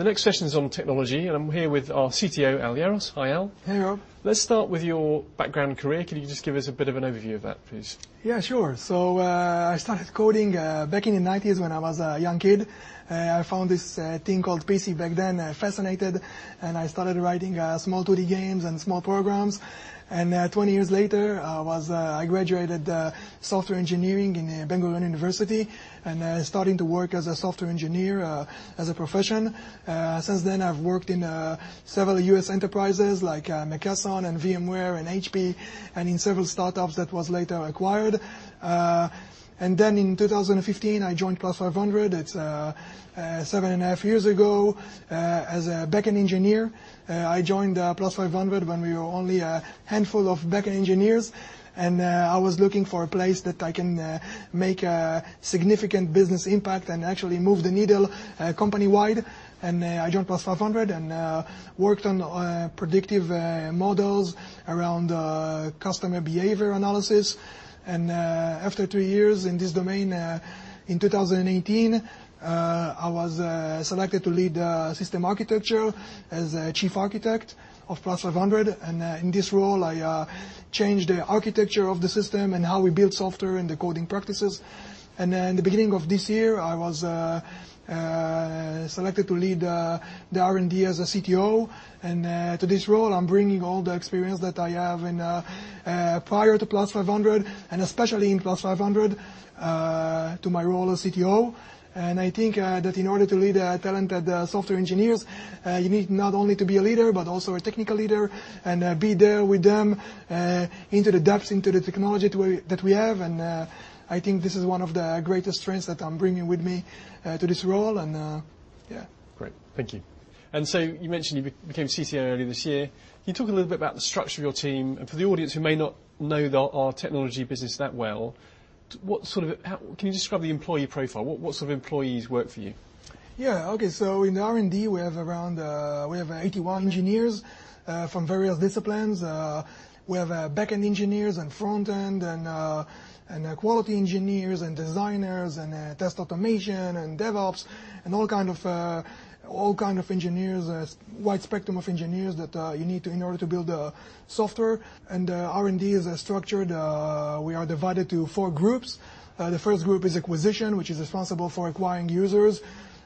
The next session is on technology, and I'm here with our CTO, Al Yaros. Hi, Al. Hey, Rob. Let's start with your background career. Can you just give us a bit of an overview of that, please? Yeah, sure. I started coding back in the nineties when I was a young kid. I found this thing called PC back then fascinating, and I started writing small 2D games and small programs. Twenty years later, I graduated software engineering in Ben-Gurion University, and starting to work as a software engineer as a profession. Since then, I've worked in several U.S. enterprises like McKesson and VMware and HP and in several startups that was later acquired. In 2015, I joined Plus500. It's seven and a half years ago as a backend engineer. I joined Plus500 when we were only a handful of backend engineers, and I was looking for a place that I can make a significant business impact and actually move the needle, company-wide. I joined Plus500 and worked on predictive models around customer behavior analysis. After two years in this domain, in 2018, I was selected to lead system architecture as a chief architect of Plus500. In this role, I changed the architecture of the system and how we build software and the coding practices. In the beginning of this year, I was selected to lead the R&D as a CTO. To this role, I'm bringing all the experience that I have from prior to Plus500, and especially in Plus500, to my role as CTO. I think that in order to lead talented software engineers, you need not only to be a leader, but also a technical leader and be there with them into the depths, into the technology that we have. I think this is one of the greatest strengths that I'm bringing with me to this role. Yeah. Great. Thank you. You mentioned you became CTO earlier this year. Can you talk a little bit about the structure of your team? For the audience who may not know our technology business that well, can you describe the employee profile? What sort of employees work for you? Yeah. Okay. In R&D, we have around 81 engineers from various disciplines. We have backend engineers and frontend and quality engineers and designers and test automation and DevOps and all kind of engineers, a wide spectrum of engineers that you need to in order to build the software. R&D is structured, we are divided to four groups. The first group is acquisition, which is responsible for acquiring users.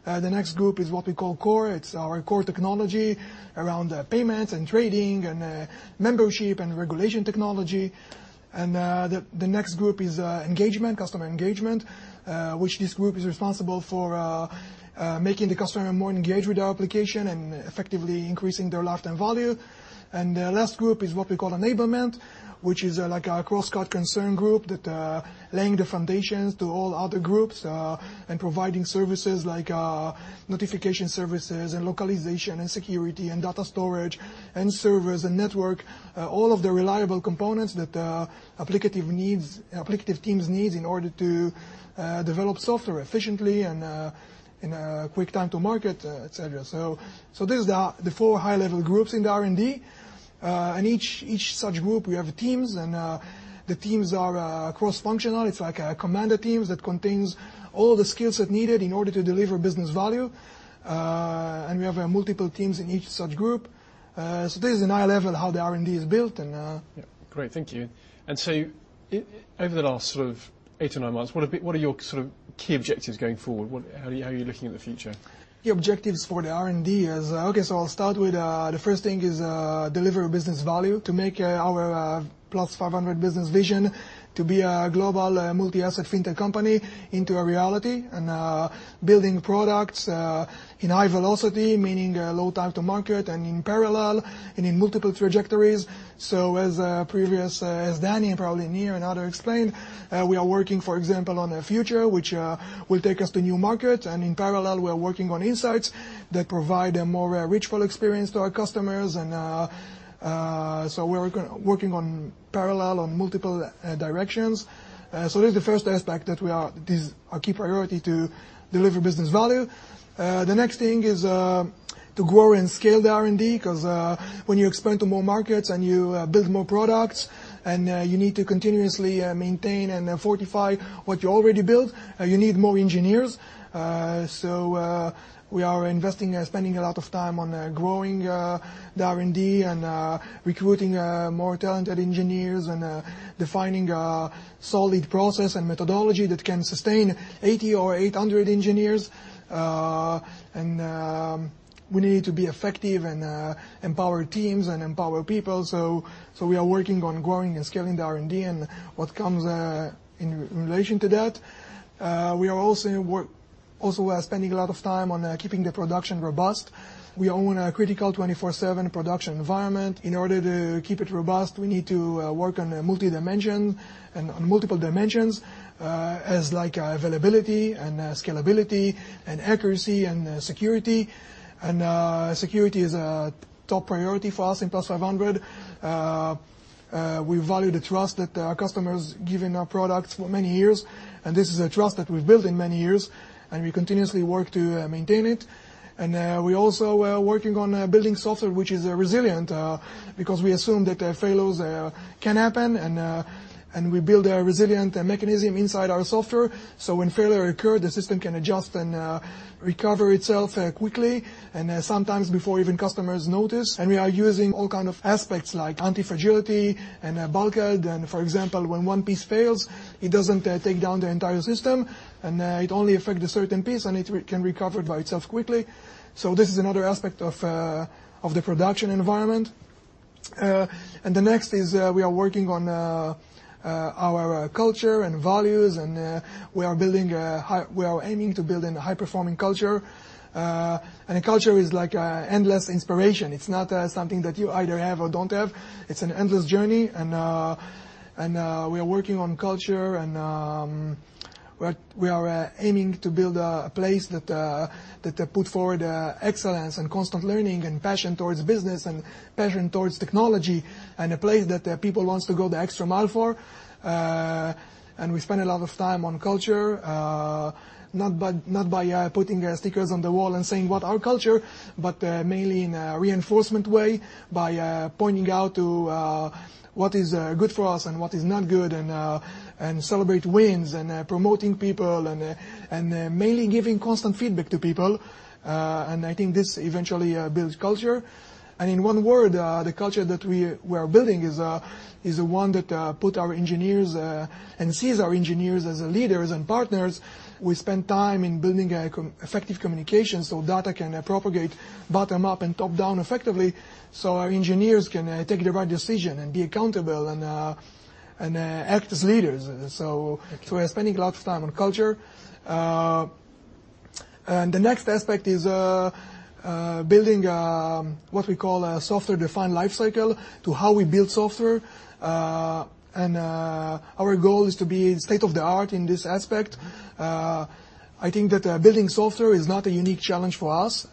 The next group is what we call core. It's our core technology around payments and trading and membership and regulation technology. The next group is engagement, customer engagement, which this group is responsible for making the customer more engaged with our application and effectively increasing their lifetime value. The last group is what we call enablement, which is like our cross-cutting concern group that lays the foundations for all other groups and providing services like notification services and localization and security and data storage and servers and network, all of the reliable components that application teams need in order to develop software efficiently and in a quick time to market, et cetera. This is the four high-level groups in the R&D. Each such group, we have teams, and the teams are cross-functional. It's like a commander teams that contains all the skills that's needed in order to deliver business value. We have multiple teams in each such group. This is in high level how the R&D is built and Yeah. Great. Thank you. Over the last sort of eight or nine months, what are your sort of key objectives going forward? How are you looking at the future? The objectives for the R&D is. Okay, I'll start with, the first thing is, deliver business value to make our Plus500 business vision to be a global multi-asset fintech company into a reality and building products in high velocity, meaning low time to market and in parallel and in multiple trajectories. As previously, as Dani and probably Nir and others explained, we are working, for example, on futures which will take us to new markets, and in parallel, we are working on insights that provide a more richer experience to our customers. We're working in parallel on multiple directions. This is the first aspect. This is our key priority to deliver business value. The next thing is to grow and scale the R&D 'cause when you expand to more markets and you build more products and you need to continuously maintain and fortify what you already built, you need more engineers. We are investing, spending a lot of time on growing the R&D and recruiting more talented engineers and defining a solid process and methodology that can sustain 80 or 800 engineers. We need to be effective and empower teams and empower people. We are working on growing and scaling the R&D and what comes in relation to that. We are also spending a lot of time on keeping the production robust. We own a critical 24/7 production environment. In order to keep it robust, we need to work on a multi-dimension and on multiple dimensions, as like availability and scalability and accuracy and security. Security is a top priority for us in Plus500. We value the trust that our customers give in our products for many years, and this is a trust that we've built in many years, and we continuously work to maintain it. We also are working on building software which is resilient, because we assume that failures can happen, and we build a resilient mechanism inside our software, so when failure occur, the system can adjust and recover itself quickly, and sometimes before even customers notice. We are using all kind of aspects like anti-fragility and bulkhead. For example, when one piece fails, it doesn't take down the entire system, and it only affect a certain piece, and it can recover by itself quickly. This is another aspect of the production environment. The next is we are working on our culture and values, and we are aiming to build a high-performing culture. A culture is like an endless inspiration. It's not something that you either have or don't have. It's an endless journey, and we are working on culture and we are aiming to build a place that put forward excellence and constant learning and passion towards business and passion towards technology and a place that people wants to go the extra mile for. We spend a lot of time on culture, not by putting stickers on the wall and saying what our culture, but mainly in a reinforcement way, by pointing out to what is good for us and what is not good and celebrate wins and promoting people and mainly giving constant feedback to people. I think this eventually builds culture. In one word, the culture that we are building is one that put our engineers and sees our engineers as leaders and partners. We spend time in building effective communication, so data can propagate bottom up and top down effectively, so our engineers can take the right decision and be accountable and act as leaders. We're spending lots of time on culture. The next aspect is building what we call a software-defined lifecycle to how we build software. Our goal is to be state-of-the-art in this aspect. I think that building software is not a unique challenge for us.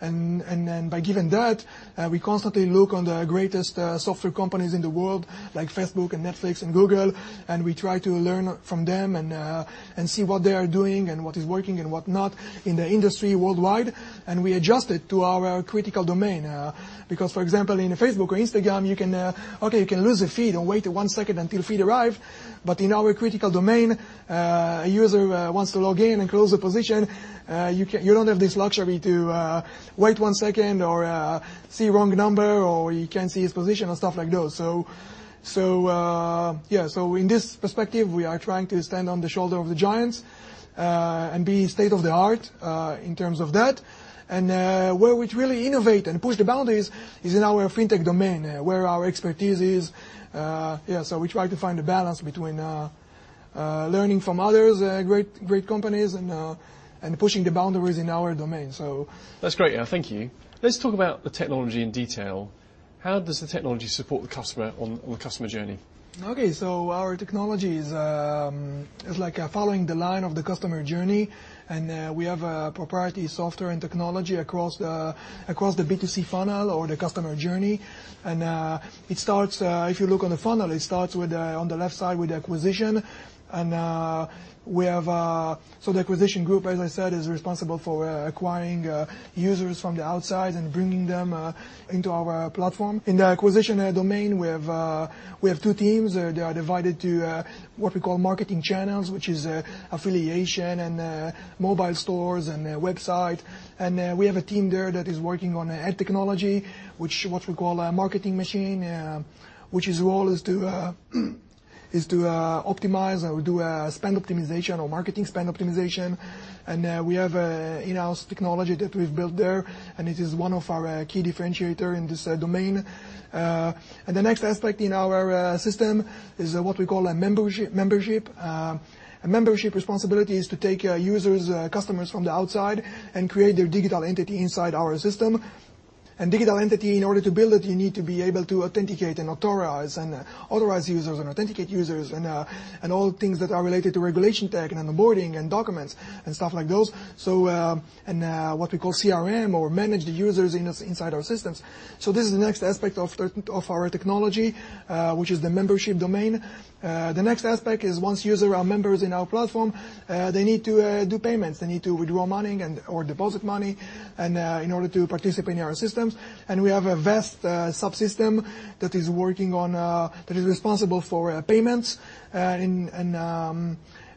Given that, we constantly look to the greatest software companies in the world, like Facebook and Netflix and Google, and we try to learn from them and see what they are doing and what is working and what not in the industry worldwide, and we adjust it to our critical domain. Because for example, in Facebook or Instagram, you can lose a feed or wait one second until feed arrive. In our critical domain, a user wants to log in and close a position, you don't have this luxury to wait one second or see wrong number or he can't see his position and stuff like those. Yeah. In this perspective, we are trying to stand on the shoulder of the giants and be state-of-the-art in terms of that. Where we really innovate and push the boundaries is in our fintech domain, where our expertise is. We try to find a balance between learning from others great companies and pushing the boundaries in our domain. That's great. Yeah. Thank you. Let's talk about the technology in detail. How does the technology support the customer on the customer journey? Okay. Our technology is like following the line of the customer journey, and we have a proprietary software and technology across the B2C funnel or the customer journey. It starts, if you look on the funnel, with the left side with acquisition. The acquisition group, as I said, is responsible for acquiring users from the outside and bringing them into our platform. In the acquisition domain, we have two teams. They are divided into what we call marketing channels, which is affiliation, mobile stores, and the website. We have a team there that is working on ad technology, which we call our marketing machine, which's role is to optimize or do spend optimization or marketing spend optimization. We have an in-house technology that we've built there, and it is one of our key differentiator in this domain. The next aspect in our system is what we call a membership. A membership responsibility is to take users, customers from the outside and create their digital entity inside our system. Digital entity, in order to build it, you need to be able to authenticate and authorize users and all things that are related to regulation tech and onboarding and documents and stuff like those. What we call CRM or manage the users inside our systems. This is the next aspect of our technology, which is the membership domain. The next aspect is once users are members in our platform, they need to do payments. They need to withdraw money and/or deposit money and in order to participate in our systems. We have a vast subsystem that is responsible for payments.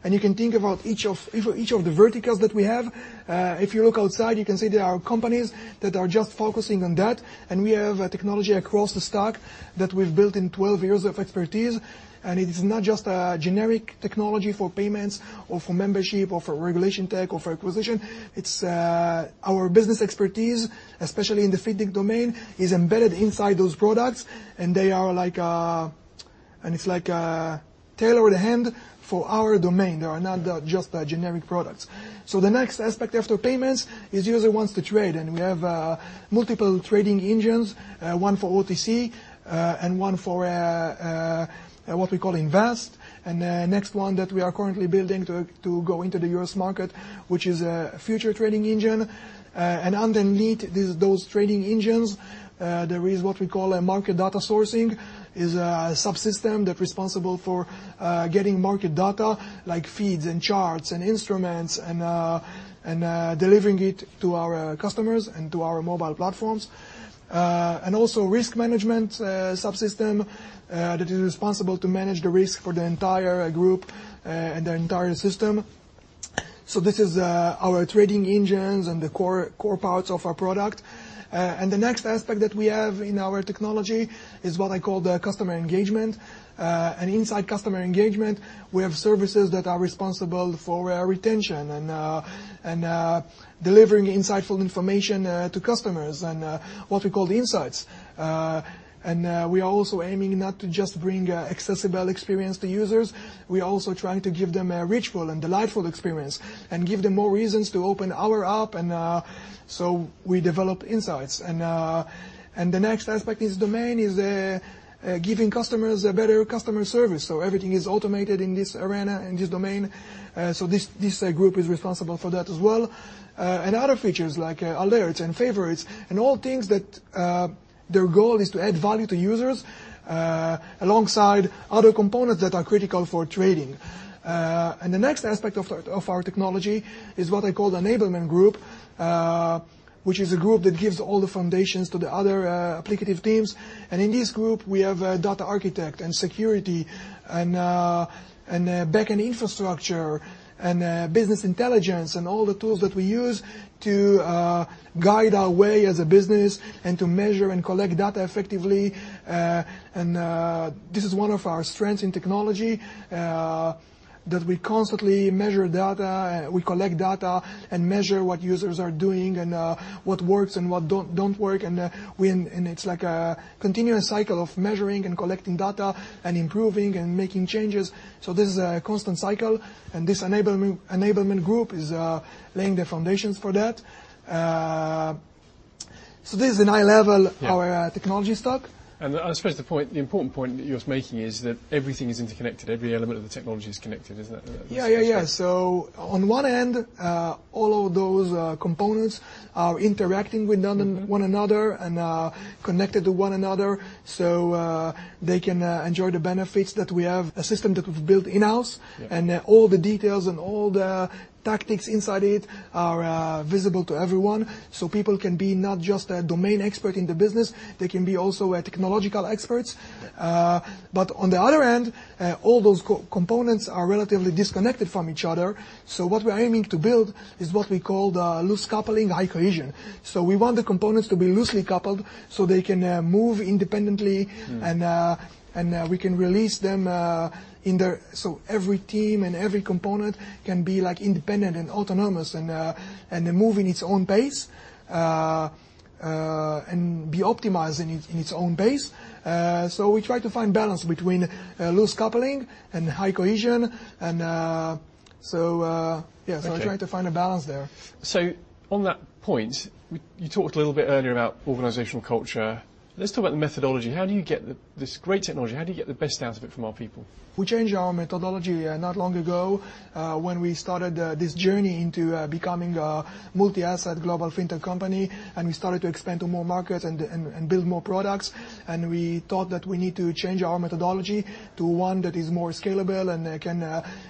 You can think about each of the verticals that we have. If you look outside, you can see there are companies that are just focusing on that. We have a technology across the stack that we've built in 12 years of expertise. It is not just a generic technology for payments or for membership or for regulation tech or for acquisition. It's our business expertise, especially in the fintech domain, is embedded inside those products, and they are like tailor-made for our domain. They are not just the generic products. The next aspect after payments is user wants to trade, and we have multiple trading engines, one for OTC, and one for what we call invest. The next one that we are currently building to go into the US market, which is a futures trading engine. Underneath those trading engines, there is what we call a market data sourcing, is a subsystem that responsible for getting market data like feeds and charts and instruments, and delivering it to our customers and to our mobile platforms. Also risk management subsystem that is responsible to manage the risk for the entire group and the entire system. This is our trading engines and the core parts of our product. The next aspect that we have in our technology is what I call the customer engagement. Inside customer engagement we have services that are responsible for retention and delivering insightful information to customers and what we call insights. We are also aiming not to just bring accessible experience to users, we are also trying to give them a rich and delightful experience and give them more reasons to open our app. We develop insights. The next aspect is domain, giving customers a better customer service. Everything is automated in this domain. This group is responsible for that as well. Other features like alerts and favorites and all things that their goal is to add value to users alongside other components that are critical for trading. The next aspect of our technology is what I call the enablement group, which is a group that gives all the foundations to the other applicative teams. In this group we have data architect and security and backend infrastructure and business intelligence, and all the tools that we use to guide our way as a business and to measure and collect data effectively. This is one of our strengths in technology that we constantly measure data, we collect data and measure what users are doing and what works and what don't work. It's like a continuous cycle of measuring and collecting data and improving and making changes. This is a constant cycle, and this enablement group is laying the foundations for that. This is a high level- Yeah. Our technology stock. I suppose the point, the important point that you're making is that everything is interconnected. Every element of the technology is connected. Is that, the situation? Yeah, yeah. On one end, all of those components are interacting with one another and are connected to one another. They can enjoy the benefits that we have a system that we've built in-house. Yeah. All the details and all the tactics inside it are visible to everyone. People can be not just a domain expert in the business, they can be also technological experts. On the other end, all those components are relatively disconnected from each other. What we are aiming to build is what we call the loose coupling, high cohesion. We want the components to be loosely coupled so they can move independently. Mm. Every team and every component can be like independent and autonomous and move in its own pace and be optimized in its own base. We try to find balance between loose coupling and high cohesion, yeah. Okay. We try to find a balance there. On that point, you talked a little bit earlier about organizational culture. Let's talk about the methodology. How do you get this great technology? How do you get the best out of it from our people? We changed our methodology not long ago when we started this journey into becoming a multi-asset global fintech company, and we started to expand to more markets and build more products. We thought that we need to change our methodology to one that is more scalable and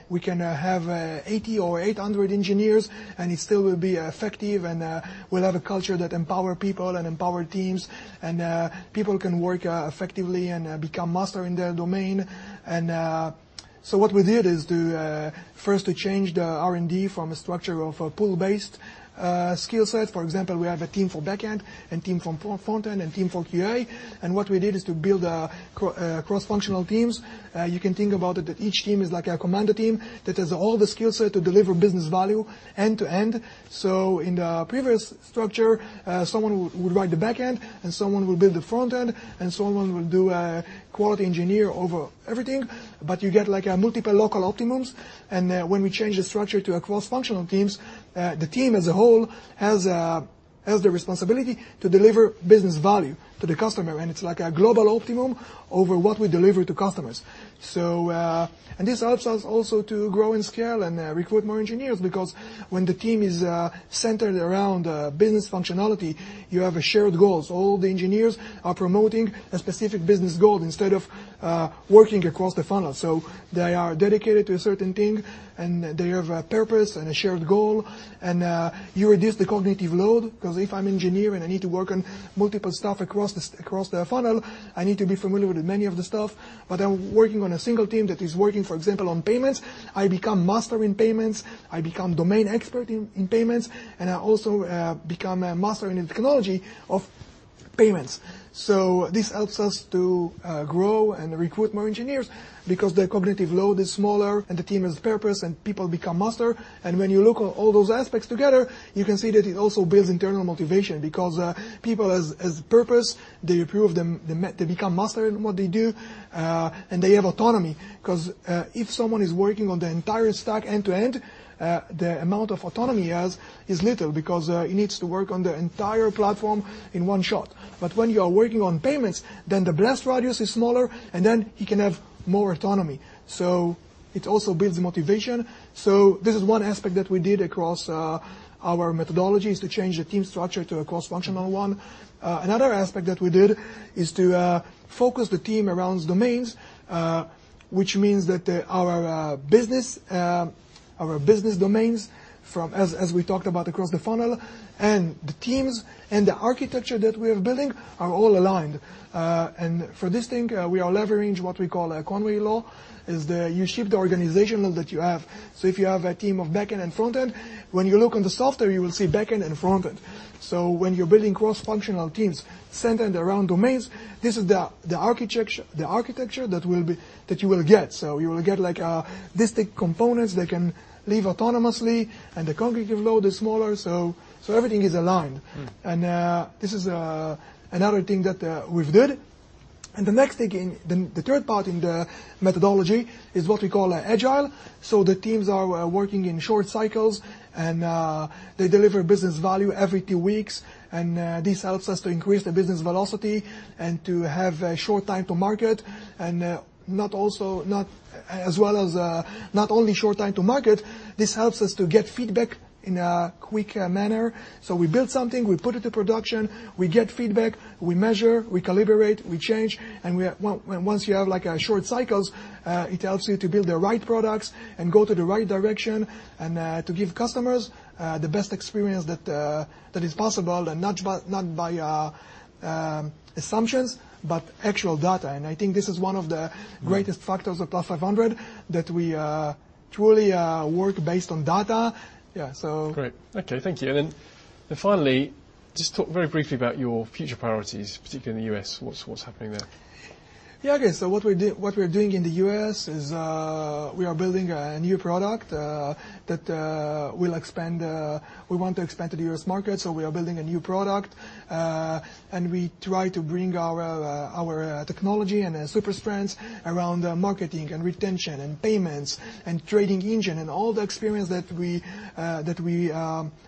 we can have 80 or 800 engineers, and it still will be effective and will have a culture that empower people and empower teams and people can work effectively and become master in their domain. What we did is to first change the R&D from a structure of a pool-based skill set. For example, we have a team for backend and team from front end and team for QA, and what we did is to build cross-functional teams. You can think about it that each team is like a commander team that has all the skill set to deliver business value end to end. In the previous structure, someone would write the back end and someone would build the front end, and someone will do a quality engineer over everything. You get like a multiple local optimums. When we change the structure to a cross-functional teams, the team as a whole has the responsibility to deliver business value to the customer, and it's like a global optimum over what we deliver to customers. This helps us also to grow in scale and recruit more engineers, because when the team is centered around business functionality, you have a shared goals. All the engineers are promoting a specific business goal instead of working across the funnel. They are dedicated to a certain thing, and they have a purpose and a shared goal. You reduce the cognitive load, 'cause if I'm engineer and I need to work on multiple stuff across the funnel, I need to be familiar with many of the stuff. I'm working on a single team that is working, for example on payments. I become master in payments, I become domain expert in payments, and I also become a master in the technology of payments. This helps us to grow and recruit more engineers. Because the cognitive load is smaller, and the team has purpose, and people become master. When you look at all those aspects together, you can see that it also builds internal motivation because people have purpose, they become masters in what they do, and they have autonomy, 'cause if someone is working on the entire stack end-to-end, the amount of autonomy he has is little because he needs to work on the entire platform in one shot. When you are working on payments, then the blast radius is smaller, and then he can have more autonomy. It also builds motivation. This is one aspect that we did across our methodologies to change the team structure to a cross-functional one. Another aspect that we did is to focus the team around domains, which means that our business domains, as we talked about, across the funnel and the teams and the architecture that we are building are all aligned. For this thing, we are leveraging what we call a Conway's Law. You shape the organization that you have. If you have a team of backend and frontend, when you look on the software, you will see backend and frontend. When you're building cross-functional teams centered around domains, this is the architecture that you will get. You will get like distinct components that can live autonomously, and the cognitive load is smaller. Everything is aligned. Mm. This is another thing that we've did. The next thing. The third part in the methodology is what we call Agile. The teams are working in short cycles, and they deliver business value every two weeks. This helps us to increase the business velocity and to have a short time to market. Not only short time to market, this helps us to get feedback in a quick manner. We build something, we put it to production, we get feedback, we measure, we calibrate, we change. Once you have like short cycles, it helps you to build the right products and go to the right direction and to give customers the best experience that is possible and not by assumptions, but actual data. I think this is one of the greatest factors of Plus500, that we truly work based on data. Yeah. Great. Okay. Thank you. Finally, just talk very briefly about your future priorities, particularly in the U.S. What's happening there? Yeah. Okay. What we're doing in the US is, we are building a new product. We want to expand to the US market, so we are building a new product. We try to bring our technology and super strengths around marketing and retention and payments and trading engine and all the experience that we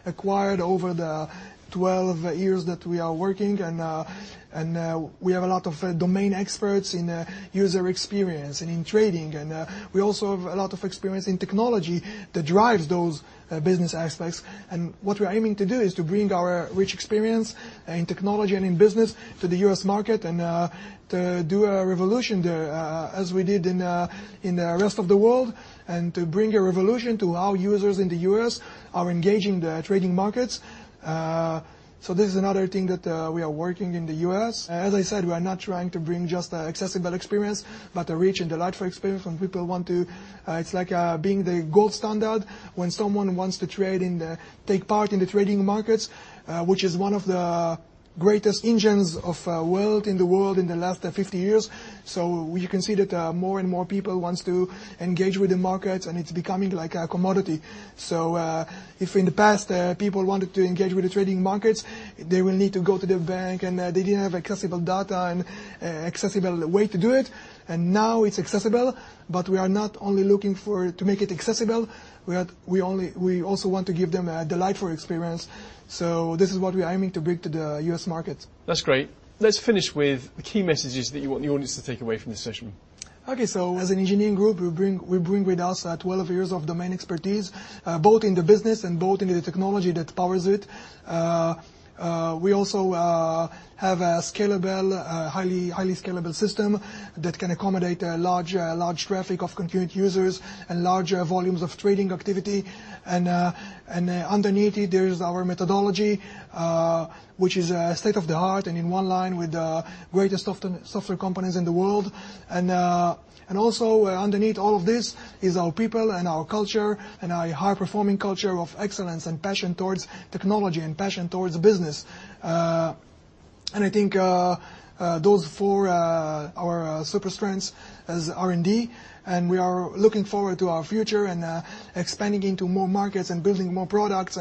acquired over the 12 years that we are working. We have a lot of domain experts in user experience and in trading. We also have a lot of experience in technology that drives those business aspects. What we're aiming to do is to bring our rich experience in technology and in business to the US market and to do a revolution there, as we did in the rest of the world and to bring a revolution to how users in the US are engaging the trading markets. This is another thing that we are working in the US. As I said, we are not trying to bring just accessible experience, but a rich and delightful experience. It's like being the gold standard when someone wants to take part in the trading markets, which is one of the greatest engines of the world in the last 50 years. You can see that more and more people want to engage with the markets, and it's becoming like a commodity. If in the past people wanted to engage with the trading markets, they will need to go to the bank, and they didn't have accessible data and accessible way to do it. Now it's accessible, but we are not only looking for to make it accessible, we also want to give them a delightful experience. This is what we are aiming to bring to the U.S. market. That's great. Let's finish with the key messages that you want the audience to take away from this session. As an engineering group, we bring with us 12 years of domain expertise, both in the business and both in the technology that powers it. We also have a scalable, highly scalable system that can accommodate a large traffic of concurrent users and large volumes of trading activity. Underneath it, there is our methodology, which is state-of-the-art and in line with the greatest software companies in the world. Also underneath all of this is our people and our culture and our high-performing culture of excellence and passion towards technology and passion towards business. I think those four are our super strengths as R&D, and we are looking forward to our future and expanding into more markets and building more products.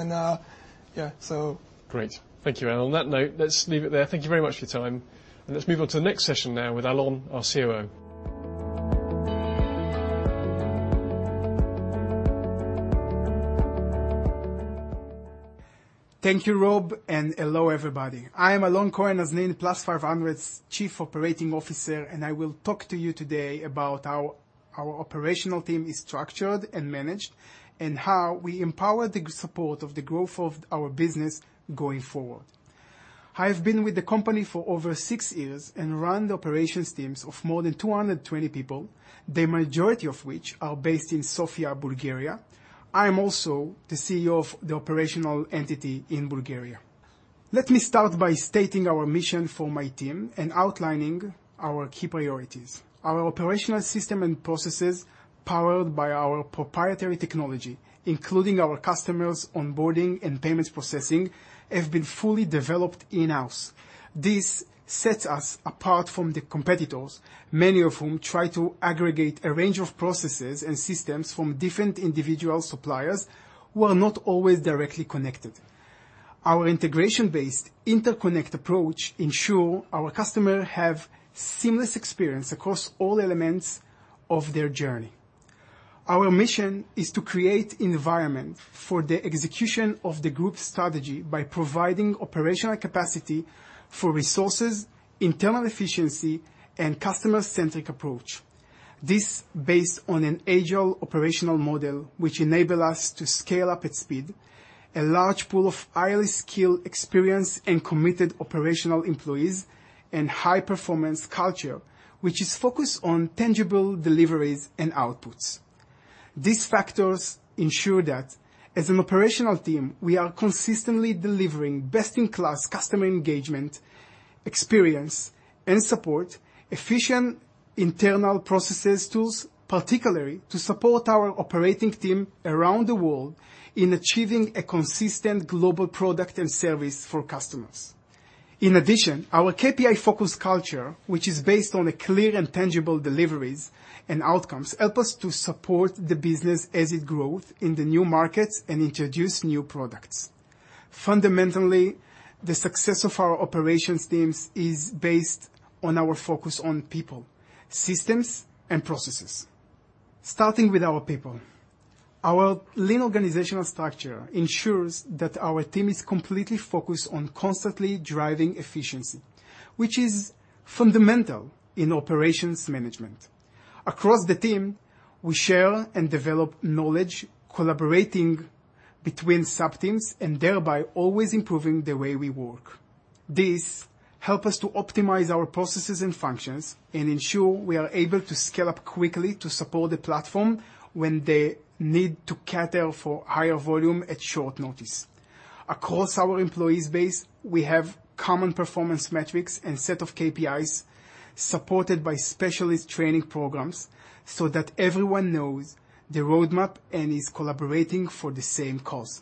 Great. Thank you. On that note, let's leave it there. Thank you very much for your time. Let's move on to the next session now with Alon, our COO. Thank you, Rob, and hello, everybody. I'm Alon Cohen Naznin, Plus500's Chief Operating Officer, and I will talk to you today about how our operational team is structured and managed and how we empower the support of the growth of our business going forward. I've been with the company for over six years and run the operations teams of more than 220 people, the majority of which are based in Sofia, Bulgaria. I'm also the CEO of the operational entity in Bulgaria. Let me start by stating our mission for my team and outlining our key priorities. Our operational system and processes are powered by our proprietary technology, including our customers' onboarding and payments processing, have been fully developed in-house. This sets us apart from the competitors, many of whom try to aggregate a range of processes and systems from different individual suppliers who are not always directly connected. Our integration-based interconnect approach ensure our customer have seamless experience across all elements of their journey. Our mission is to create environment for the execution of the group's strategy by providing operational capacity for resources, internal efficiency, and customer-centric approach. This based on an Agile operational model which enable us to scale up at speed, a large pool of highly skilled, experienced, and committed operational employees, and high-performance culture, which is focused on tangible deliveries and outputs. These factors ensure that as an operational team, we are consistently delivering best-in-class customer engagement, experience, and support, efficient internal processes tools, particularly to support our operating team around the world in achieving a consistent global product and service for customers. In addition, our KPI-focused culture, which is based on a clear and tangible deliveries and outcomes, help us to support the business as it grows in the new markets and introduce new products. Fundamentally, the success of our operations teams is based on our focus on people, systems, and processes. Starting with our people. Our lean organizational structure ensures that our team is completely focused on constantly driving efficiency, which is fundamental in operations management. Across the team, we share and develop knowledge, collaborating between subteams, and thereby always improving the way we work. This helps us to optimize our processes and functions and ensure we are able to scale up quickly to support the platform when they need to cater for higher volume at short notice. Across our employee base, we have common performance metrics and a set of KPIs supported by specialist training programs, so that everyone knows the roadmap and is collaborating for the same cause.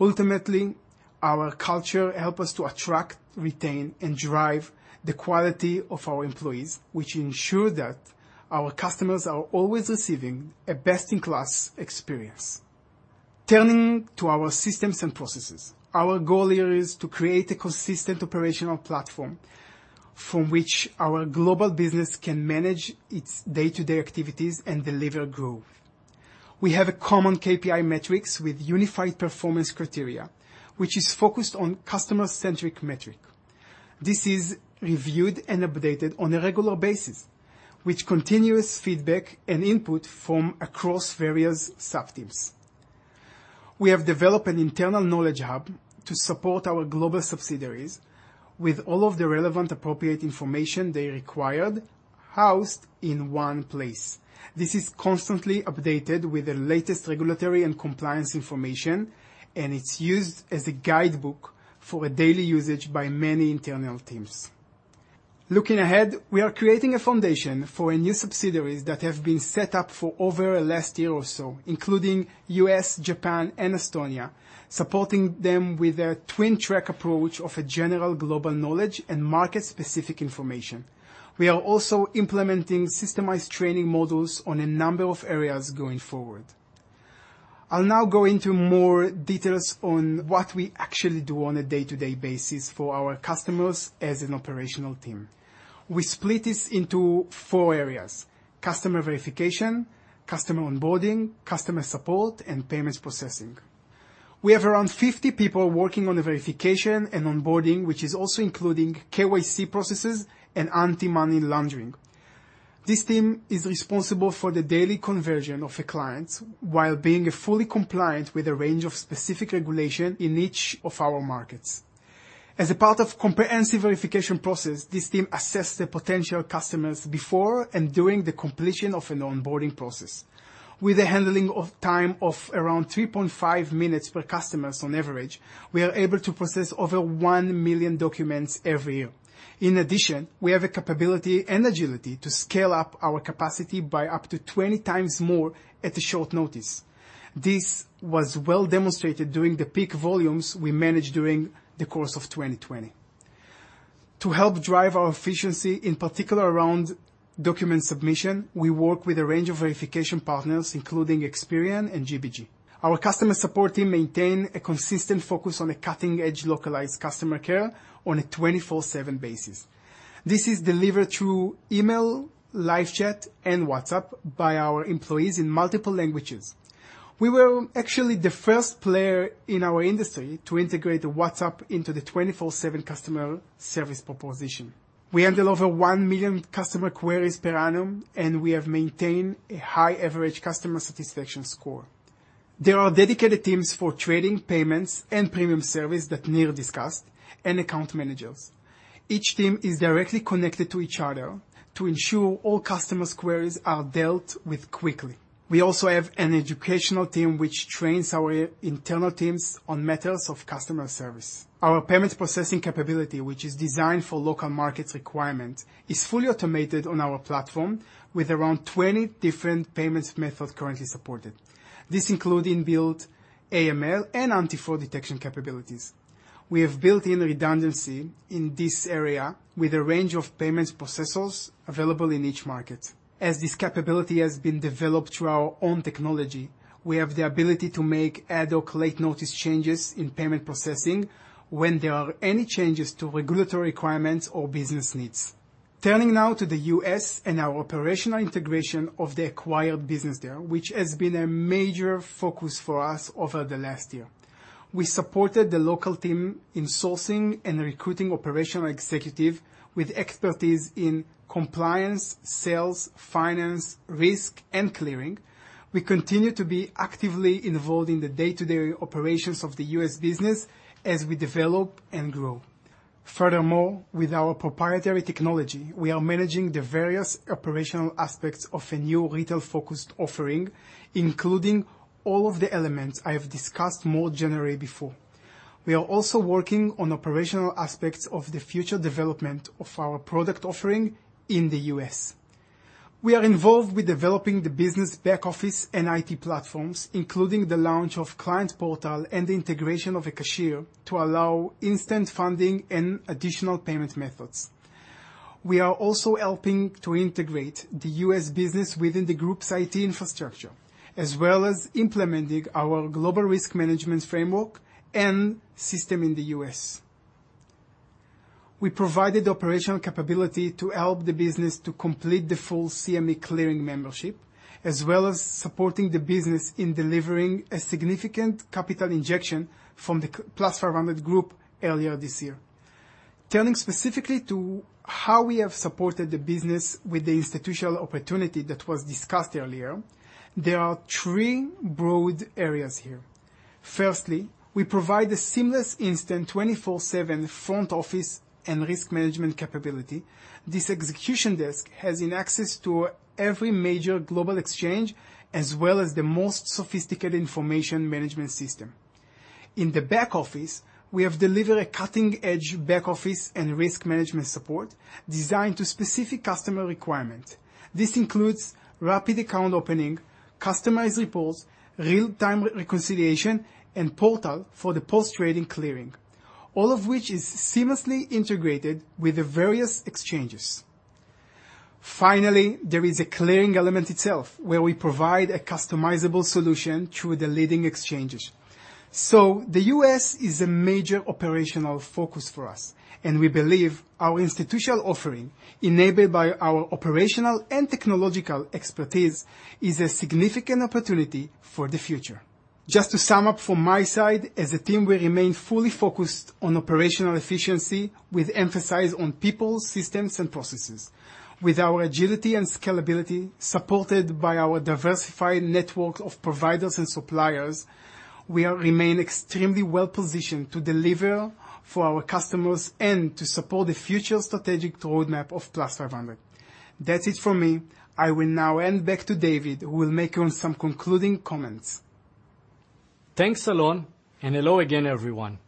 Ultimately, our culture helps us to attract, retain, and drive the quality of our employees, which ensures that our customers are always receiving a best-in-class experience. Turning to our systems and processes. Our goal here is to create a consistent operational platform from which our global business can manage its day-to-day activities and deliver growth. We have common KPI metrics with unified performance criteria, which is focused on customer-centric metrics. This is reviewed and updated on a regular basis, with continuous feedback and input from across various subteams. We have developed an internal knowledge hub to support our global subsidiaries with all of the relevant appropriate information they require housed in one place. This is constantly updated with the latest regulatory and compliance information, and it's used as a guidebook for daily usage by many internal teams. Looking ahead, we are creating a foundation for new subsidiaries that have been set up over the last year or so, including the U.S., Japan, and Estonia, supporting them with a twin-track approach of a general global knowledge and market-specific information. We are also implementing systematized training models on a number of areas going forward. I'll now go into more details on what we actually do on a day-to-day basis for our customers as an operational team. We split this into 4 areas, customer verification, customer onboarding, customer support, and payments processing. We have around 50 people working on the verification and onboarding, which is also including KYC processes and anti-money laundering. This team is responsible for the daily conversion of the clients while being fully compliant with a range of specific regulation in each of our markets. As a part of comprehensive verification process, this team assess the potential customers before and during the completion of an onboarding process. With a handling of time of around 3.5 minutes per customers on average, we are able to process over 1 million documents every year. In addition, we have a capability and agility to scale up our capacity by up to 20 times more at a short notice. This was well demonstrated during the peak volumes we managed during the course of 2020. To help drive our efficiency, in particular around document submission, we work with a range of verification partners, including Experian and GBG. Our customer support team maintain a consistent focus on a cutting-edge localized customer care on a 24/7 basis. This is delivered through email, live chat, and WhatsApp by our employees in multiple languages. We were actually the first player in our industry to integrate WhatsApp into the 24/7 customer service proposition. We handle over one million customer queries per annum, and we have maintained a high average customer satisfaction score. There are dedicated teams for trading, payments, and premium service that Nir discussed, and account managers. Each team is directly connected to each other to ensure all customers' queries are dealt with quickly. We also have an educational team which trains our internal teams on matters of customer service. Our payment processing capability, which is designed for local market requirement, is fully automated on our platform with around 20 different payment methods currently supported. This includes in-built AML and anti-fraud detection capabilities. We have built-in redundancy in this area with a range of payment processors available in each market. As this capability has been developed through our own technology, we have the ability to make ad hoc late notice changes in payment processing when there are any changes to regulatory requirements or business needs. Turning now to the U.S. and our operational integration of the acquired business there, which has been a major focus for us over the last year. We supported the local team in sourcing and recruiting operational executives with expertise in compliance, sales, finance, risk, and clearing. We continue to be actively involved in the day-to-day operations of the U.S. business as we develop and grow. Furthermore, with our proprietary technology, we are managing the various operational aspects of a new retail-focused offering, including all of the elements I have discussed more generally before. We are also working on operational aspects of the future development of our product offering in the U.S. We are involved with developing the business back office and I.T. platforms, including the launch of client portal and integration of a cashier to allow instant funding and additional payment methods. We are also helping to integrate the U.S. business within the group's I.T. infrastructure, as well as implementing our global risk management framework and system in the U.S. We provided operational capability to help the business to complete the full CME clearing membership, as well as supporting the business in delivering a significant capital injection from the Plus500 group earlier this year. Turning specifically to how we have supported the business with the institutional opportunity that was discussed earlier, there are three broad areas here. Firstly, we provide a seamless, instant, 24/7 front office and risk management capability. This execution desk has access to every major global exchange, as well as the most sophisticated information management system. In the back office, we have delivered a cutting-edge back office and risk management support designed to specific customer requirement. This includes rapid account opening, customized reports, real-time reconciliation, and portal for the post-trading clearing, all of which is seamlessly integrated with the various exchanges. Finally, there is a clearing element itself, where we provide a customizable solution through the leading exchanges. The U.S. is a major operational focus for us, and we believe our institutional offering, enabled by our operational and technological expertise, is a significant opportunity for the future. Just to sum up from my side, as a team, we remain fully focused on operational efficiency with emphasis on people, systems, and processes. With our agility and scalability, supported by our diversified network of providers and suppliers, we remain extremely well-positioned to deliver for our customers and to support the future strategic roadmap of Plus500. That's it for me. I will now hand back to David, who will make some concluding comments. Thanks, Alon, and hello again, everyone.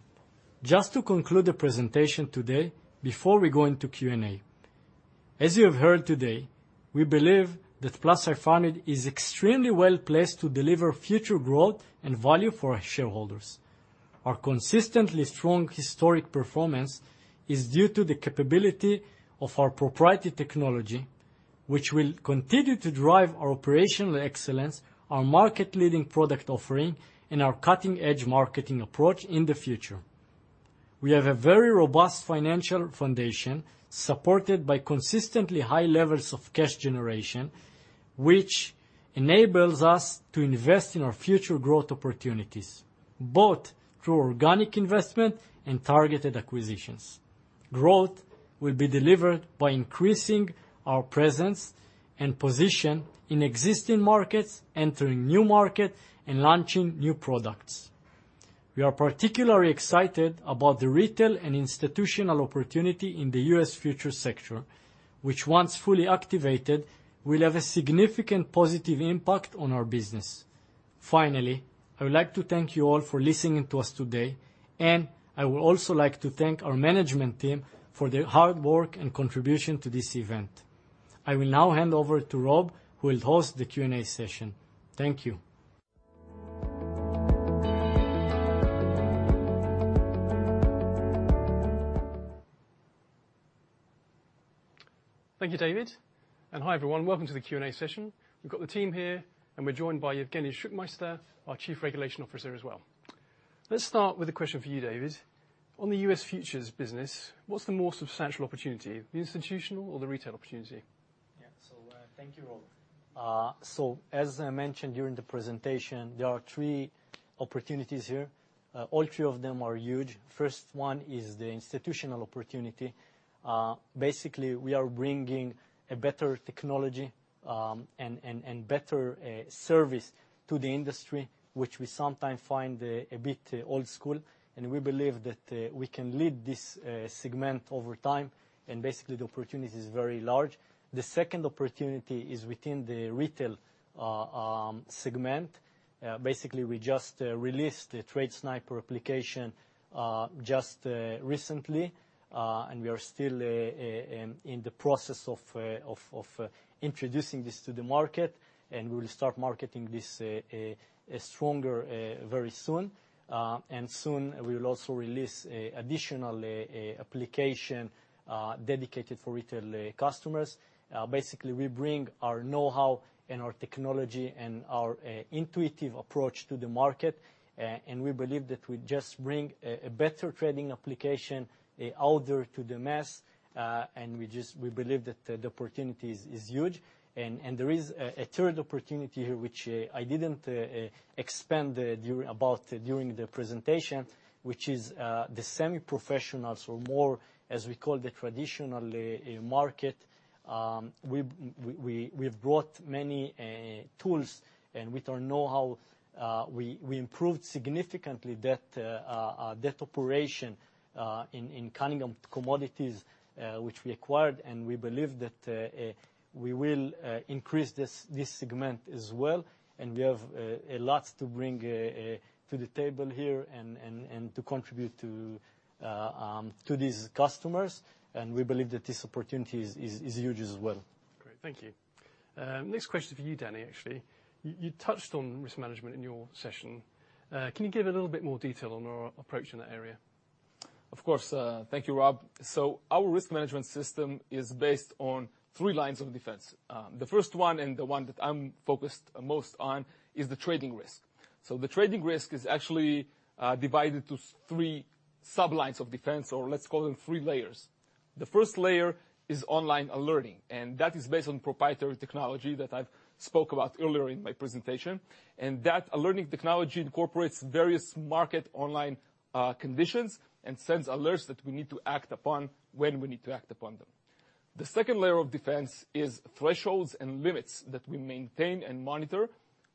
Just to conclude the presentation today before we go into Q&A. As you have heard today, we believe that Plus500 is extremely well-placed to deliver future growth and value for our shareholders. Our consistently strong historic performance is due to the capability of our proprietary technology, which will continue to drive our operational excellence, our market-leading product offering, and our cutting-edge marketing approach in the future. We have a very robust financial foundation, supported by consistently high levels of cash generation, which enables us to invest in our future growth opportunities, both through organic investment and targeted acquisitions. Growth will be delivered by increasing our presence and position in existing markets, entering new markets, and launching new products. We are particularly excited about the retail and institutional opportunity in the US futures sector, which once fully activated, will have a significant positive impact on our business. Finally, I would like to thank you all for listening to us today, and I would also like to thank our management team for their hard work and contribution to this event. I will now hand over to Rob, who will host the Q&A session. Thank you. Thank you, David. Hi, everyone. Welcome to the Q&A session. We've got the team here, and we're joined by Yevgeni Shtuckmeyster, our Chief Regulation Officer as well. Let's start with a question for you, David. On the U.S. Futures business, what's the more substantial opportunity, the institutional or the retail opportunity? Yeah. Thank you, Rob. As I mentioned during the presentation, there are three opportunities here, all three of them are huge. First one is the institutional opportunity. Basically, we are bringing a better technology, and better service to the industry, which we sometimes find a bit old school, and we believe that we can lead this segment over time, and basically the opportunity is very large. The second opportunity is within the retail segment. Basically we just released the TradeSniper application just recently. We are still in the process of introducing this to the market, and we will start marketing this stronger very soon. Soon we will also release an additional application dedicated for retail customers. Basically we bring our know-how and our technology and our intuitive approach to the market. We believe that we just bring a better trading application out there to the masses, and we believe that the opportunity is huge. There is a third opportunity here, which I didn't expand about during the presentation, which is the semi-professional. More, as we call the traditional market, we've brought many tools. With our know-how, we improved significantly that operation in Cunningham Commodities, which we acquired, and we believe that we will increase this segment as well. We have lots to bring to the table here and to contribute to these customers. We believe that this opportunity is huge as well. Great. Thank you. Next question is for you, Dani, actually. You touched on risk management in your session. Can you give a little bit more detail on our approach in that area? Of course. Thank you, Rob. Our risk management system is based on three lines of defense. The first one and the one that I'm focused most on is the trading risk. The trading risk is actually divided to three sub-lines of defense, or let's call them three layers. The first layer is online alerting, and that is based on proprietary technology that I've spoke about earlier in my presentation. That alerting technology incorporates various market online conditions and sends alerts that we need to act upon when we need to act upon them. The second layer of defense is thresholds and limits that we maintain and monitor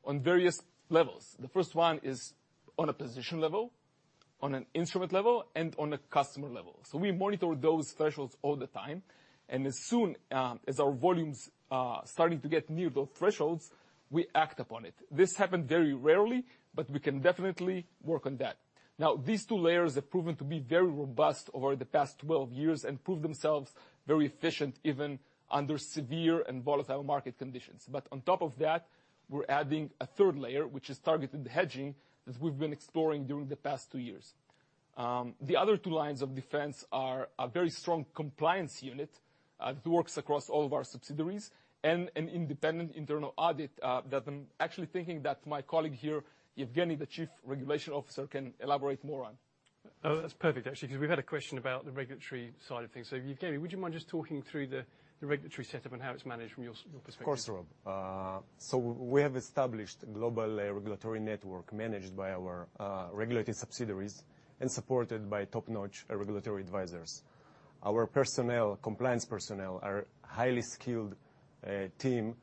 on various levels. The first one is on a position level, on an instrument level, and on a customer level. We monitor those thresholds all the time, and as soon as our volumes are starting to get near those thresholds, we act upon it. This happen very rarely, but we can definitely work on that. Now, these two layers have proven to be very robust over the past 12 years and proved themselves very efficient, even under severe and volatile market conditions. But on top of that, we're adding a third layer, which is targeted hedging that we've been exploring during the past two years. The other two lines of defense are a very strong compliance unit that works across all of our subsidiaries and an independent internal audit that I'm actually thinking that my colleague here, Yevgeni, the Chief Regulation Officer, can elaborate more on. Oh, that's perfect actually, 'cause we've had a question about the regulatory side of things. Yevgeni, would you mind just talking through the regulatory setup and how it's managed from your perspective? Of course, Rob. We have established global regulatory network managed by our regulated subsidiaries and supported by top-notch regulatory advisors. Our personnel, compliance personnel are highly skilled team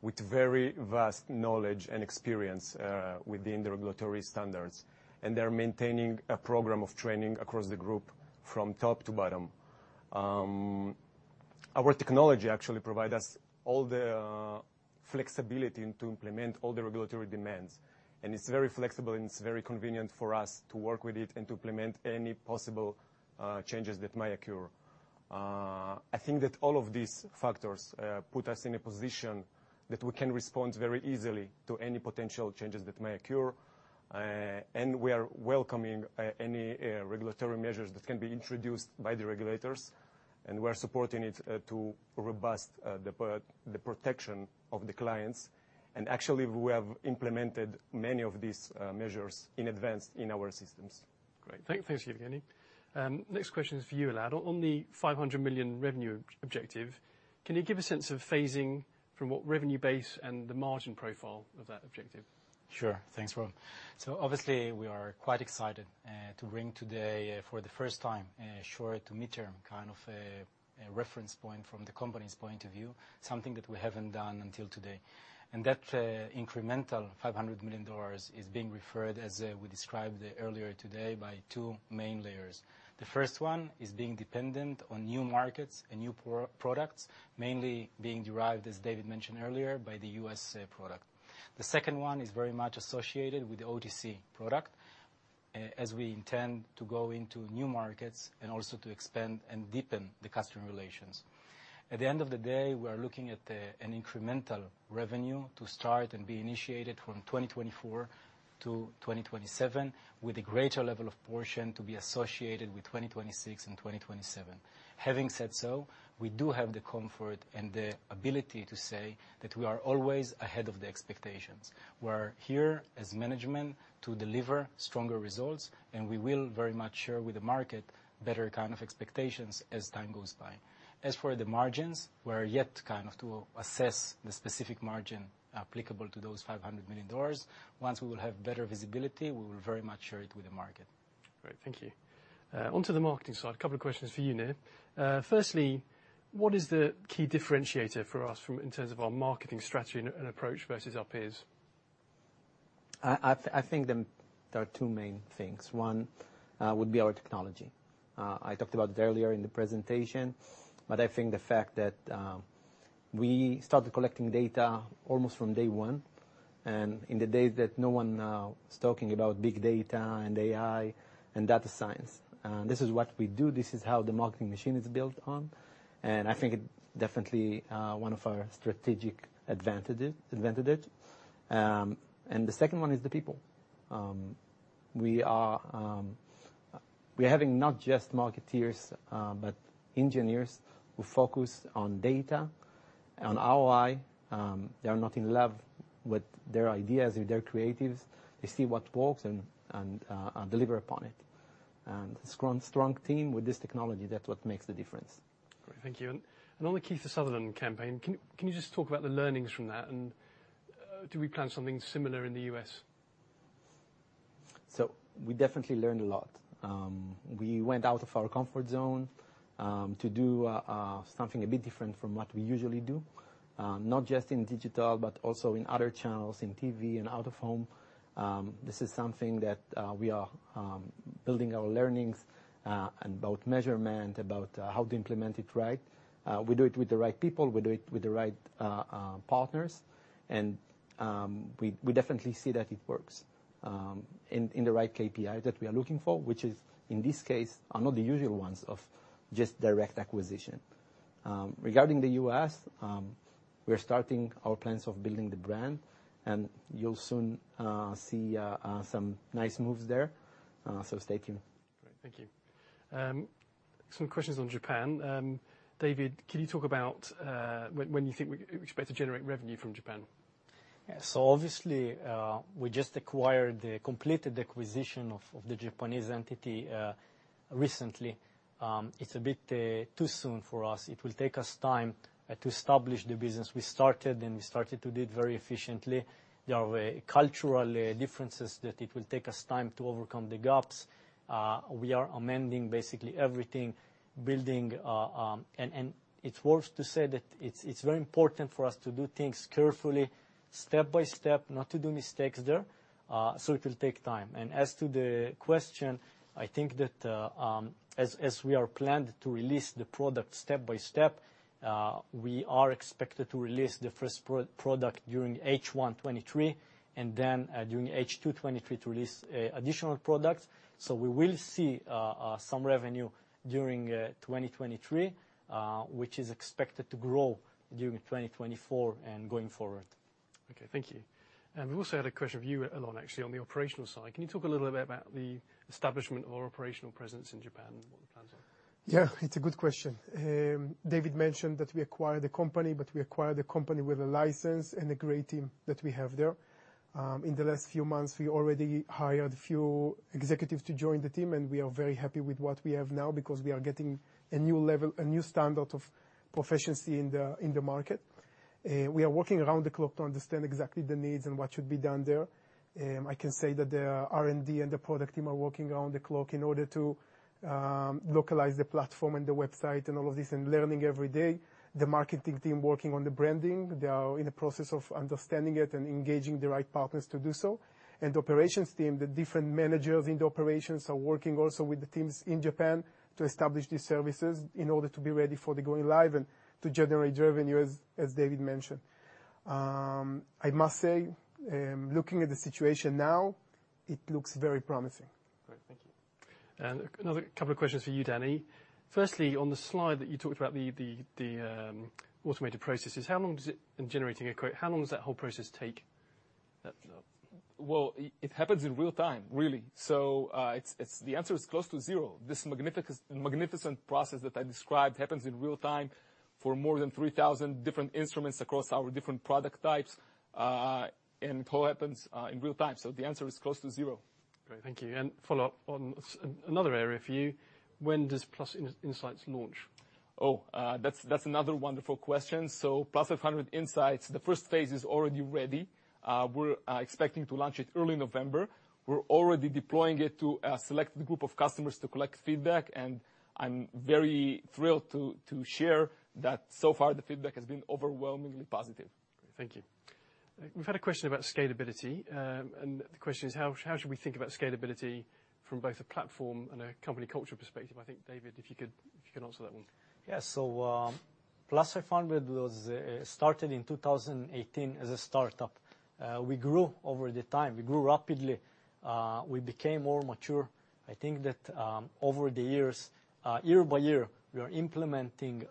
with very vast knowledge and experience within the regulatory standards. They're maintaining a program of training across the group from top to bottom. Our technology actually provide us all the flexibility to implement all the regulatory demands, and it's very flexible, and it's very convenient for us to work with it and to implement any possible changes that might occur. I think that all of these factors put us in a position that we can respond very easily to any potential changes that may occur. We are welcoming any regulatory measures that can be introduced by the regulators, and we're supporting it to robustify the protection of the clients. Actually, we have implemented many of these measures in advance in our systems. Great. Thanks, Yevgeni. Next question is for you, Elad. On the $500 million revenue objective, can you give a sense of phasing from what revenue base and the margin profile of that objective? Sure. Thanks, Rob. Obviously we are quite excited to bring today for the first time a short to mid-term, kind of a reference point from the company's point of view, something that we haven't done until today. That incremental $500 million is being referred as we described earlier today by two main layers. The first one is being dependent on new markets and new products, mainly being derived, as David mentioned earlier, by the US product. The second one is very much associated with the OTC product as we intend to go into new markets and also to expand and deepen the customer relations. At the end of the day, we are looking at an incremental revenue to start and be initiated from 2024-2027, with a greater level of portion to be associated with 2026 and 2027. Having said so, we do have the comfort and the ability to say that we are always ahead of the expectations. We're here as management to deliver stronger results, and we will very much share with the market better kind of expectations as time goes by. As for the margins, we're yet kind of to assess the specific margin applicable to those $500 million. Once we will have better visibility, we will very much share it with the market. Great. Thank you. Onto the marketing side, a couple of questions for you, Nir. Firstly, what is the key differentiator for us in terms of our marketing strategy and approach versus our peers? I think there are two main things. One would be our technology. I talked about it earlier in the presentation, but I think the fact that we started collecting data almost from day one, and in the days that no one was talking about big data and AI and data science. This is what we do. This is how the marketing machine is built on, and I think it definitely one of our strategic advantages. The second one is the people. We're having not just marketeers, but engineers who focus on data, on ROI. They are not in love with their ideas or their creatives. They see what works and deliver upon it. Strong team with this technology, that's what makes the difference. Great. Thank you. On the Kiefer Sutherland campaign, can you just talk about the learnings from that, and do we plan something similar in the US? We definitely learned a lot. We went out of our comfort zone to do something a bit different from what we usually do, not just in digital, but also in other channels, in TV and out of home. This is something that we are building our learnings about measurement, about how to implement it right. We do it with the right people. We do it with the right partners. We definitely see that it works in the right KPI that we are looking for, which is, in this case, are not the usual ones of just direct acquisition. Regarding the U.S., we're starting our plans of building the brand, and you'll soon see some nice moves there, so stay tuned. Great. Thank you. Some questions on Japan. David, can you talk about when you think we expect to generate revenue from Japan? Yeah. Obviously, we just acquired the completed acquisition of the Japanese entity recently. It's a bit too soon for us. It will take us time to establish the business. We started to do it very efficiently. There are cultural differences that it will take us time to overcome the gaps. We are amending basically everything, building. It's worth to say that it's very important for us to do things carefully, step by step, not to do mistakes there, so it will take time. As to the question, I think that as we are planned to release the product step by step, we are expected to release the first pro-product during H1 2023, and then during H2 2023 to release additional products. We will see some revenue during 2023, which is expected to grow during 2024 and going forward. Okay. Thank you. We also had a question for you, Alon, actually, on the operational side. Can you talk a little bit about the establishment of our operational presence in Japan and what the plans are? Yeah, it's a good question. David mentioned that we acquired the company, but we acquired the company with a license and a great team that we have there. In the last few months, we already hired a few executives to join the team, and we are very happy with what we have now because we are getting a new level, a new standard of proficiency in the market. We are working around the clock to understand exactly the needs and what should be done there. I can say that the R&D and the product team are working around the clock in order to localize the platform and the website and all of this and learning every day. The marketing team working on the branding, they are in the process of understanding it and engaging the right partners to do so. The operations team, the different managers in the operations are working also with the teams in Japan to establish these services in order to be ready for the going live and to generate revenue, as David mentioned. I must say, looking at the situation now, it looks very promising. Great. Thank you. Another couple of questions for you, Dani. Firstly, on the slide that you talked about the automated processes and generating a quote, how long does that whole process take? Well, it happens in real time, really. So, the answer is close to zero. This magnificent process that I described happens in real time for more than 3,000 different instruments across our different product types, and it all happens in real time. So the answer is close to zero. Great. Thank you. Follow up on another area for you. When does +Insights launch? That's another wonderful question. Plus500 +Insights, the first phase is already ready. We're expecting to launch it early November. We're already deploying it to a selected group of customers to collect feedback, and I'm very thrilled to share that so far the feedback has been overwhelmingly positive. Great. Thank you. We've had a question about scalability. The question is, how should we think about scalability from both a platform and a company culture perspective? I think, David, if you can answer that one. Yeah. Plus500 was started in 2018 as a startup. We grew over time. We grew rapidly. We became more mature. I think that over the years, year by year, we are implementing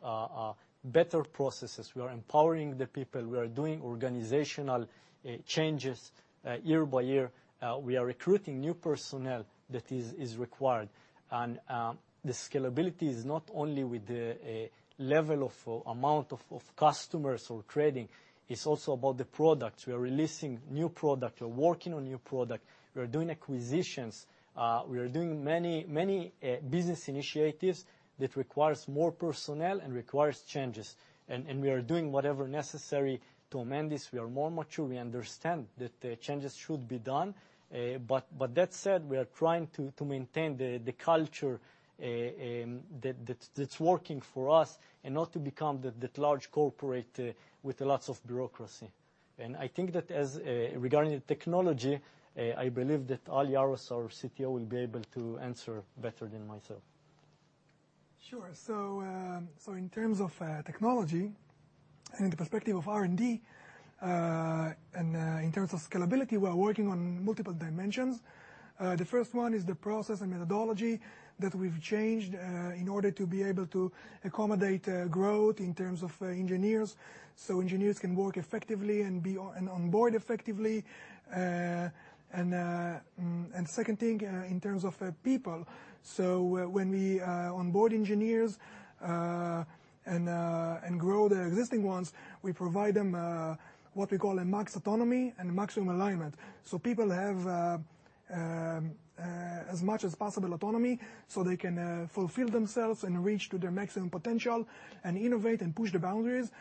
better processes. We are empowering the people. We are doing organizational changes year by year. We are recruiting new personnel that is required. The scalability is not only with the level of or amount of customers who are trading, it's also about the products. We are releasing new product. We're working on new product. We are doing acquisitions. We are doing many business initiatives that requires more personnel and requires changes. We are doing whatever necessary to amend this. We are more mature. We understand that changes should be done. That said, we are trying to maintain the culture that's working for us and not to become that large corporate with lots of bureaucracy. I think that regarding the technology, I believe that Al Yaros, our CTO, will be able to answer better than myself. Sure. In terms of technology and in the perspective of R&D, in terms of scalability, we are working on multiple dimensions. The first one is the process and methodology that we've changed in order to be able to accommodate growth in terms of engineers, so engineers can work effectively and be onboard effectively. Second thing, in terms of people, when we onboard engineers and grow the existing ones, we provide them what we call a max autonomy and maximum alignment. People have as much as possible autonomy so they can fulfill themselves and reach to their maximum potential and innovate and push the boundaries.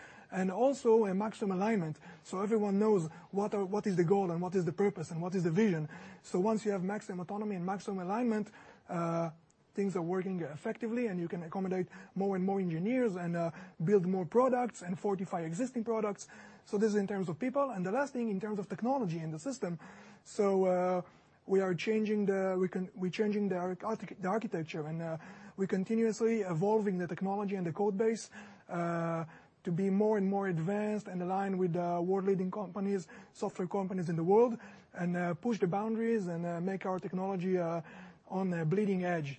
Also a maximum alignment, so everyone knows what is the goal and what is the purpose and what is the vision. Once you have maximum autonomy and maximum alignment, things are working effectively, and you can accommodate more and more engineers and build more products and fortify existing products. This is in terms of people. The last thing in terms of technology and the system, we are changing the, we can, we're changing the arc-arc-the architecture, and, we continuously evolving the technology and the code base, to be more and more advanced and aligned with the world leading companies, software companies in the world, and, push the boundaries and, make our technology, on the bleeding edge.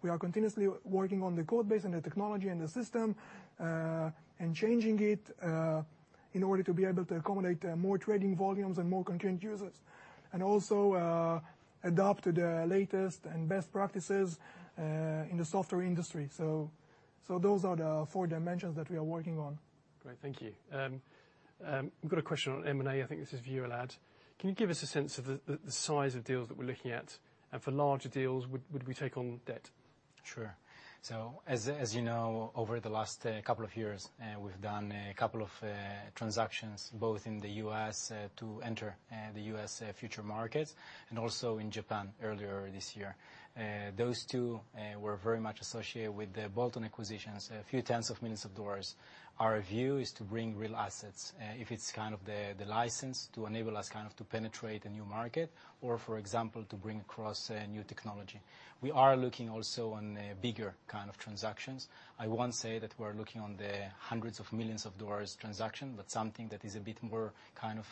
We are continuously working on the code base and the technology and the system, and changing it in order to be able to accommodate more trading volumes and more concurrent users, and also adapt to the latest and best practices in the software industry. Those are the four dimensions that we are working on. Great. Thank you. We've got a question on M&A. I think this is for you, Elad. Can you give us a sense of the size of deals that we're looking at? For larger deals, would we take on debt? Sure. As you know, over the last couple of years, we've done a couple of transactions, both in the U.S. to enter the U.S. futures markets, and also in Japan earlier this year. Those two were very much associated with the Bolton acquisitions, a few tens of millions of dollars. Our view is to bring real assets, if it's kind of the license to enable us kind of to penetrate a new market or, for example, to bring across a new technology. We are looking also on bigger kind of transactions. I won't say that we're looking on the hundreds of millions of dollars transaction, but something that is a bit more kind of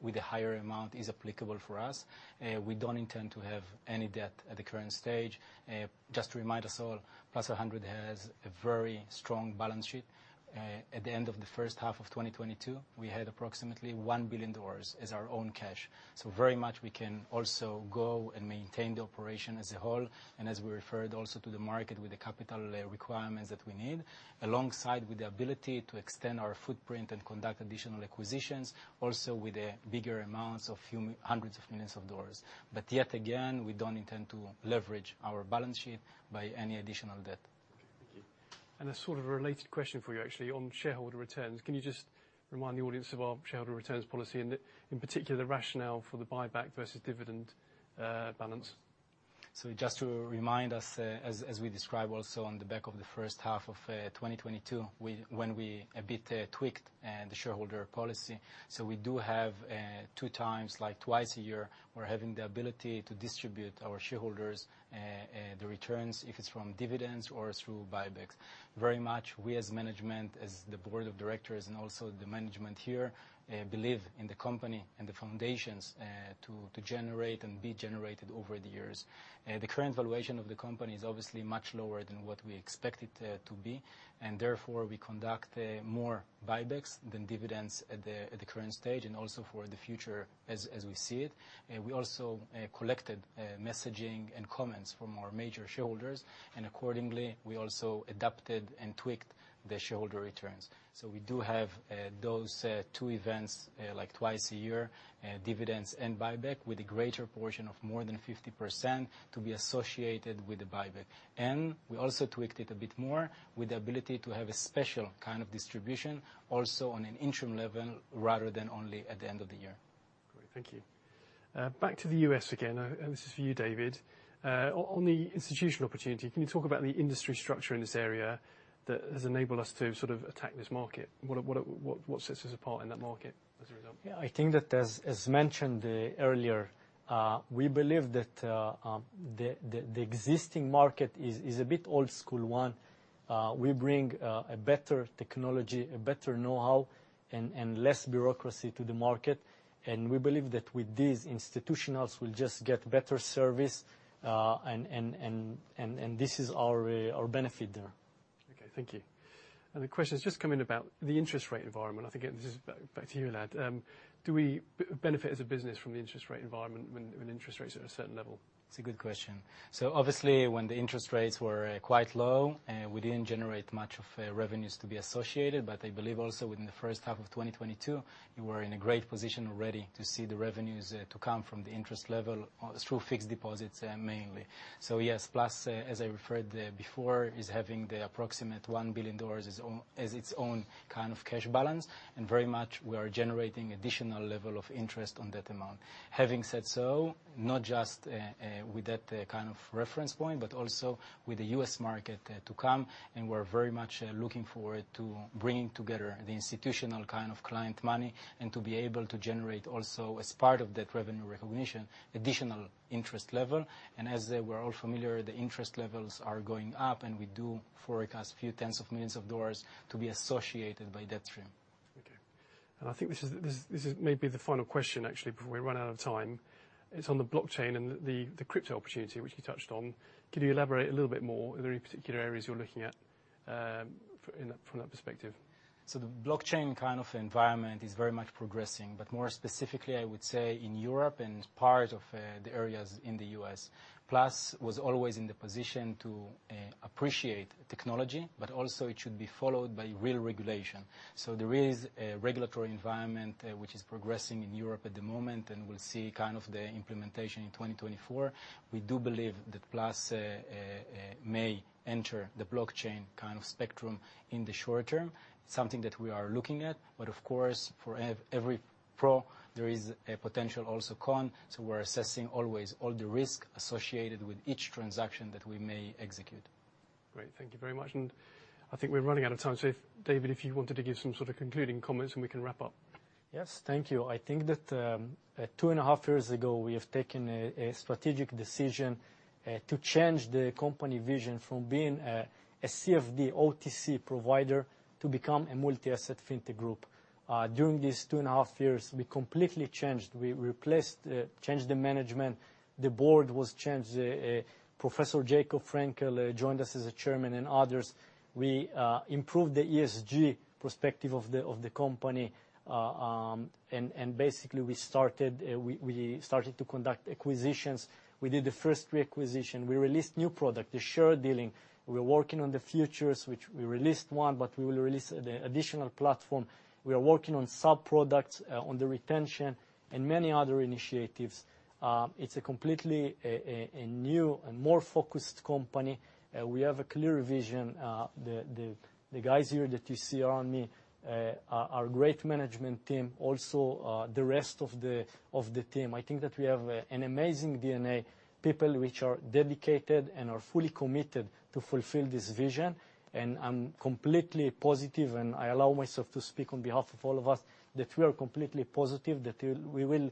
with a higher amount is applicable for us. We don't intend to have any debt at the current stage. Just to remind us all, Plus500 has a very strong balance sheet. At the end of the first half of 2022, we had approximately $1 billion as our own cash. Very much we can also go and maintain the operation as a whole, and as we referred also to the market with the capital requirements that we need, alongside with the ability to extend our footprint and conduct additional acquisitions, also with the bigger amounts of a few hundred million dollars. Yet again, we don't intend to leverage our balance sheet by any additional debt. Okay. Thank you. A sort of related question for you actually on shareholder returns. Can you just remind the audience of our shareholder returns policy and, in particular, the rationale for the buyback versus dividend balance? Just to remind us, as we described also on the back of the first half of 2022, when we a bit tweaked the shareholder policy. We do have two times, like twice a year, we're having the ability to distribute to our shareholders the returns, if it's from dividends or through buybacks. Very much, we as management, as the board of directors and also the management here, believe in the company and the foundations to generate and be generated over the years. The current valuation of the company is obviously much lower than what we expect it to be, and therefore, we conduct more buybacks than dividends at the current stage, and also for the future as we see it. We also collected messaging and comments from our major shareholders, and accordingly, we also adapted and tweaked the shareholder returns. We do have those two events like twice a year, dividends and buyback with a greater portion of more than 50% to be associated with the buyback. We also tweaked it a bit more with the ability to have a special kind of distribution also on an interim level rather than only at the end of the year. Great. Thank you. Back to the U.S. again. This is for you, David. On the institutional opportunity, can you talk about the industry structure in this area that has enabled us to sort of attack this market? What sets us apart in that market as a result? Yeah. I think that as mentioned earlier, we believe that the existing market is a bit old school one. We bring a better technology, a better know-how and this is our benefit there. Okay. Thank you. The question has just come in about the interest rate environment. I think this is back to you, Elad. Do we benefit as a business from the interest rate environment when interest rates are at a certain level? It's a good question. Obviously, when the interest rates were quite low, we didn't generate much of revenues to be associated, but I believe also within the first half of 2022, we were in a great position already to see the revenues to come from the interest level through fixed deposits mainly. Yes, Plus500, as I referred before, is having the approximate $1 billion as its own kind of cash balance, and very much we are generating additional level of interest on that amount. Having said so, not just with that kind of reference point, but also with the US market to come. We're very much looking forward to bringing together the institutional kind of client money and to be able to generate also as part of that revenue recognition, additional interest level. As we're all familiar, the interest levels are going up, and we do forecast a few tens of millions of dollars to be associated by that stream. Okay. I think this is maybe the final question actually before we run out of time. It's on the blockchain and the crypto opportunity, which you touched on. Could you elaborate a little bit more? Are there any particular areas you're looking at from that perspective? The blockchain kind of environment is very much progressing, but more specifically, I would say in Europe and part of the areas in the US. Plus was always in the position to appreciate technology, but also it should be followed by real regulation. There is a regulatory environment which is progressing in Europe at the moment, and we'll see kind of the implementation in 2024. We do believe that Plus may enter the blockchain kind of spectrum in the short term. Something that we are looking at. But of course, for every pro, there is a potential also con. We're assessing always all the risk associated with each transaction that we may execute. Great. Thank you very much. I think we're running out of time. If David, if you wanted to give some sort of concluding comments, and we can wrap up. Yes. Thank you. I think that, two and a half years ago, we have taken a strategic decision to change the company vision from being a CFD OTC provider to become a multi-asset fintech group. During these two and a half years, we completely changed. We replaced, changed the management. The board was changed. Professor Jacob Frenkel joined us as chairman and others. We improved the ESG perspective of the company. Basically we started to conduct acquisitions. We did the first reacquisition. We released new product, the share dealing. We're working on the futures, which we released one, but we will release the additional platform. We are working on sub-products on the retention and many other initiatives. It's a completely new and more focused company. We have a clear vision. The guys here that you see around me are great management team. Also, the rest of the team. I think that we have an amazing DNA, people which are dedicated and are fully committed to fulfill this vision. I'm completely positive, and I allow myself to speak on behalf of all of us, that we are completely positive that we will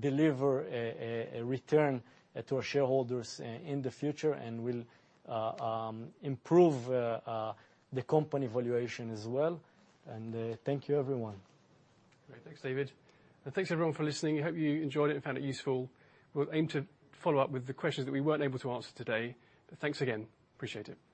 deliver a return to our shareholders in the future and will improve the company valuation as well. Thank you, everyone. Great. Thanks, David. Thanks everyone for listening. Hope you enjoyed it and found it useful. We'll aim to follow up with the questions that we weren't able to answer today. Thanks again. Appreciate it.